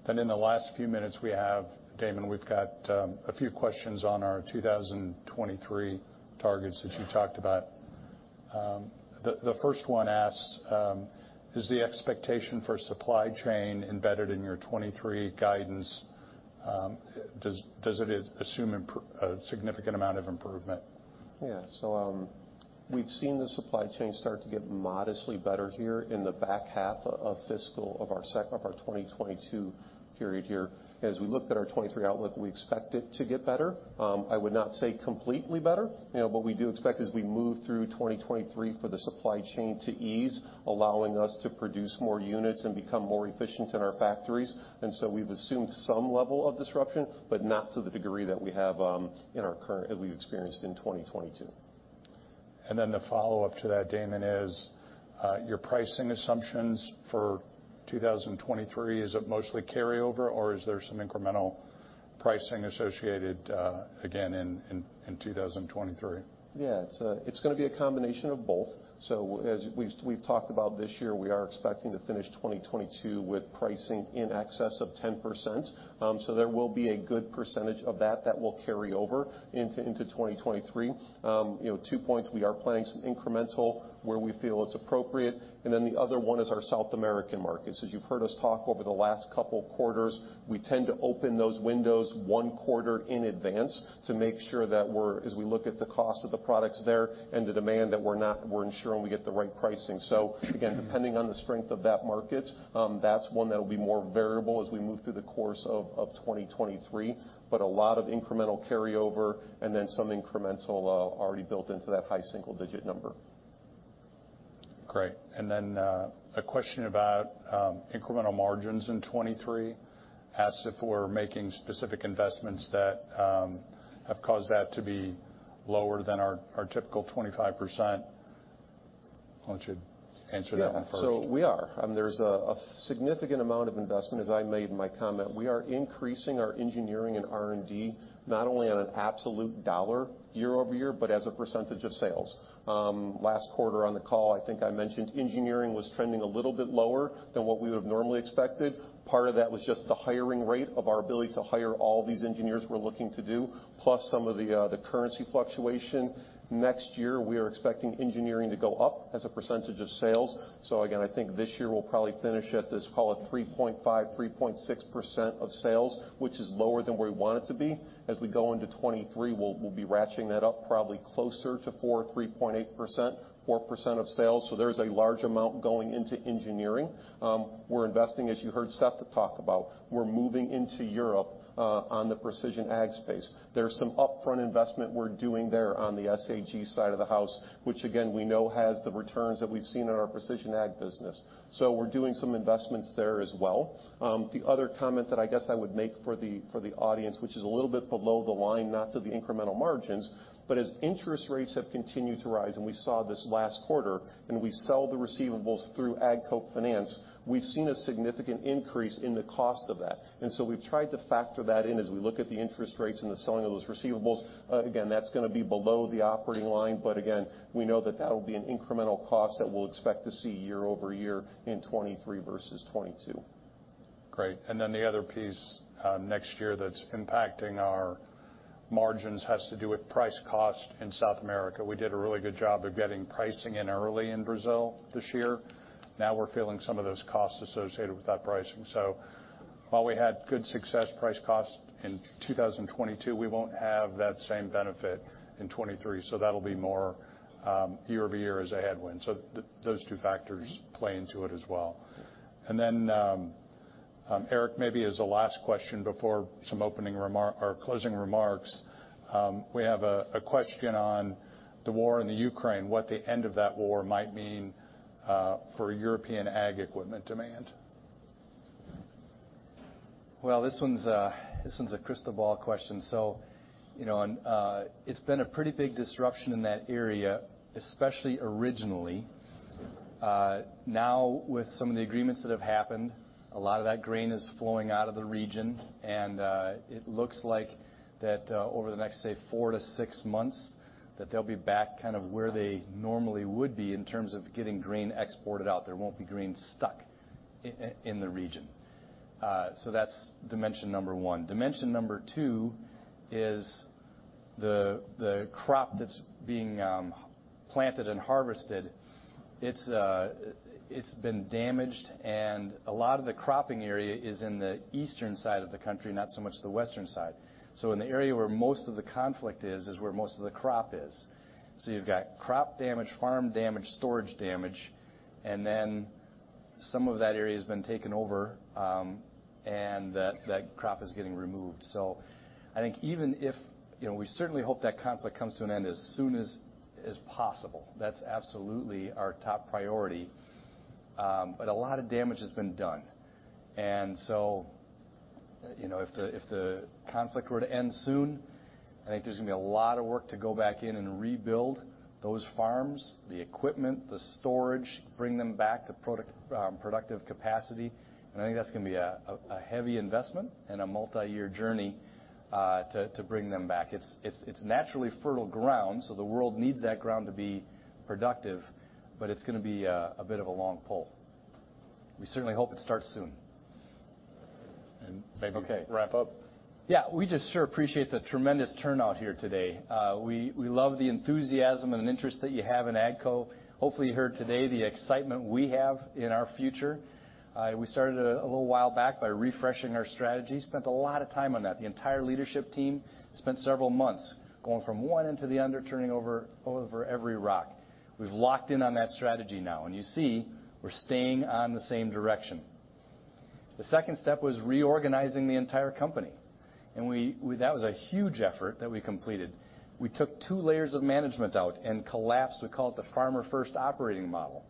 In the last few minutes we have, Damon, we've got a few questions on our 2023 targets that you talked about. The first one asks, is the expectation for supply chain embedded in your 2023 guidance? Does it assume a significant amount of improvement? We've seen the supply chain start to get modestly better here in the back half of our 2022 period here. As we looked at our 2023 outlook, we expect it to get better. I would not say completely better. You know, what we do expect as we move through 2023 for the supply chain to ease, allowing us to produce more units and become more efficient in our factories. We've assumed some level of disruption, but not to the degree that we've experienced in 2022. The follow-up to that, Damon, is, your pricing assumptions for 2023, is it mostly carryover, or is there some incremental pricing associated, again, in 2023? It's gonna be a combination of both. As we've talked about this year, we are expecting to finish 2022 with pricing in excess of 10%. There will be a good percentage of that will carry over into 2023. You know, two points, we are planning some incremental where we feel it's appropriate, the other one is our South American markets. As you've heard us talk over the last couple quarters, we tend to open those windows one quarter in advance to make sure that as we look at the cost of the products there and the demand, we're ensuring we get the right pricing. Again, depending on the strength of that market, that's one that will be more variable as we move through the course of 2023. A lot of incremental carryover and then some incremental, already built into that high single-digit number. Great. A question about incremental margins in 2023, asks if we're making specific investments that have caused that to be lower than our typical 25%. Why don't you answer that one first? We are. There's a significant amount of investment, as I made in my comment. We are increasing our engineering and R&D, not only on an absolute dollar year-over-year, but as a percentage of sales. Last quarter on the call, I think I mentioned engineering was trending a little bit lower than what we would've normally expected. Part of that was just the hiring rate of our ability to hire all these engineers we're looking to do, plus some of the currency fluctuation. Next year, we are expecting engineering to go up as a percentage of sales. Again, I think this year we'll probably finish at this, call it 3.5%, 3.6% of sales, which is lower than where we want it to be. As we go into 2023, we'll be ratcheting that up probably closer to 4%, 3.8%, 4% of sales. There's a large amount going into engineering. We're investing, as you heard Seth talk about, we're moving into Europe on the precision ag space. There's some upfront investment we're doing there on the SAG side of the house, which again, we know has the returns that we've seen in our precision ag business. We're doing some investments there as well. The other comment that I guess I would make for the audience, which is a little bit below the line, not to the incremental margins, but as interest rates have continued to rise, and we saw this last quarter, and we sell the receivables through AGCO Finance, we've seen a significant increase in the cost of that. We've tried to factor that in as we look at the interest rates and the selling of those receivables. Again, that's gonna be below the operating line, but again, we know that that'll be an incremental cost that we'll expect to see year-over-year in 2023 versus 2022. Great. The other piece, next year that's impacting our margins has to do with price cost in South America. We did a really good job of getting pricing in early in Brazil this year. Now we're feeling some of those costs associated with that pricing. While we had good success price cost in 2022, we won't have that same benefit in 2023. That'll be more year-over-year as a headwind. Those two factors play into it as well. Eric, maybe as a last question before some closing remarks, we have a question on the war in the Ukraine, what the end of that war might mean for European ag equipment demand. This one's a crystal ball question. You know, it's been a pretty big disruption in that area, especially originally. Now with some of the agreements that have happened, a lot of that grain is flowing out of the region, it looks like that over the next, say, four-six months, that they'll be back kind of where they normally would be in terms of getting grain exported out. There won't be grain stuck in the region. That's dimension number one. Dimension number two is the crop that's being planted and harvested, it's been damaged and a lot of the cropping area is in the eastern side of the country, not so much the western side. In the area where most of the conflict is where most of the crop is. You've got crop damage, farm damage, storage damage, and then some of that area's been taken over, and that crop is getting removed. You know, we certainly hope that conflict comes to an end as soon as possible. That's absolutely our top priority. But a lot of damage has been done. You know, if the conflict were to end soon, I think there's gonna be a lot of work to go back in and rebuild those farms, the equipment, the storage, bring them back to product— productive capacity, and I think that's gonna be a heavy investment and a multi-year journey to bring them back. It's naturally fertile ground, so the world needs that ground to be productive, but it's gonna be a bit of a long pull. We certainly hope it starts soon. Maybe wrap up. Okay. Yeah. We just sure appreciate the tremendous turnout here today. We love the enthusiasm and interest that you have in AGCO. Hopefully, you heard today the excitement we have in our future. We started a little while back by refreshing our strategy. Spent a lot of time on that. The entire leadership team spent several months going from one end to the other, turning over every rock. We've locked in on that strategy now, and you see we're staying on the same direction. The second step was reorganizing the entire company, and that was a huge effort that we completed. We took two layers of management out and collapsed, we call it the Farmer-First operating model,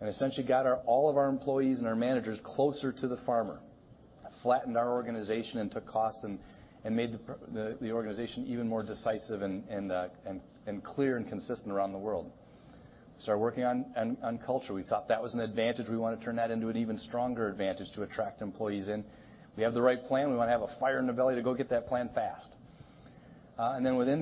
and essentially got all of our employees and our managers closer to the farmer. Flattened our organization and took cost and made the organization even more decisive and clear and consistent around the world. Start working on culture. We thought that was an advantage. We wanna turn that into an even stronger advantage to attract employees in. We have the right plan. We wanna have a fire in the belly to go get that plan fast. Then within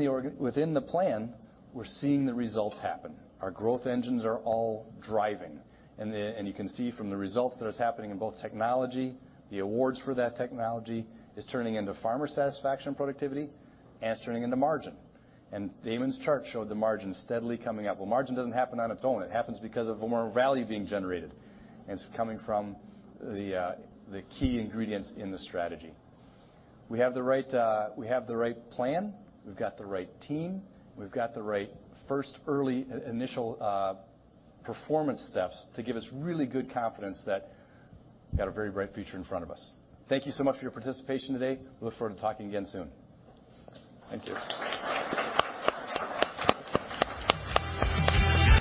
the plan, we're seeing the results happen. Our growth engines are all driving. You can see from the results that it's happening in both technology, the awards for that technology is turning into farmer satisfaction and productivity, and it's turning into margin. Damon's chart showed the margin steadily coming up. Margin doesn't happen on its own. It happens because of more value being generated, and it's coming from the key ingredients in the strategy. We have the right plan. We've got the right team. We've got the right first, early initial performance steps to give us really good confidence that got a very bright future in front of us. Thank you so much for your participation today. We look forward to talking again soon. Thank you.